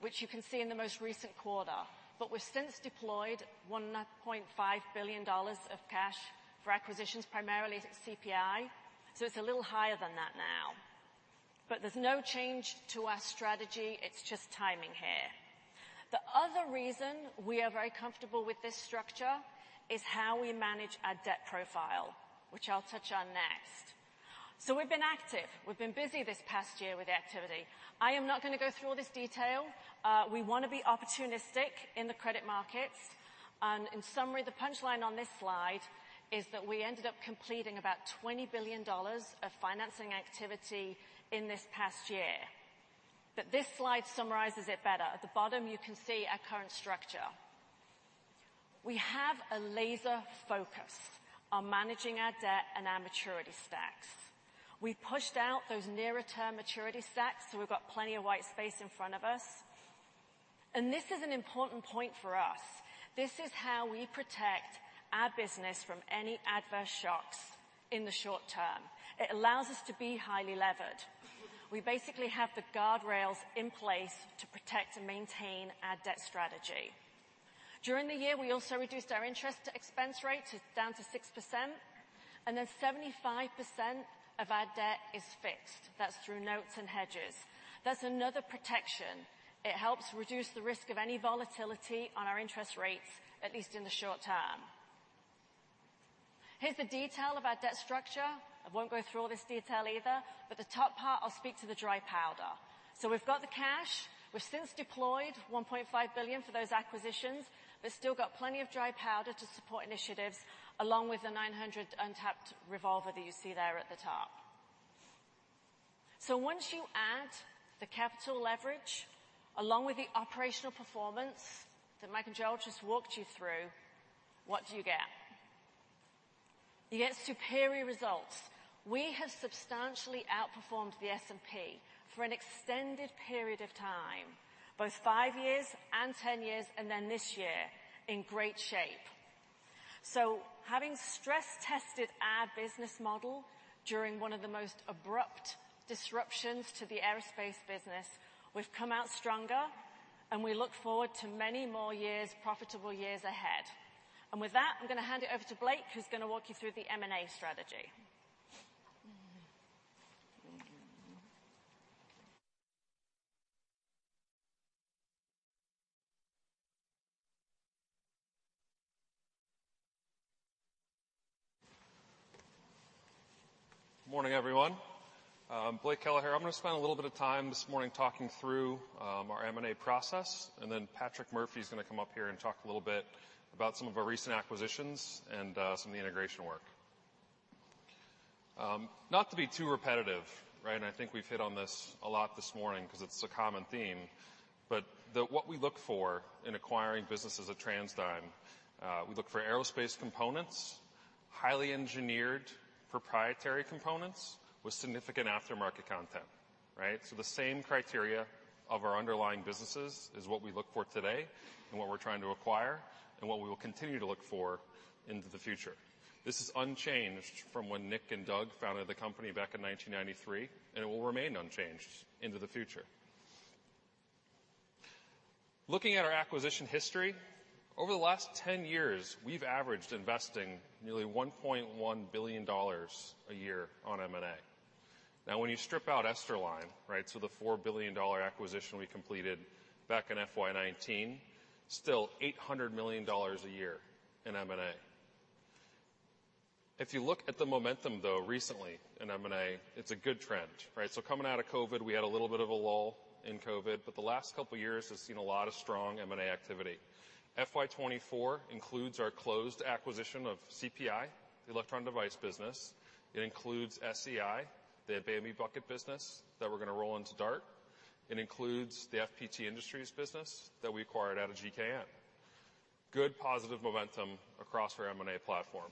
Speaker 6: which you can see in the most recent quarter. But we've since deployed $1.5 billion of cash for acquisitions, primarily CPI. So it's a little higher than that now. But there's no change to our strategy. It's just timing here. The other reason we are very comfortable with this structure is how we manage our debt profile, which I'll touch on next. So we've been active. We've been busy this past year with the activity. I am not going to go through all this detail. We want to be opportunistic in the credit markets. And in summary, the punchline on this slide is that we ended up completing about $20 billion of financing activity in this past year. But this slide summarizes it better. At the bottom, you can see our current structure. We have a laser focus on managing our debt and our maturity stacks. We've pushed out those near-term maturity stacks, so we've got plenty of white space in front of us. And this is an important point for us. This is how we protect our business from any adverse shocks in the short term. It allows us to be highly levered. We basically have the guardrails in place to protect and maintain our debt strategy. During the year, we also reduced our interest expense rate down to 6%. 75% of our debt is fixed. That's through notes and hedges. That's another protection. It helps reduce the risk of any volatility on our interest rates, at least in the short term. Here's the detail of our debt structure. I won't go through all this detail either, but the top part, I'll speak to the dry powder. We've got the cash. We've since deployed $1.5 billion for those acquisitions, but still got plenty of dry powder to support initiatives, along with the $900 untapped revolver that you see there at the top. So once you add the capital leverage, along with the operational performance that Mike and Joel just walked you through, what do you get? You get superior results. We have substantially outperformed the S&P for an extended period of time, both five years and 10 years, and then this year in great shape. So having stress-tested our business model during one of the most abrupt disruptions to the aerospace business, we've come out stronger, and we look forward to many more profitable years ahead. With that, I'm going to hand it over to Blake, who's going to walk you through the M&A strategy.
Speaker 7: Good morning, everyone. I'm Blake Keller. I'm going to spend a little bit of time this morning talking through our M&A process. And then Patrick Murphy is going to come up here and talk a little bit about some of our recent acquisitions and some of the integration work. Not to be too repetitive, right? And I think we've hit on this a lot this morning because it's a common theme. But what we look for in acquiring businesses at TransDigm, we look for aerospace components, highly engineered proprietary components with significant aftermarket content, right? So the same criteria of our underlying businesses is what we look for today and what we're trying to acquire and what we will continue to look for into the future. This is unchanged from when Nick and Doug founded the company back in 1993, and it will remain unchanged into the future. Looking at our acquisition history, over the last ten years, we've averaged investing nearly $1.1 billion a year on M&A. Now, when you strip out Esterline, right, so the $4 billion acquisition we completed back in FY 2019, still $800 million a year in M&A. If you look at the momentum, though, recently in M&A, it's a good trend, right? So coming out of COVID, we had a little bit of a lull in COVID, but the last couple of years have seen a lot of strong M&A activity. FY 2024 includes our closed acquisition of CPI, the electronic device business. It includes SEI, the Bambi Bucket business that we're going to roll into DART. It includes the FPT Industries business that we acquired out of GKN. Good positive momentum across our M&A platform.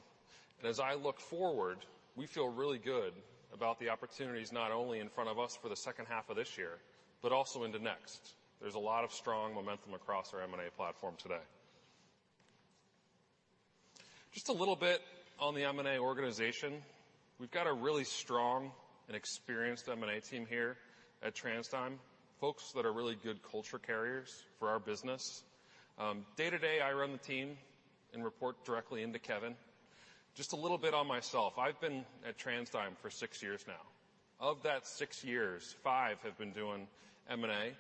Speaker 7: As I look forward, we feel really good about the opportunities not only in front of us for the second half of this year, but also into next. There's a lot of strong momentum across our M&A platform today. Just a little bit on the M&A organization. We've got a really strong and experienced M&A team here at TransDigm, folks that are really good culture carriers for our business. Day to day, I run the team and report directly into Kevin. Just a little bit on myself. I've been at TransDigm for six years now. Of that six years, five have been doing M&A.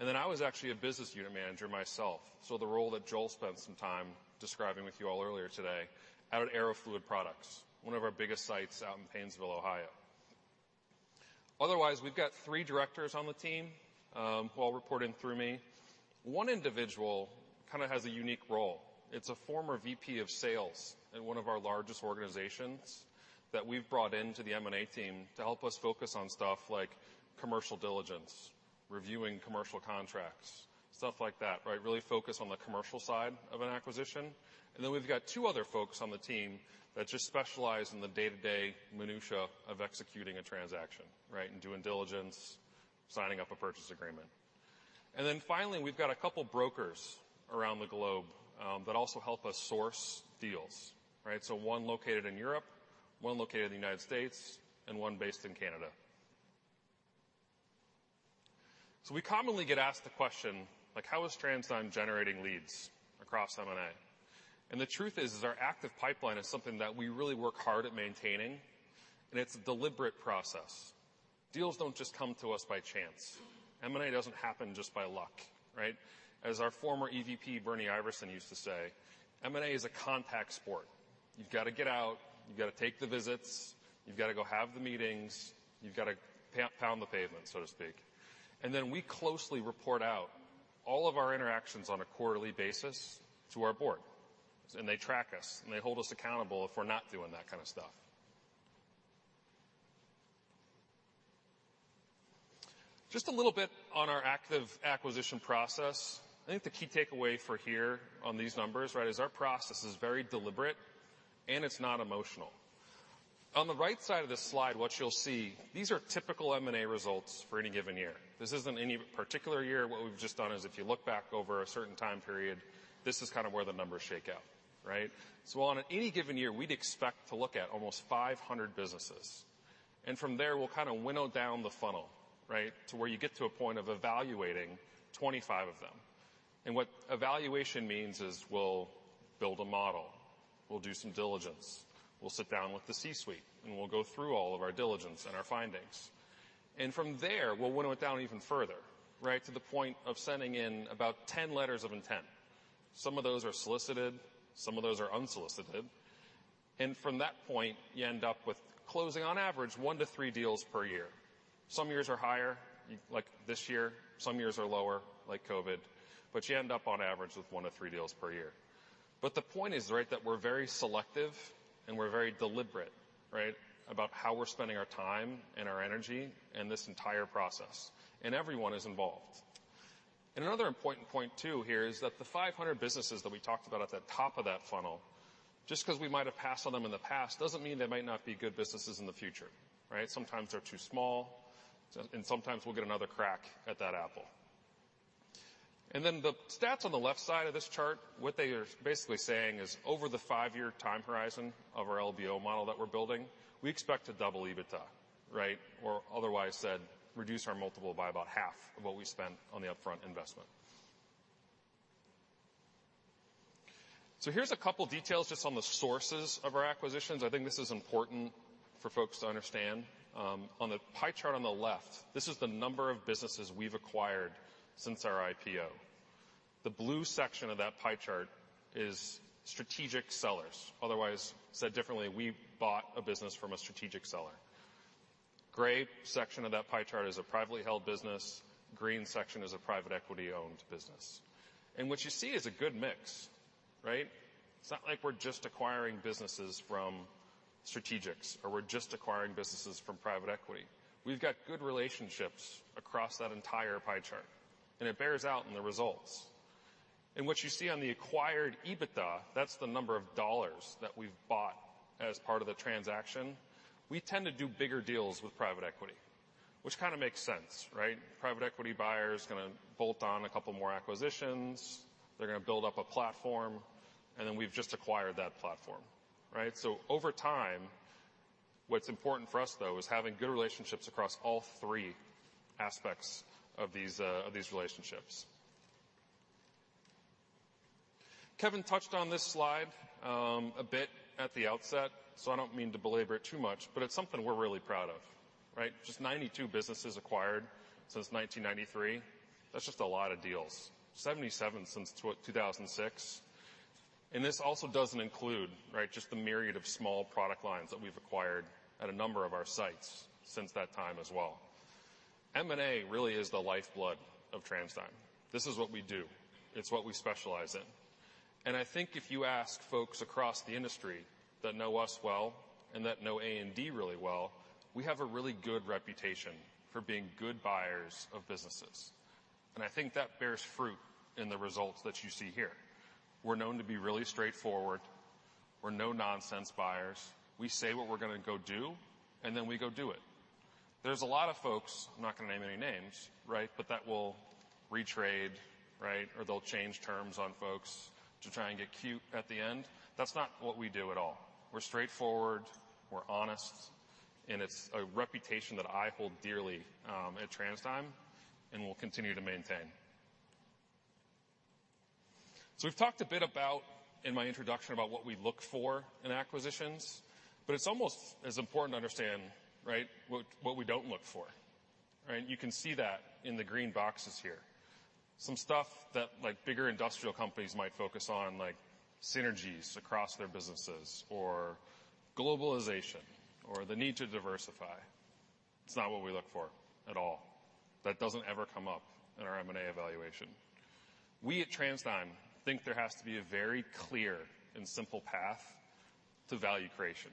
Speaker 7: And then I was actually a business unit manager myself, so the role that Joel spent some time describing with you all earlier today out at Aero Fluid Products, one of our biggest sites out in Painesville, Ohio. Otherwise, we've got three directors on the team who all report in through me. One individual kind of has a unique role. It's a former VP of sales at one of our largest organizations that we've brought into the M&A team to help us focus on stuff like commercial diligence, reviewing commercial contracts, stuff like that, right? Really focus on the commercial side of an acquisition. And then we've got two other folks on the team that just specialize in the day-to-day minutia of executing a transaction, right, and doing diligence, signing up a purchase agreement. And then finally, we've got a couple of brokers around the globe that also help us source deals, right? So one located in Europe, one located in the United States, and one based in Canada. So we commonly get asked the question, like, how is TransDigm generating leads across M&A? The truth is, our active pipeline is something that we really work hard at maintaining, and it's a deliberate process. Deals don't just come to us by chance. M&A doesn't happen just by luck, right? As our former EVP, Bernt Iversen, used to say, "M&A is a contact sport. You've got to get out. You've got to take the visits. You've got to go have the meetings. You've got to pound the pavement," so to speak. And then we closely report out all of our interactions on a quarterly basis to our board. They track us, and they hold us accountable if we're not doing that kind of stuff. Just a little bit on our active acquisition process. I think the key takeaway for here on these numbers, right, is our process is very deliberate, and it's not emotional. On the right side of this slide, what you'll see, these are typical M&A results for any given year. This isn't any particular year. What we've just done is, if you look back over a certain time period, this is kind of where the numbers shake out, right? So on any given year, we'd expect to look at almost 500 businesses. And from there, we'll kind of winnow down the funnel, right, to where you get to a point of evaluating 25 of them. And what evaluation means is we'll build a model. We'll do some diligence. We'll sit down with the C-suite, and we'll go through all of our diligence and our findings. And from there, we'll winnow it down even further, right, to the point of sending in about 10 letters of intent. Some of those are solicited. Some of those are unsolicited. From that point, you end up with closing, on average, one to three deals per year. Some years are higher, like this year. Some years are lower, like COVID. But you end up, on average, with one to three deals per year. But the point is, right, that we're very selective, and we're very deliberate, right, about how we're spending our time and our energy in this entire process. Everyone is involved. Another important point too here is that the 500 businesses that we talked about at the top of that funnel, just because we might have passed on them in the past, doesn't mean they might not be good businesses in the future, right? Sometimes they're too small, and sometimes we'll get another crack at that apple. And then the stats on the left side of this chart, what they are basically saying is, over the five-year time horizon of our LBO model that we're building, we expect to double EBITDA, right, or otherwise said, reduce our multiple by about half of what we spent on the upfront investment. So here's a couple of details just on the sources of our acquisitions. I think this is important for folks to understand. On the pie chart on the left, this is the number of businesses we've acquired since our IPO. The blue section of that pie chart is strategic sellers. Otherwise, said differently, we bought a business from a strategic seller. Gray section of that pie chart is a privately held business. Green section is a private equity-owned business. And what you see is a good mix, right? It's not like we're just acquiring businesses from strategics, or we're just acquiring businesses from private equity. We've got good relationships across that entire pie chart. It bears out in the results. What you see on the acquired EBITDA, that's the number of dollars that we've bought as part of the transaction. We tend to do bigger deals with private equity, which kind of makes sense, right? Private equity buyer is going to bolt on a couple more acquisitions. They're going to build up a platform, and then we've just acquired that platform, right? Over time, what's important for us, though, is having good relationships across all three aspects of these relationships. Kevin touched on this slide a bit at the outset, so I don't mean to belabor it too much, but it's something we're really proud of, right? Just 92 businesses acquired since 1993. That's just a lot of deals. 77 since 2006. This also doesn't include, right, just the myriad of small product lines that we've acquired at a number of our sites since that time as well. M&A really is the lifeblood of TransDigm. This is what we do. It's what we specialize in. I think if you ask folks across the industry that know us well and that know A&D really well, we have a really good reputation for being good buyers of businesses. I think that bears fruit in the results that you see here. We're known to be really straightforward. We're no-nonsense buyers. We say what we're going to go do, and then we go do it. There's a lot of folks - I'm not going to name any names, right? but that will retrade, right, or they'll change terms on folks to try and get cute at the end. That's not what we do at all. We're straightforward. We're honest. And it's a reputation that I hold dearly at TransDigm and will continue to maintain. So we've talked a bit about, in my introduction, about what we look for in acquisitions, but it's almost as important to understand, right, what we don't look for, right? You can see that in the green boxes here. Some stuff that bigger industrial companies might focus on, like synergies across their businesses or globalization or the need to diversify. It's not what we look for at all. That doesn't ever come up in our M&A evaluation. We at TransDigm think there has to be a very clear and simple path to value creation.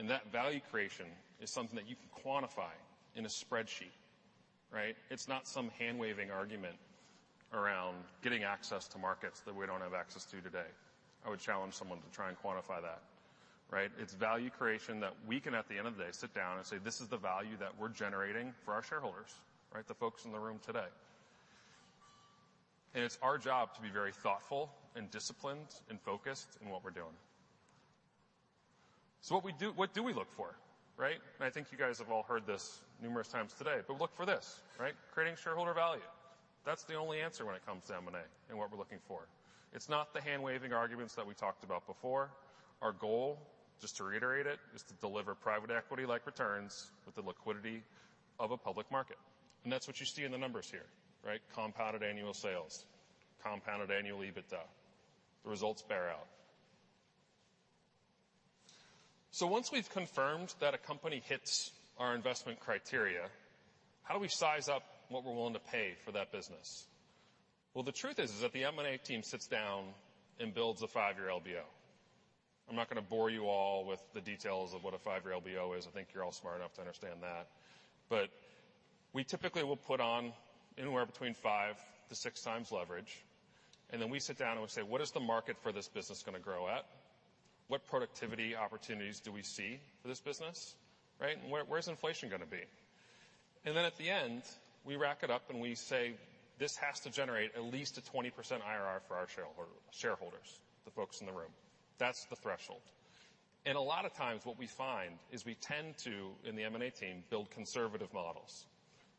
Speaker 7: That value creation is something that you can quantify in a spreadsheet, right? It's not some hand-waving argument around getting access to markets that we don't have access to today. I would challenge someone to try and quantify that, right? It's value creation that we can, at the end of the day, sit down and say, "This is the value that we're generating for our shareholders," right, the folks in the room today. It's our job to be very thoughtful and disciplined and focused in what we're doing. What do we look for, right? I think you guys have all heard this numerous times today, but we look for this, right? Creating shareholder value. That's the only answer when it comes to M&A and what we're looking for. It's not the hand-waving arguments that we talked about before. Our goal, just to reiterate it, is to deliver private equity-like returns with the liquidity of a public market. And that's what you see in the numbers here, right? Compounded annual sales, compounded annual EBITDA. The results bear out. So once we've confirmed that a company hits our investment criteria, how do we size up what we're willing to pay for that business? Well, the truth is, is that the M&A team sits down and builds a five year LBO. I'm not going to bore you all with the details of what a five year LBO is. I think you're all smart enough to understand that. But we typically will put on anywhere between 5-6x leverage. And then we sit down and we say, "What is the market for this business going to grow at? What productivity opportunities do we see for this business, right? And where's inflation going to be?" And then at the end, we rack it up and we say, "This has to generate at least a 20% IRR for our shareholders, the folks in the room." That's the threshold. A lot of times what we find is we tend to, in the M&A team, build conservative models,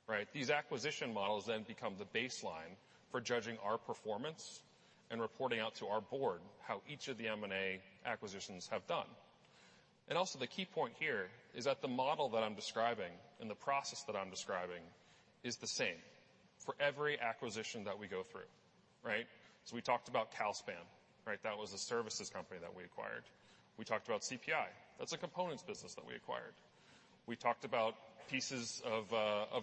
Speaker 7: right? These acquisition models then become the baseline for judging our performance and reporting out to our board how each of the M&A acquisitions have done. Also, the key point here is that the model that I'm describing and the process that I'm describing is the same for every acquisition that we go through, right? So we talked about Calspan, right? That was a services company that we acquired. We talked about CPI. That's a components business that we acquired. We talked about pieces of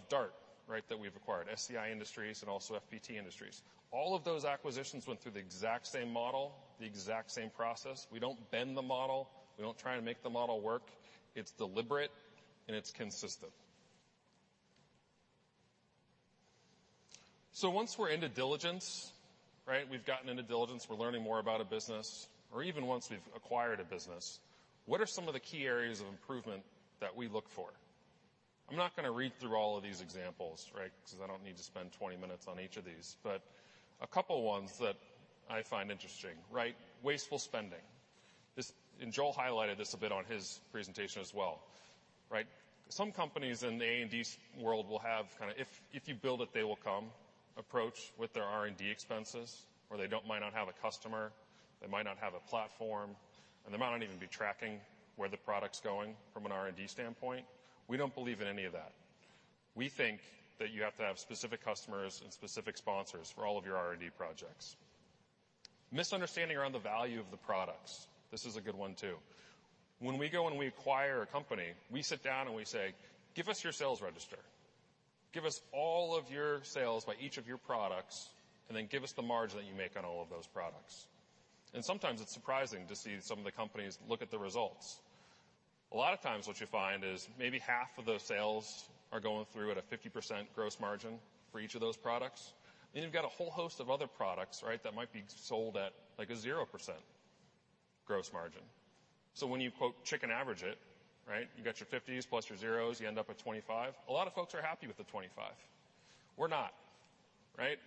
Speaker 7: DART, right, that we've acquired, SEI Industries and also FPT Industries. All of those acquisitions went through the exact same model, the exact same process. We don't bend the model. We don't try and make the model work. It's deliberate, and it's consistent. So once we're into diligence, right, we've gotten into diligence, we're learning more about a business, or even once we've acquired a business, what are some of the key areas of improvement that we look for? I'm not going to read through all of these examples, right, because I don't need to spend 20 minutes on each of these, but a couple of ones that I find interesting, right? Wasteful spending. And Joel highlighted this a bit on his presentation as well, right? Some companies in the A&D world will have kind of an "If you build it, they will come" approach with their R&D expenses, or they might not have a customer. They might not have a platform, and they might not even be tracking where the product's going from an R&D standpoint. We don't believe in any of that. We think that you have to have specific customers and specific sponsors for all of your R&D projects. Misunderstanding around the value of the products. This is a good one too. When we go and we acquire a company, we sit down and we say, "Give us your sales register. Give us all of your sales by each of your products, and then give us the margin that you make on all of those products." Sometimes it's surprising to see some of the companies look at the results. A lot of times what you find is maybe half of those sales are going through at a 50% gross margin for each of those products. And then you've got a whole host of other products, right, that might be sold at like a 0% gross margin. So when you average it, right, you got your 50s+ your zeros, you end up at 25. A lot of folks are happy with the 25. We're not, right?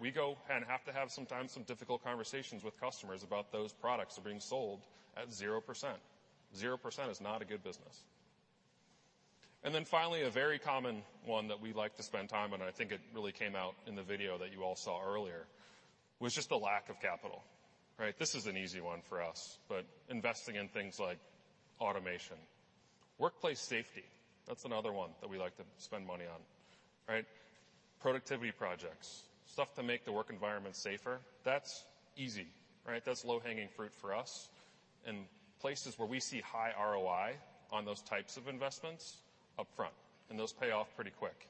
Speaker 7: We go and have to have sometimes some difficult conversations with customers about those products that are being sold at 0%. 0% is not a good business. And then finally, a very common one that we like to spend time on, and I think it really came out in the video that you all saw earlier, was just the lack of capital, right? This is an easy one for us, but investing in things like automation, workplace safety, that's another one that we like to spend money on, right? Productivity projects, stuff to make the work environment safer, that's easy, right? That's low-hanging fruit for us. And places where we see high ROI on those types of investments, upfront. And those pay off pretty quick.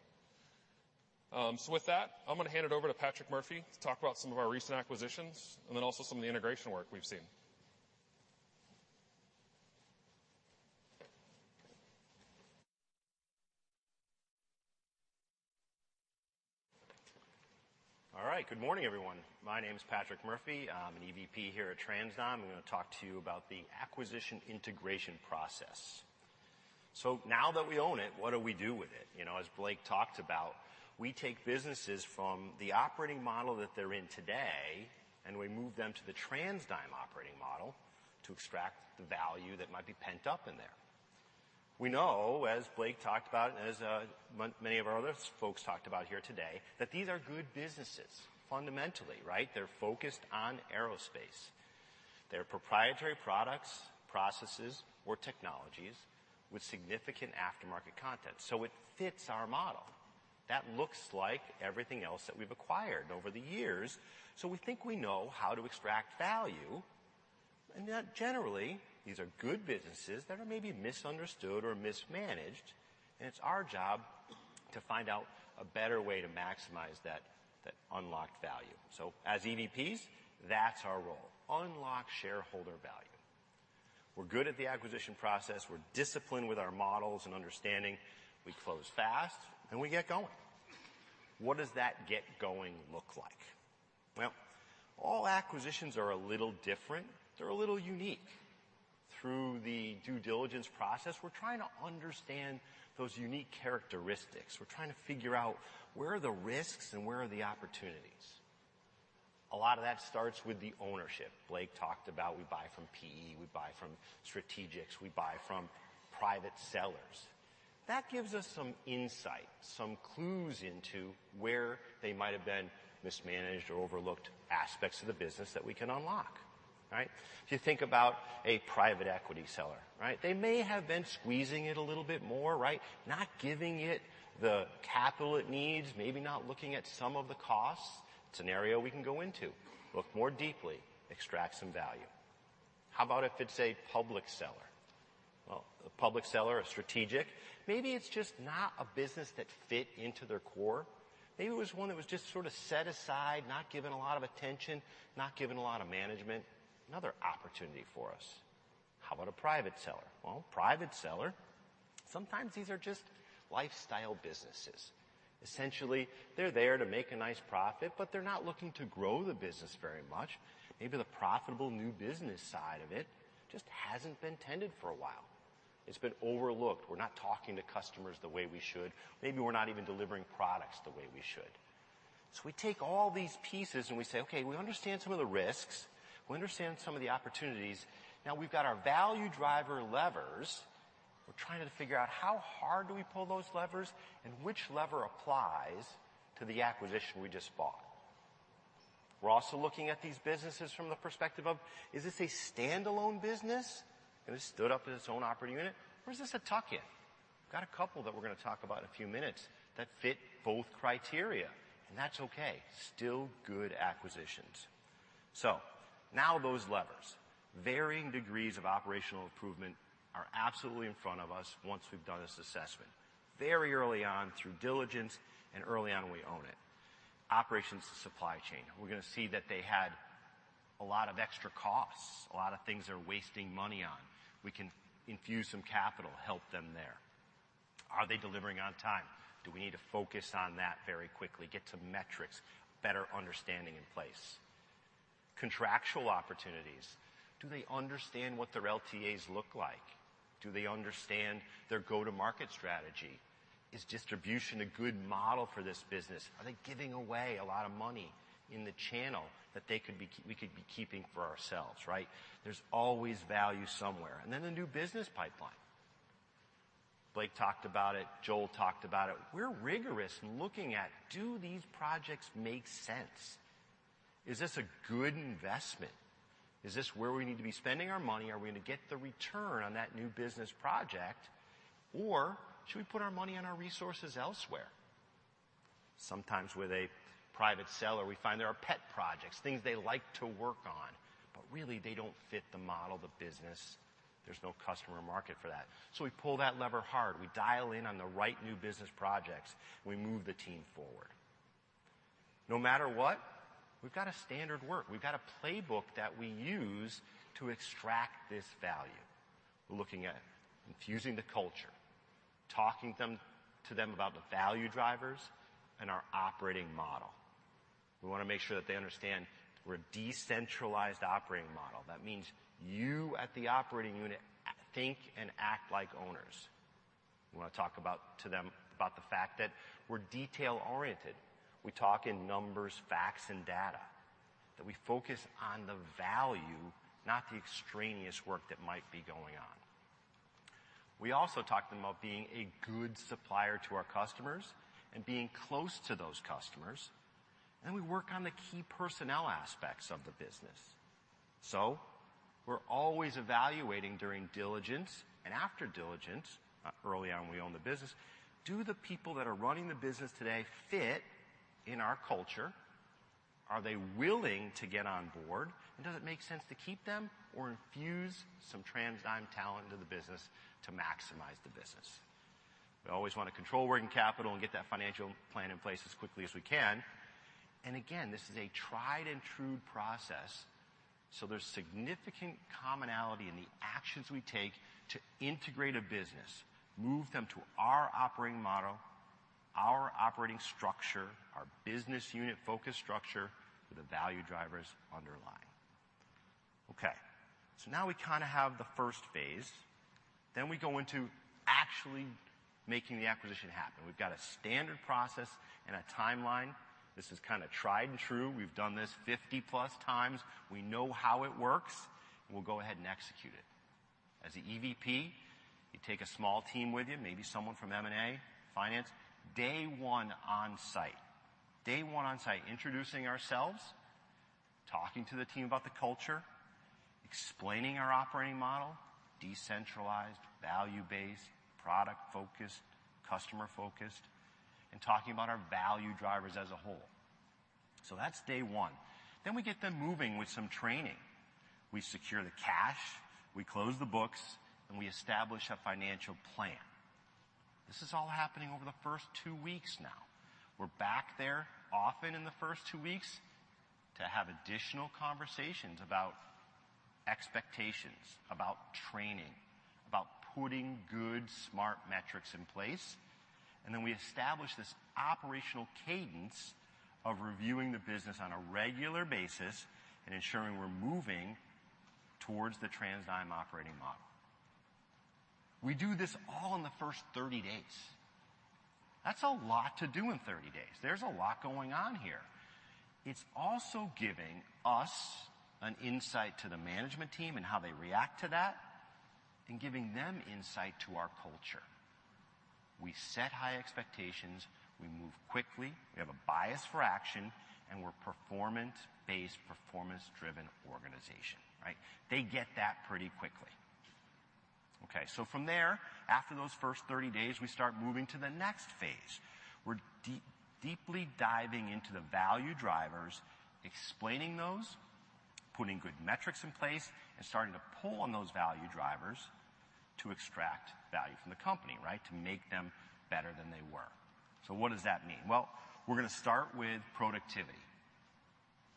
Speaker 7: So with that, I'm going to hand it over to Patrick Murphy to talk about some of our recent acquisitions and then also some of the integration work we've seen.
Speaker 8: All right. Good morning, everyone. My name is Patrick Murphy. I'm an EVP here at TransDigm. I'm going to talk to you about the acquisition integration process. So now that we own it, what do we do with it? As Blake talked about, we take businesses from the operating model that they're in today, and we move them to the TransDigm operating model to extract the value that might be pent up in there. We know, as Blake talked about, and as many of our other folks talked about here today, that these are good businesses fundamentally, right? They're focused on aerospace. They're proprietary products, processes, or technologies with significant aftermarket content. So it fits our model. That looks like everything else that we've acquired over the years. So we think we know how to extract value. And generally, these are good businesses that are maybe misunderstood or mismanaged. It's our job to find out a better way to maximize that unlocked value. So as EVPs, that's our role. Unlock shareholder value. We're good at the acquisition process. We're disciplined with our models and understanding. We close fast, and we get going. What does that get going look like? Well, all acquisitions are a little different. They're a little unique. Through the due diligence process, we're trying to understand those unique characteristics. We're trying to figure out where are the risks and where are the opportunities. A lot of that starts with the ownership. Blake talked about we buy from PE. We buy from strategics. We buy from private sellers. That gives us some insight, some clues into where they might have been mismanaged or overlooked aspects of the business that we can unlock, right? If you think about a private equity seller, right, they may have been squeezing it a little bit more, right? Not giving it the capital it needs, maybe not looking at some of the costs. Scenario we can go into. Look more deeply. Extract some value. How about if it's a public seller? Well, a public seller, a strategic, maybe it's just not a business that fit into their core. Maybe it was one that was just sort of set aside, not given a lot of attention, not given a lot of management. Another opportunity for us. How about a private seller? Well, private seller, sometimes these are just lifestyle businesses. Essentially, they're there to make a nice profit, but they're not looking to grow the business very much. Maybe the profitable new business side of it just hasn't been tended for a while. It's been overlooked. We're not talking to customers the way we should. Maybe we're not even delivering products the way we should. So we take all these pieces and we say, "Okay, we understand some of the risks. We understand some of the opportunities. Now we've got our value driver levers. We're trying to figure out how hard do we pull those levers and which lever applies to the acquisition we just bought." We're also looking at these businesses from the perspective of, is this a standalone business and it stood up as its own operating unit, or is this a tuck-in? We've got a couple that we're going to talk about in a few minutes that fit both criteria. And that's okay. Still good acquisitions. So now those levers, varying degrees of operational improvement are absolutely in front of us once we've done this assessment. Very early on through diligence and early on when we own it. Operations to supply chain. We're going to see that they had a lot of extra costs, a lot of things they're wasting money on. We can infuse some capital, help them there. Are they delivering on time? Do we need to focus on that very quickly? Get some metrics, better understanding in place. Contractual opportunities. Do they understand what their LTAs look like? Do they understand their go-to-market strategy? Is distribution a good model for this business? Are they giving away a lot of money in the channel that we could be keeping for ourselves, right? There's always value somewhere. And then the new business pipeline. Blake talked about it. Joel talked about it. We're rigorous in looking at, do these projects make sense? Is this a good investment? Is this where we need to be spending our money? Are we going to get the return on that new business project, or should we put our money and our resources elsewhere? Sometimes with a private seller, we find there are pet projects, things they like to work on, but really they don't fit the model of the business. There's no customer market for that. So we pull that lever hard. We dial in on the right new business projects. We move the team forward. No matter what, we've got a standard work. We've got a playbook that we use to extract this value. We're looking at infusing the culture, talking to them about the value drivers and our operating model. We want to make sure that they understand we're a decentralized operating model. That means you at the operating unit think and act like owners. We want to talk to them about the fact that we're detail-oriented. We talk in numbers, facts, and data, that we focus on the value, not the extraneous work that might be going on. We also talk to them about being a good supplier to our customers and being close to those customers. And then we work on the key personnel aspects of the business. So we're always evaluating during diligence and after diligence, early on when we own the business, do the people that are running the business today fit in our culture? Are they willing to get on board? And does it make sense to keep them or infuse some TransDigm talent into the business to maximize the business? We always want to control working capital and get that financial plan in place as quickly as we can. And again, this is a tried-and-true process. So there's significant commonality in the actions we take to integrate a business, move them to our operating model, our operating structure, our business unit-focused structure with the value drivers underlying. Okay. So now we kind of have the first phase. Then we go into actually making the acquisition happen. We've got a standard process and a timeline. This is kind of tried and true. We've done this 50+ times. We know how it works. We'll go ahead and execute it. As an EVP, you take a small team with you, maybe someone from M&A, finance, day one on site. Day one on site, introducing ourselves, talking to the team about the culture, explaining our operating model, decentralized, value-based, product-focused, customer-focused, and talking about our value drivers as a whole. So that's day one. Then we get them moving with some training. We secure the cash. We close the books, and we establish a financial plan. This is all happening over the first two weeks now. We're back there often in the first two weeks to have additional conversations about expectations, about training, about putting good, smart metrics in place. And then we establish this operational cadence of reviewing the business on a regular basis and ensuring we're moving towards the TransDigm operating model. We do this all in the first 30 days. That's a lot to do in 30 days. There's a lot going on here. It's also giving us an insight to the management team and how they react to that and giving them insight to our culture. We set high expectations. We move quickly. We have a bias for action, and we're a performance-based, performance-driven organization, right? They get that pretty quickly. Okay. So from there, after those first 30 days, we start moving to the next phase. We're deeply diving into the value drivers, explaining those, putting good metrics in place, and starting to pull on those value drivers to extract value from the company, right? To make them better than they were. So what does that mean? Well, we're going to start with productivity.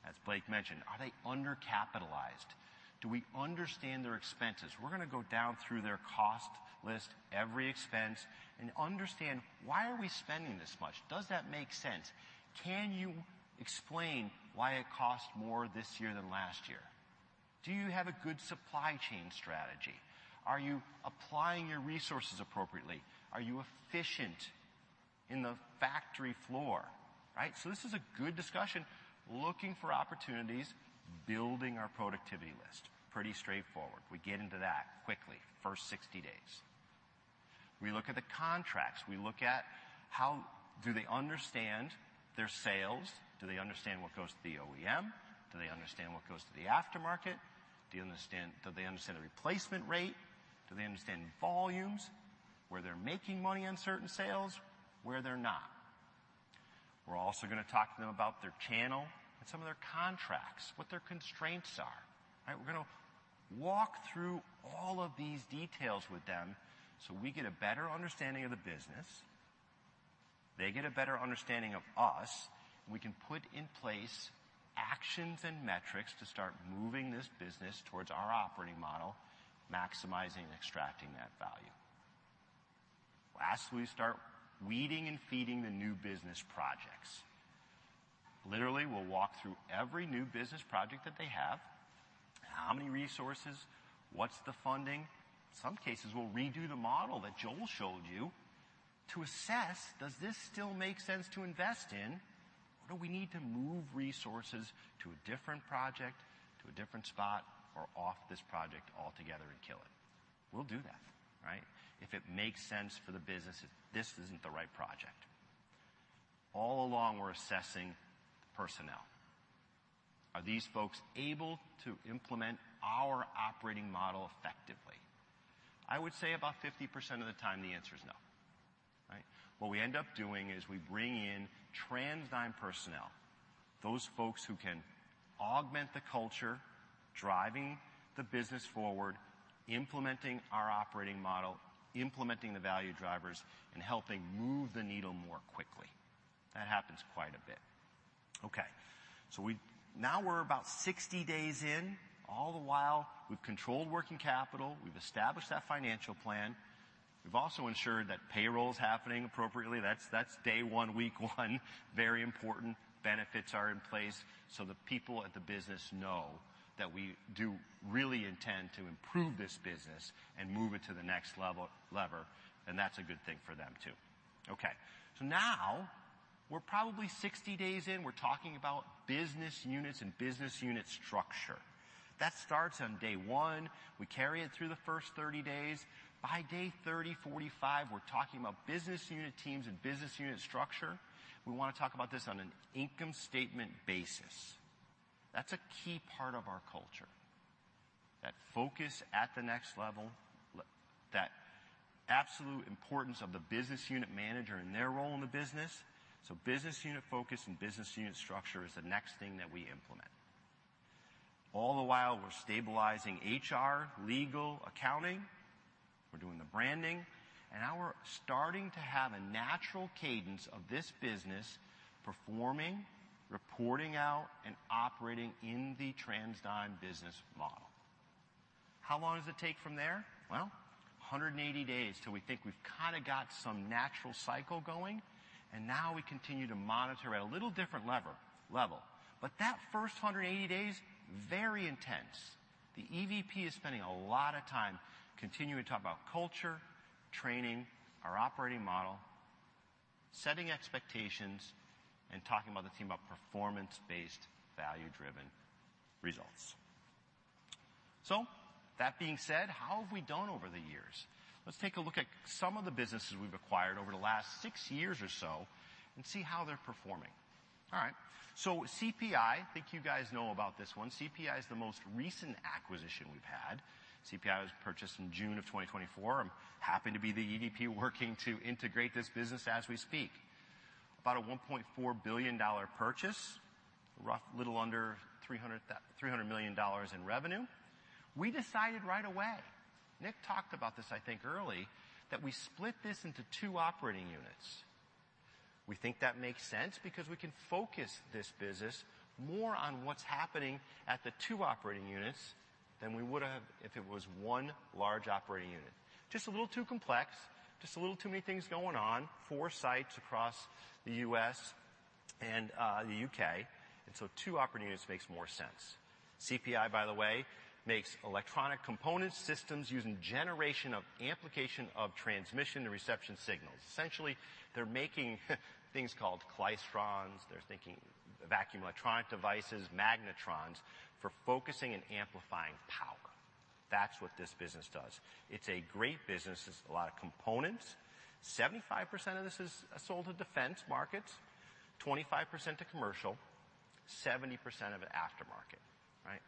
Speaker 8: As Blake mentioned, are they undercapitalized? Do we understand their expenses? We're going to go down through their cost list, every expense, and understand why are we spending this much? Does that make sense? Can you explain why it cost more this year than last year? Do you have a good supply chain strategy? Are you applying your resources appropriately? Are you efficient in the factory floor, right? So this is a good discussion. Looking for opportunities, building our productivity list. Pretty straightforward. We get into that quickly, first 60 days. We look at the contracts. We look at how do they understand their sales? Do they understand what goes to the OEM? Do they understand what goes to the aftermarket? Do they understand the replacement rate? Do they understand volumes? Where they're making money on certain sales, where they're not? We're also going to talk to them about their channel and some of their contracts, what their constraints are, right? We're going to walk through all of these details with them so we get a better understanding of the business. They get a better understanding of us. We can put in place actions and metrics to start moving this business towards our operating model, maximizing and extracting that value. Lastly, we start weeding and feeding the new business projects. Literally, we'll walk through every new business project that they have, how many resources, what's the funding. In some cases, we'll redo the model that Joel showed you to assess, does this still make sense to invest in? Or do we need to move resources to a different project, to a different spot, or off this project altogether and kill it? We'll do that, right? If it makes sense for the business, if this isn't the right project. All along, we're assessing personnel. Are these folks able to implement our operating model effectively? I would say about 50% of the time the answer is no, right? What we end up doing is we bring in TransDigm personnel, those folks who can augment the culture, driving the business forward, implementing our operating model, implementing the value drivers, and helping move the needle more quickly. That happens quite a bit. Okay. So now we're about 60 days in. All the while, we've controlled working capital. We've established that financial plan. We've also ensured that payroll is happening appropriately. That's day one, week one, very important benefits are in place so the people at the business know that we do really intend to improve this business and move it to the next level, lever, and that's a good thing for them too. Okay. So now we're probably 60 days in. We're talking about business units and business unit structure. That starts on day one. We carry it through the first 30 days. By day 30, 45, we're talking about business unit teams and business unit structure. We want to talk about this on an income statement basis. That's a key part of our culture. That focus at the next level, that absolute importance of the business unit manager and their role in the business. So business unit focus and business unit structure is the next thing that we implement. All the while, we're stabilizing HR, legal, accounting. We're doing the branding. And now we're starting to have a natural cadence of this business performing, reporting out, and operating in the TransDigm business model. How long does it take from there? Well, 180 days till we think we've kind of got some natural cycle going. And now we continue to monitor at a little different level. But that first 180 days, very intense. The EVP is spending a lot of time continuing to talk about culture, training, our operating model, setting expectations, and talking about the team about performance-based, value-driven results. So that being said, how have we done over the years? Let's take a look at some of the businesses we've acquired over the last six years or so and see how they're performing. All right. So CPI, I think you guys know about this one. CPI is the most recent acquisition we've had. CPI was purchased in June of 2024. I'm happy to be the EVP working to integrate this business as we speak. About a $1.4 billion purchase, a little under $300 million in revenue. We decided right away, Nick talked about this, I think early, that we split this into two operating units. We think that makes sense because we can focus this business more on what's happening at the two operating units than we would have if it was one large operating unit. Just a little too complex, just a little too many things going on, four sites across the U.S. and the U.K. Two operating units makes more sense. CPI, by the way, makes electronic component systems using generation of application of transmission and reception signals. Essentially, they're making things called klystrons. They're thinking vacuum electronic devices, magnetrons for focusing and amplifying power. That's what this business does. It's a great business. It's a lot of components. 75% of this is sold to defense markets, 25% to commercial, 70% of it aftermarket, right?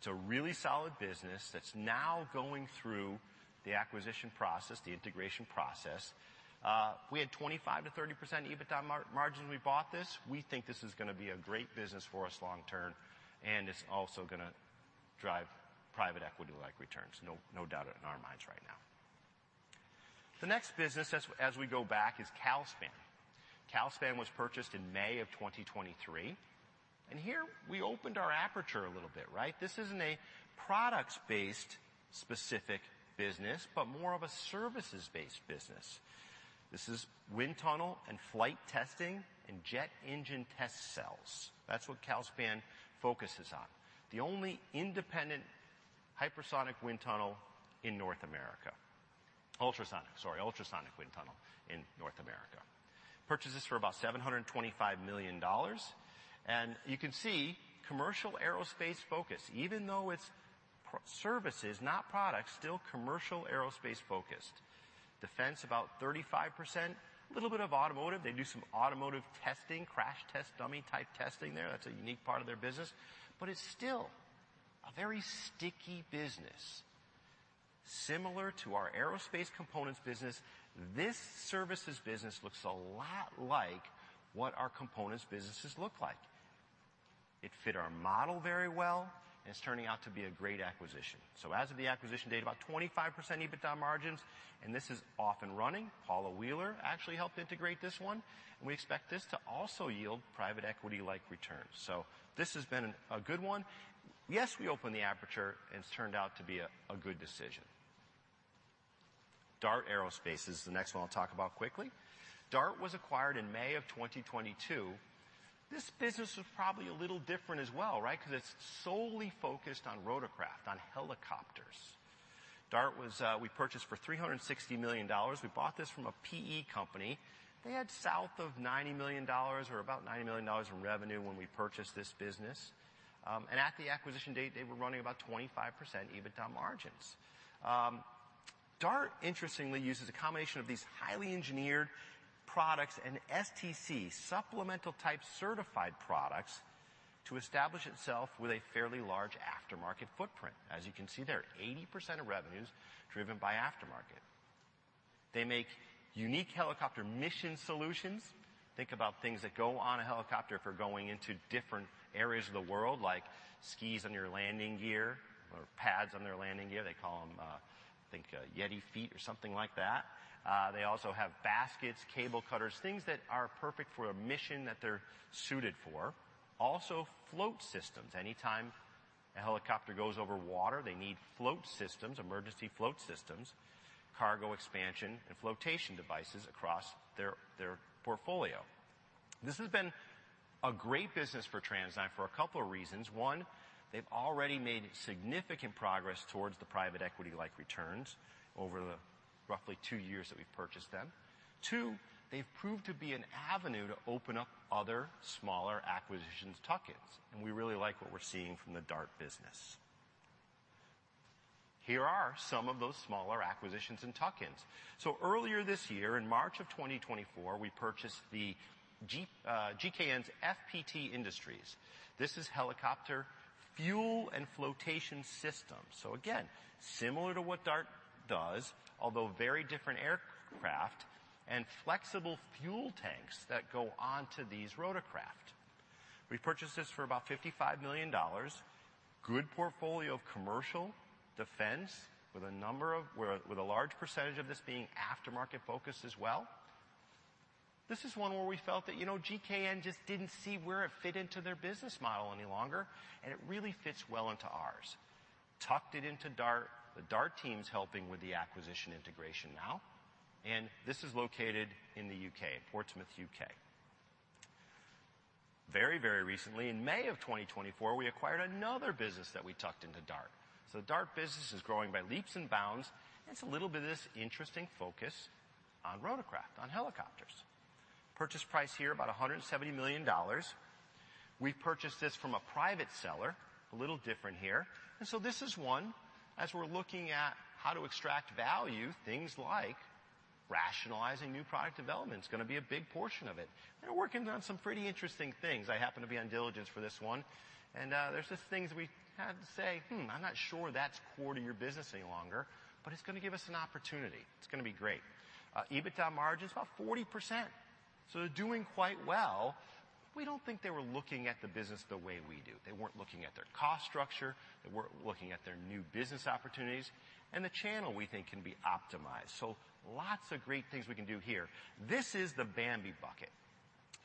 Speaker 8: It's a really solid business that's now going through the acquisition process, the integration process. We had 25%-30% EBITDA margin when we bought this. We think this is going to be a great business for us long term, and it's also going to drive private equity-like returns. No doubt in our minds right now. The next business, as we go back, is Calspan. Calspan was purchased in May of 2023. Here we opened our aperture a little bit, right? This isn't a products-based specific business, but more of a services-based business. This is wind tunnel and flight testing and jet engine test cells. That's what Calspan focuses on. The only independent hypersonic wind tunnel in North America. Ultrasonic, sorry, ultrasonic wind tunnel in North America. Purchased this for about $725 million. And you can see commercial aerospace focus, even though it's services, not products, still commercial aerospace focused. Defense about 35%, a little bit of automotive. They do some automotive testing, crash test dummy type testing there. That's a unique part of their business. But it's still a very sticky business. Similar to our aerospace components business, this services business looks a lot like what our components businesses look like. It fit our model very well, and it's turning out to be a great acquisition. So as of the acquisition date, about 25% EBITDA margins, and this is off and running. Paula Wheeler actually helped integrate this one. And we expect this to also yield private equity-like returns. So this has been a good one. Yes, we opened the aperture, and it's turned out to be a good decision. DART Aerospace is the next one I'll talk about quickly. DART was acquired in May of 2022. This business was probably a little different as well, right? Because it's solely focused on rotorcraft, on helicopters. DART, we purchased for $360 million. We bought this from a PE company. They had south of $90 million or about $90 million in revenue when we purchased this business. And at the acquisition date, they were running about 25% EBITDA margins. DART, interestingly, uses a combination of these highly engineered products and STC, supplemental type certified products, to establish itself with a fairly large aftermarket footprint. As you can see there, 80% of revenues driven by aftermarket. They make unique helicopter mission solutions. Think about things that go on a helicopter if you're going into different areas of the world, like skis on your landing gear or pads on their landing gear. They call them, I think, Yeti feet or something like that. They also have baskets, cable cutters, things that are perfect for a mission that they're suited for. Also float systems. Anytime a helicopter goes over water, they need float systems, emergency float systems, cargo expansion, and floatation devices across their portfolio. This has been a great business for TransDigm for a couple of reasons. One, they've already made significant progress towards the private equity-like returns over the roughly two years that we've purchased them. Two, they've proved to be an avenue to open up other smaller acquisitions, tuck-ins. And we really like what we're seeing from the Dart business. Here are some of those smaller acquisitions and tuck-ins. So earlier this year, in March of 2024, we purchased the GKN's FPT Industries. This is helicopter fuel and flotation systems. So again, similar to what Dart does, although very different aircraft and flexible fuel tanks that go onto these rotorcraft. We purchased this for about $55 million. Good portfolio of commercial, defense, with a number of, with a large percentage of this being aftermarket focus as well. This is one where we felt that GKN just didn't see where it fit into their business model any longer, and it really fits well into ours. Tucked it into Dart. The Dart team's helping with the acquisition integration now. This is located in the U.K., Portsmouth, U.K. Very, very recently, in May of 2024, we acquired another business that we tucked into Dart. So the Dart business is growing by leaps and bounds. It's a little bit of this interesting focus on rotorcraft, on helicopters. Purchase price here, about $170 million. We've purchased this from a private seller, a little different here. And so this is one, as we're looking at how to extract value, things like rationalizing new product development is going to be a big portion of it. They're working on some pretty interesting things. I happen to be on diligence for this one. And there's just things we had to say, I'm not sure that's core to your business any longer, but it's going to give us an opportunity. It's going to be great." EBITDA margin is about 40%. So they're doing quite well. We don't think they were looking at the business the way we do. They weren't looking at their cost structure. They weren't looking at their new business opportunities. And the channel we think can be optimized. So lots of great things we can do here. This is the Bambi Bucket.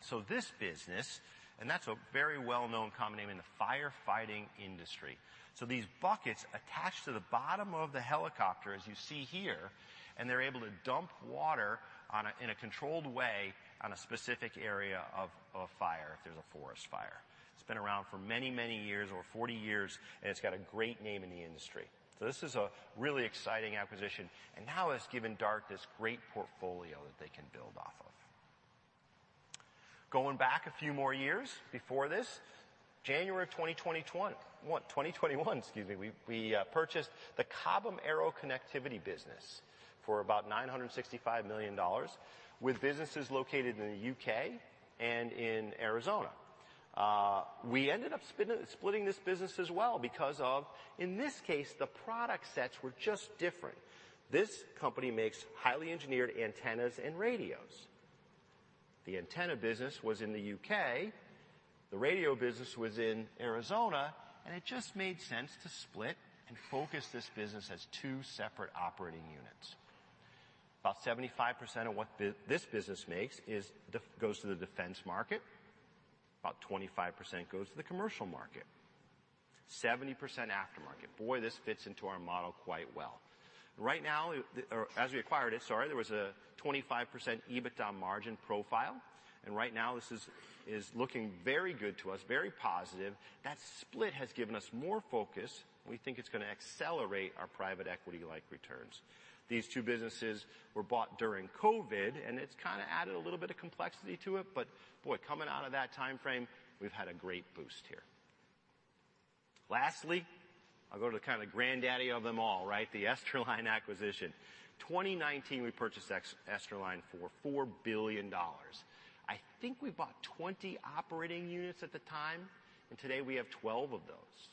Speaker 8: So this business, and that's a very well-known common name in the firefighting industry. So these buckets attach to the bottom of the helicopter, as you see here, and they're able to dump water in a controlled way on a specific area of fire if there's a forest fire. It's been around for many, many years, over 40 years, and it's got a great name in the industry. So this is a really exciting acquisition. And now it's given Dart this great portfolio that they can build off of. Going back a few more years before this, January of 2021, excuse me, we purchased the Cobham Aero Connectivity business for about $965 million with businesses located in the U.K.and in Arizona. We ended up splitting this business as well because of, in this case, the product sets were just different. This company makes highly engineered antennas and radios. The antenna business was in the U.K. The radio business was in Arizona. And it just made sense to split and focus this business as two separate operating units. About 75% of what this business makes goes to the defense market. About 25% goes to the commercial market. 70% aftermarket. Boy, this fits into our model quite well. Right now, as we acquired it, sorry, there was a 25% EBITDA margin profile. Right now, this is looking very good to us, very positive. That split has given us more focus. We think it's going to accelerate our private equity-like returns. These two businesses were bought during COVID, and it's kind of added a little bit of complexity to it. But boy, coming out of that timeframe, we've had a great boost here. Lastly, I'll go to the kind of granddaddy of them all, right? The Esterline acquisition. 2019, we purchased Esterline for $4 billion. I think we bought 20 operating units at the time. Today, we have 12 of those.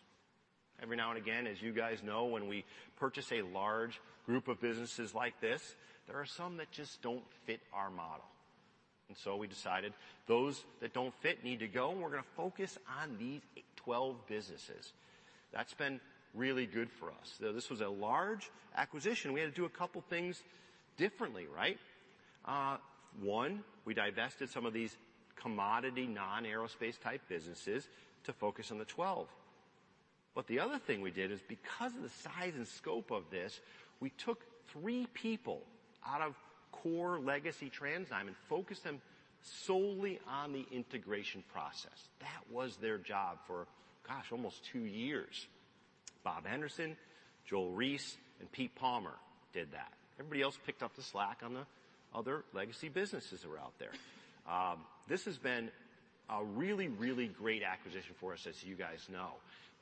Speaker 8: Every now and again, as you guys know, when we purchase a large group of businesses like this, there are some that just don't fit our model. So we decided those that don't fit need to go. We're going to focus on these 12 businesses. That's been really good for us. This was a large acquisition. We had to do a couple of things differently, right? One, we divested some of these commodity non-aerospace type businesses to focus on the 12. But the other thing we did is because of the size and scope of this, we took two people out of core legacy TransDigm and focused them solely on the integration process. That was their job for, gosh, almost two years. Bob Anderson, Joel Reiss, and Pete Palmer did that. Everybody else picked up the slack on the other legacy businesses that were out there. This has been a really, really great acquisition for us, as you guys know.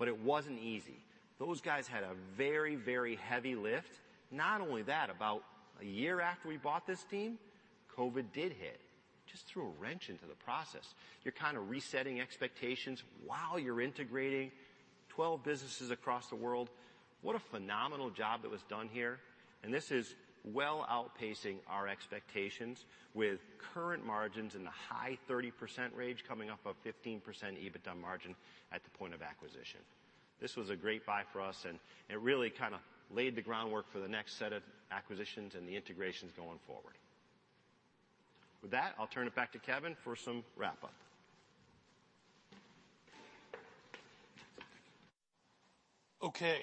Speaker 8: But it wasn't easy. Those guys had a very, very heavy lift. Not only that, about one year after we bought this team, COVID did hit. It just threw a wrench into the process. You're kind of resetting expectations while you're integrating 12 businesses across the world. What a phenomenal job that was done here. This is well outpacing our expectations with current margins in the high 30% range coming up above 15% EBITDA margin at the point of acquisition. This was a great buy for us, and it really kind of laid the groundwork for the next set of acquisitions and the integrations going forward. With that, I'll turn it back to Kevin for some wrap-up.
Speaker 3: Okay.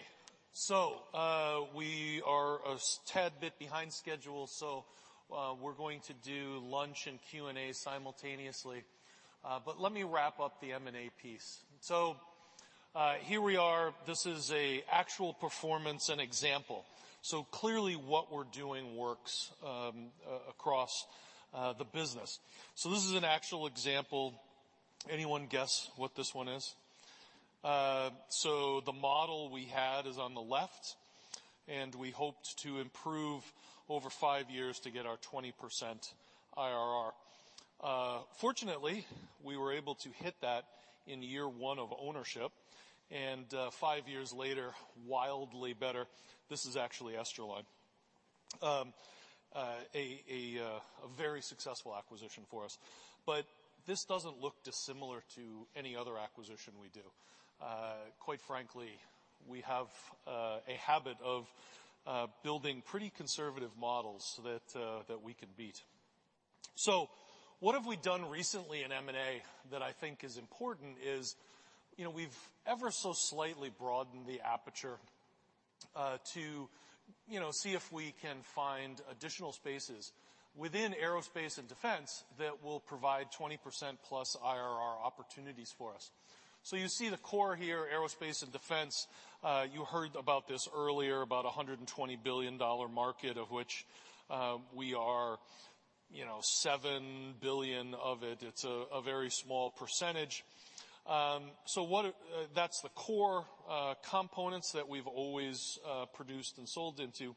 Speaker 3: We are a tad bit behind schedule, so we're going to do lunch and Q&A simultaneously. But let me wrap up the M&A piece. Here we are. This is an actual performance and example. Clearly, what we're doing works across the business. This is an actual example. Anyone guess what this one is? So the model we had is on the left, and we hoped to improve over five years to get our 20% IRR. Fortunately, we were able to hit that in year one of ownership. Five years later, wildly better. This is actually Esterline. A very successful acquisition for us. This doesn't look dissimilar to any other acquisition we do. Quite frankly, we have a habit of building pretty conservative models that we can beat. What have we done recently in M&A that I think is important is we've ever so slightly broadened the aperture to see if we can find additional spaces within aerospace and defense that will provide 20%+ IRR opportunities for us. You see the core here, aerospace and defense. You heard about this earlier, about a $120 billion market, of which we are $7 billion of it. It's a very small percentage. So that's the core components that we've always produced and sold into.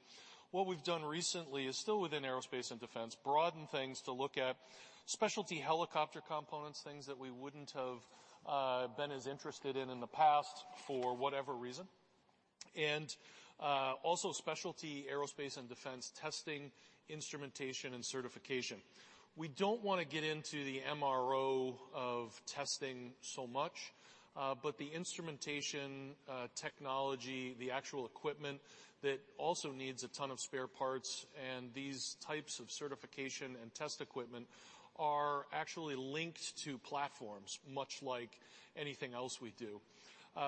Speaker 3: What we've done recently is still within aerospace and defense, broaden things to look at specialty helicopter components, things that we wouldn't have been as interested in in the past for whatever reason. And also specialty aerospace and defense testing, instrumentation, and certification. We don't want to get into the MRO of testing so much. But the instrumentation technology, the actual equipment that also needs a ton of spare parts, and these types of certification and test equipment are actually linked to platforms, much like anything else we do.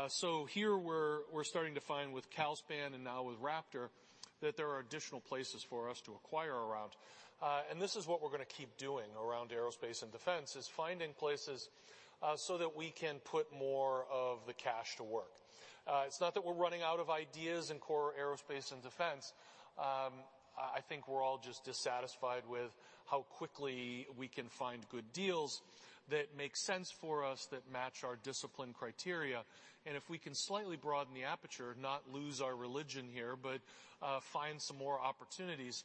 Speaker 3: So here we're starting to find with Calspan and now with Raptor that there are additional places for us to acquire around. And this is what we're going to keep doing around aerospace and defense, is finding places so that we can put more of the cash to work. It's not that we're running out of ideas in core aerospace and defense. I think we're all just dissatisfied with how quickly we can find good deals that make sense for us, that match our discipline criteria. And if we can slightly broaden the aperture, not lose our religion here, but find some more opportunities,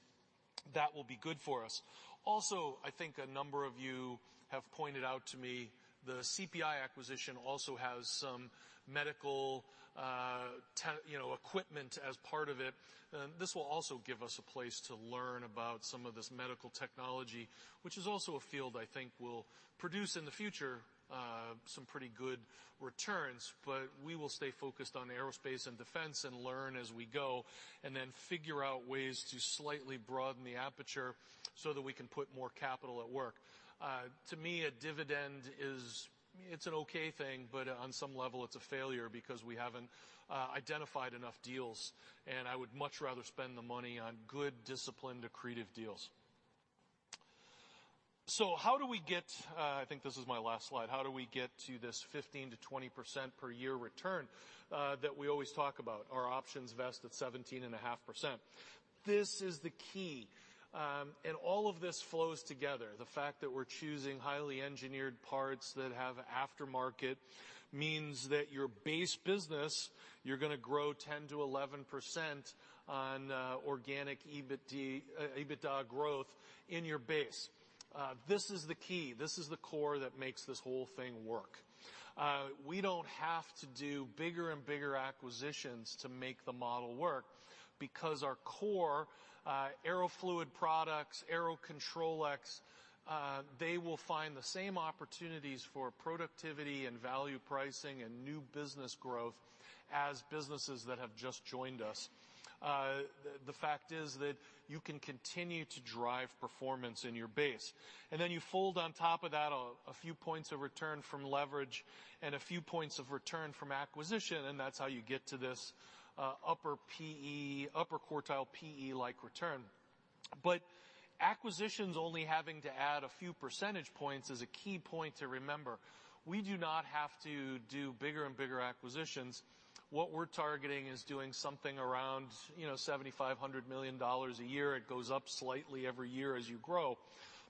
Speaker 3: that will be good for us. Also, I think a number of you have pointed out to me the CPI acquisition also has some medical equipment as part of it. This will also give us a place to learn about some of this medical technology, which is also a field I think will produce in the future some pretty good returns. But we will stay focused on aerospace and defense and learn as we go and then figure out ways to slightly broaden the aperture so that we can put more capital at work. To me, a dividend is it's an okay thing, but on some level, it's a failure because we haven't identified enough deals. I would much rather spend the money on good, disciplined, accretive deals. So how do we get I think this is my last slide. How do we get to this 15%-20% per year return that we always talk about? Our options vest at 17.5%. This is the key. And all of this flows together. The fact that we're choosing highly engineered parts that have aftermarket means that your base business, you're going to grow 10%-11% on organic EBITDA growth in your base. This is the key. This is the core that makes this whole thing work. We don't have to do bigger and bigger acquisitions to make the model work because our core AeroFluid Products, Aerocontrolex, they will find the same opportunities for productivity and value pricing and new business growth as businesses that have just joined us. The fact is that you can continue to drive performance in your base. And then you fold on top of that a few points of return from leverage and a few points of return from acquisition, and that's how you get to this upper quartile PE-like return. But acquisitions only having to add a few percentage points is a key point to remember. We do not have to do bigger and bigger acquisitions. What we're targeting is doing something around $7,500 million a year. It goes up slightly every year as you grow.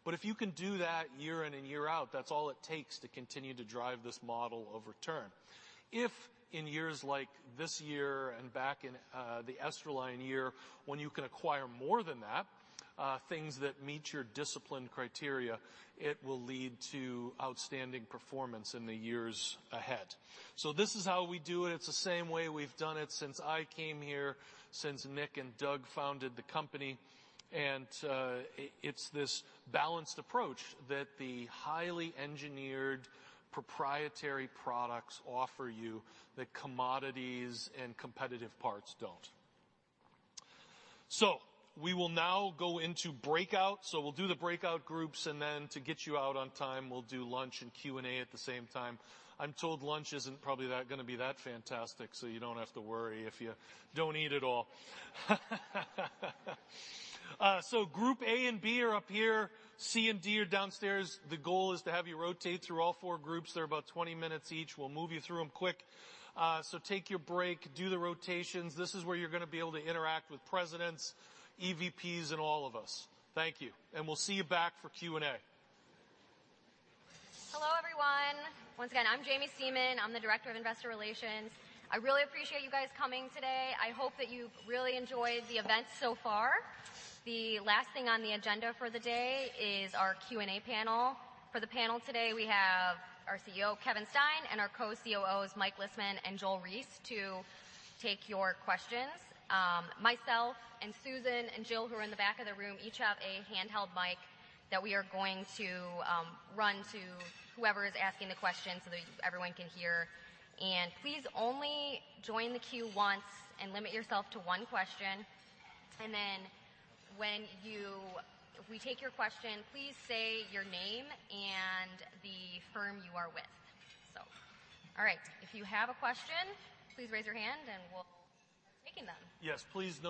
Speaker 3: But if you can do that year in and year out, that's all it takes to continue to drive this model of return. If in years like this year and back in the Esterline year, when you can acquire more than that, things that meet your discipline criteria, it will lead to outstanding performance in the years ahead. So this is how we do it. It's the same way we've done it since I came here, since Nick and Doug founded the company. And it's this balanced approach that the highly engineered proprietary products offer you that commodities and competitive parts don't. So we will now go into breakouts. So we'll do the breakout groups. And then to get you out on time, we'll do lunch and Q&A at the same time. I'm told lunch isn't probably going to be that fantastic, so you don't have to worry if you don't eat at all. So group A and B are up here. C and D are downstairs. The goal is to have you rotate through all four groups. They're about 20 minutes each. We'll move you through them quick. So take your break. Do the rotations. This is where you're going to be able to interact with presidents, EVPs, and all of us. Thank you. And we'll see you back for Q&A.
Speaker 1: Hello, everyone. Once again, I'm Jaimie Seaman. I'm the Director of Investor Relations. I really appreciate you guys coming today. I hope that you've really enjoyed the event so far. The last thing on the agenda for the day is our Q&A panel. For the panel today, we have our CEO, Kevin Stein, and our co-COOs, Mike Lisman and Joel Reiss, to take your questions. Myself and Susan and Jill, who are in the back of the room, each have a handheld mic that we are going to run to whoever is asking the question so that everyone can hear. Please only join the queue once and limit yourself to one question. Then when we take your question, please say your name and the firm you are with. All right. If you have a question, please raise your hand, and we'll start taking them.
Speaker 3: Yes, please.